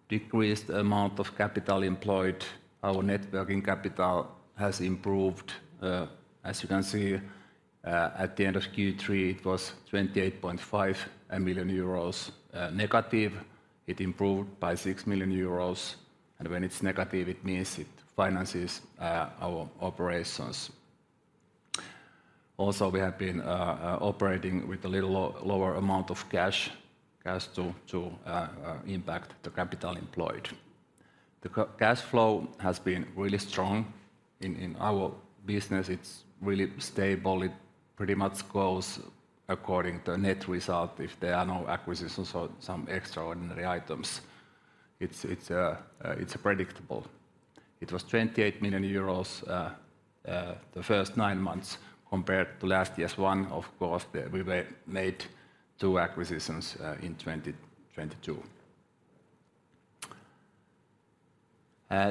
decrease the amount of capital employed. Our net working capital has improved. As you can see, at the end of Q3, it was 28.5 million euros, negative. It improved by 6 million euros, and when it's negative, it means it finances our operations. Also, we have been operating with a little lower amount of cash to impact the capital employed. The cash flow has been really strong in our business. It's really stable. It pretty much goes according to net result. If there are no acquisitions or some extraordinary items, it's predictable. It was 28 million euros the first nine months compared to last year's one. Of course, we were made two acquisitions in 2022.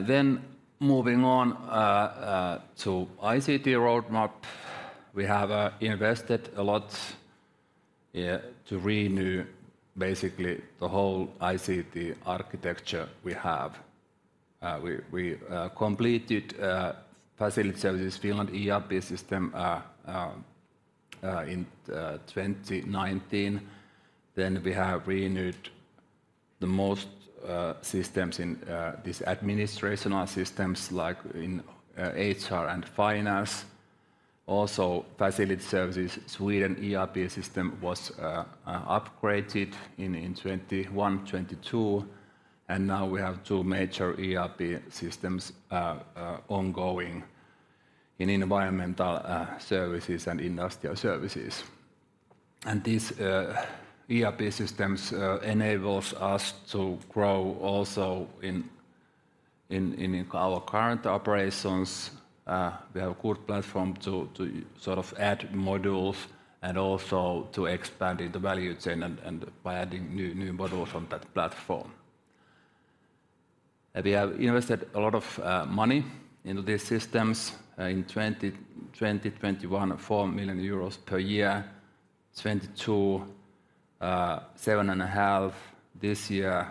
Then moving on to ICT roadmap, we have invested a lot to renew basically the whole ICT architecture we have. We completed Facility Services Finland ERP system in 2019, then we have renewed the most systems in these administrative systems, like in HR and finance. Also, Facility Services Sweden ERP system was upgraded in 2021, 2022, and now we have two major ERP systems ongoing in Environmental Services and Industrial Services. And these ERP systems enables us to grow also in our current operations. We have a good platform to sort of add modules and also to expand the value chain and by adding new modules on that platform. We have invested a lot of money into these systems. In 2021, 4 million euros per year, 2022, 7.5 million, this year,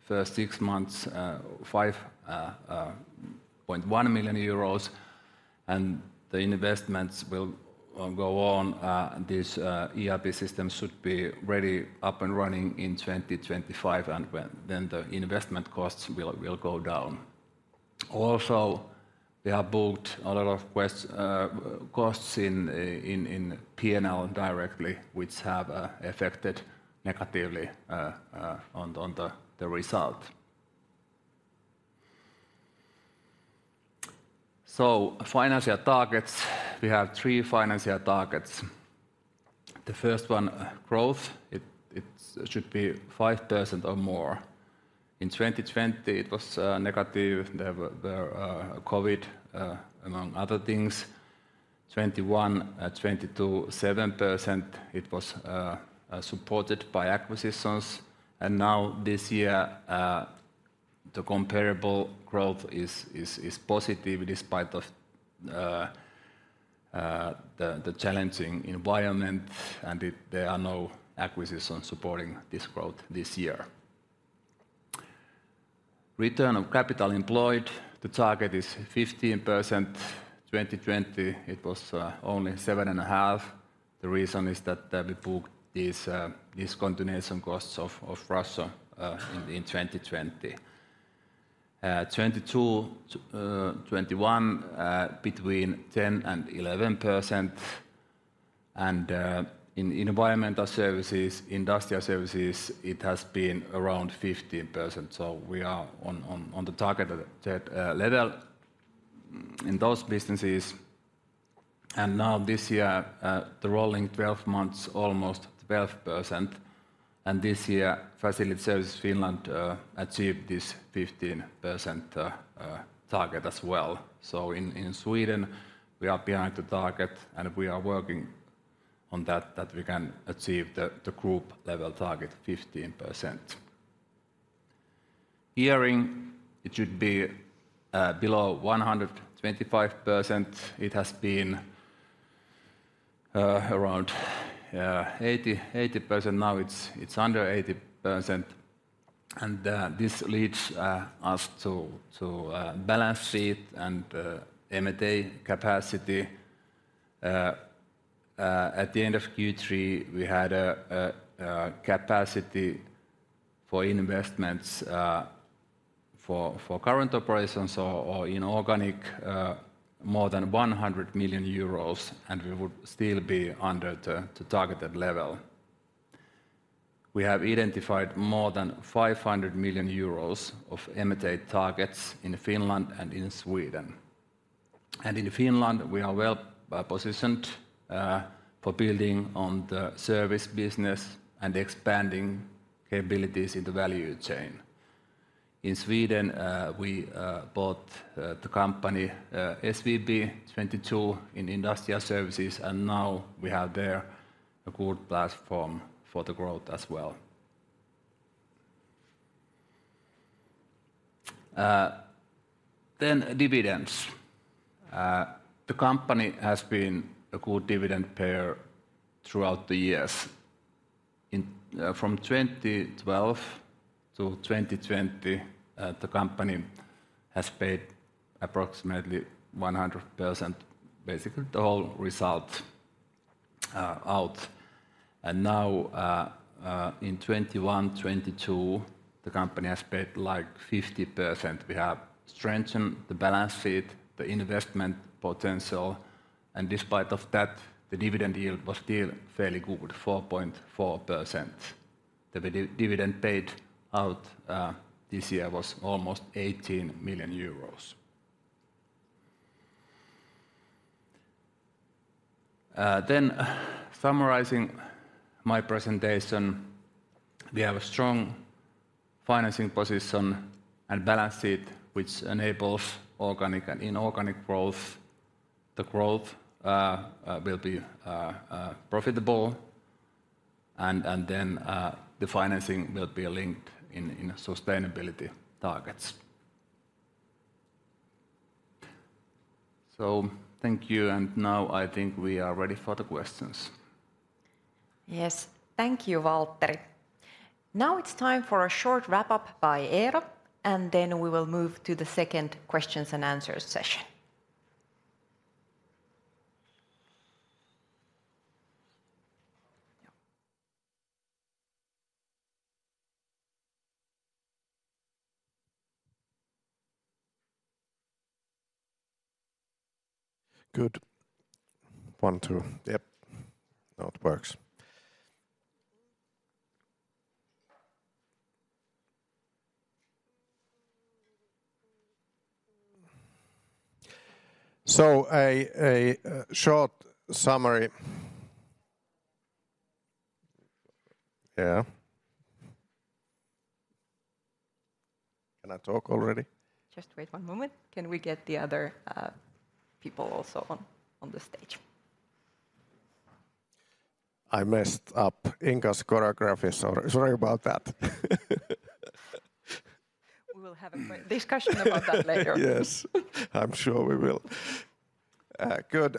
first six months, 5.1 million euros, and the investments will go on. These ERP systems should be ready, up and running in 2025, and then the investment costs will go down. Also, we have booked a lot of consulting costs in P&L directly, which have affected negatively on the result. So financial targets, we have three financial targets. The first one, growth, it should be 5% or more. In 2020, it was negative. There were COVID among other things, 2021, 20% to 7%, it was supported by acquisitions. And now this year, the comparable growth is positive despite of the challenging environment, and there are no acquisitions supporting this growth this year. Return on capital employed, the target is 15%. 2020, it was only 7.5%. The reason is that we booked these discontinuation costs of Russia in 2020. 2022, 2021, between 10% and 11%. And in Environmental Services, Industrial Services, it has been around 15%, so we are on the target level in those businesses. Now this year, the rolling 12 months, almost 12%, and this year, Facility Services Finland achieved this 15% target as well. So in Sweden, we are behind the target, and we are working on that we can achieve the group-level target, 15%. Gearing, it should be below 125%. It has been around 80%. Now it's under 80%, and this leads us to balance sheet and M&A capacity. At the end of Q3, we had a capacity for investments for current operations or inorganic more than 100 million euros, and we would still be under the targeted level. We have identified more than 500 million euros of M&A targets in Finland and in Sweden. In Finland, we are well positioned for building on the service business and expanding capabilities in the value chain. In Sweden, we bought the company SVB 2022 in Industrial Services, and now we have there a good platform for the growth as well. Then dividends. The company has been a good dividend payer throughout the years. In from 2012 to 2020, the company has paid approximately 100%, basically the whole result out. And now in 2021, 2022, the company has paid, like, 50%. We have strengthened the balance sheet, the investment potential, and despite of that, the dividend yield was still fairly good, 4.4%. The dividend paid out this year was almost 18 million euros. Summarizing my presentation, we have a strong financing position and balance sheet, which enables organic and inorganic growth. The growth will be profitable, and then the financing will be linked in sustainability targets. So thank you, and now I think we are ready for the questions. Yes. Thank you, Valtteri. Now it's time for a short wrap-up by Eero, and then we will move to the second questions-and-answers session. Good. One, two. Yep, now it works. So short summary... Yeah? Can I talk already? Just wait one moment. Can we get the other, people also on, on the stage? I messed up Inka's choreography. Sorry, sorry about that. We will have a great discussion about that later. Yes, I'm sure we will. Good.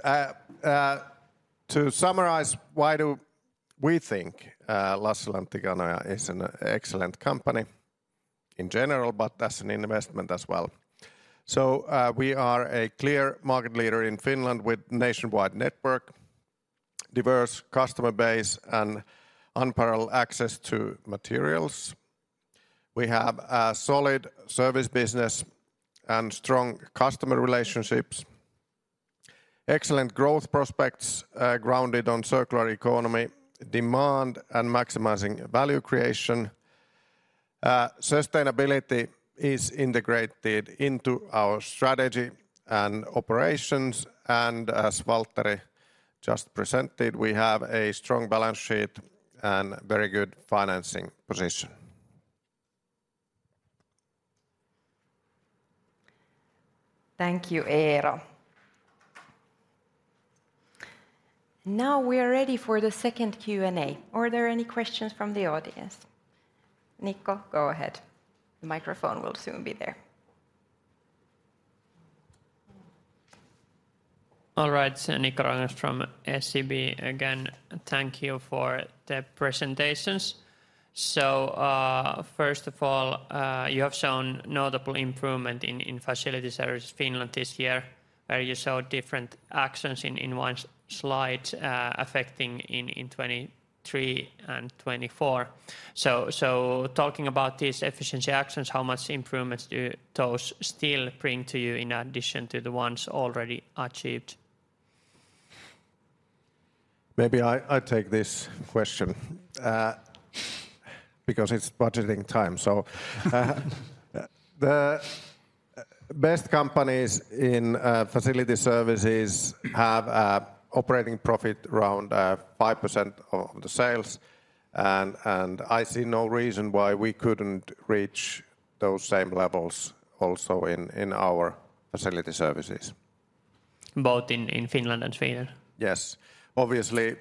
To summarize, why do we think Lassila & Tikanoja is an excellent company in general, but as an investment as well? So, we are a clear market leader in Finland with nationwide network, diverse customer base, and unparalleled access to materials. We have a solid service business and strong customer relationships... excellent growth prospects, grounded on circular economy, demand, and maximizing value creation. Sustainability is integrated into our strategy and operations, and as Valtteri just presented, we have a strong balance sheet and very good financing position. Thank you, Eero. Now we are ready for the second Q&A. Are there any questions from the audience? Nikko, go ahead. The microphone will soon be there. All right, Nikko Ruokangas from SEB. Again, thank you for the presentations. So, first of all, you have shown notable improvement in Facility Services Finland this year, where you show different actions in one slide affecting in 2023 and 2024. So, so talking about these efficiency actions, how much improvements do those still bring to you in addition to the ones already achieved? Maybe I, I take this question, because it's budgeting time. So, the best companies in Facility Services have a operating profit around 5% of the sales, and I see no reason why we couldn't reach those same levels also in our Facility Services. Both in Finland and Sweden? Yes. Obviously,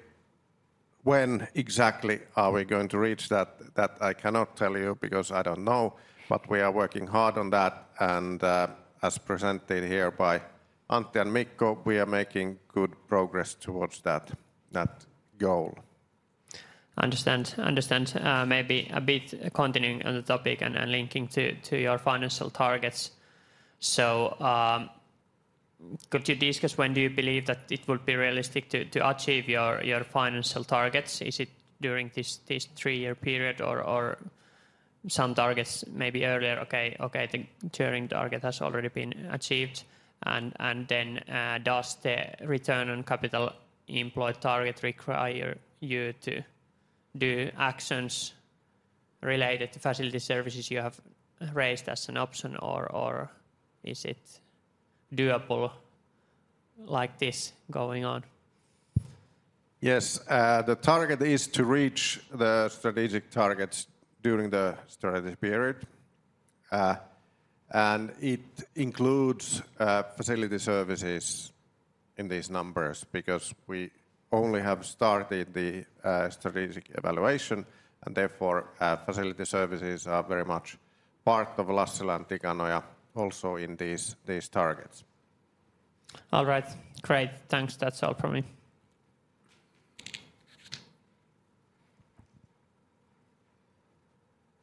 when exactly are we going to reach that? That I cannot tell you, because I don't know, but we are working hard on that, and, as presented here by Antti and Mikko, we are making good progress towards that, that goal. Understand. Understand. Maybe a bit continuing on the topic and linking to your financial targets: so, could you discuss when do you believe that it will be realistic to achieve your financial targets? Is it during this three-year period, or some targets maybe earlier? Okay, okay, the turning target has already been achieved. And then, does the return on capital employed target require you to do actions related to Facility Services you have raised as an option, or is it doable like this going on? Yes. The target is to reach the strategic targets during the strategic period, and it includes Facility Services in these numbers, because we only have started the strategic evaluation, and therefore, Facility Services are very much part of Lassila & Tikanoja also in these, these targets. All right. Great, thanks. That's all from me.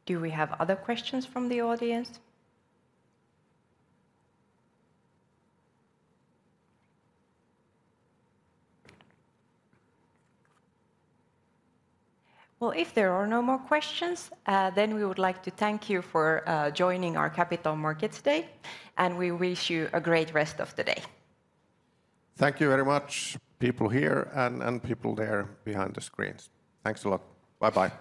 Do we have other questions from the audience? Well, if there are no more questions, then we would like to thank you for joining our Capital Markets Day, and we wish you a great rest of the day. Thank you very much, people here and, and people there behind the screens. Thanks a lot. Bye-bye.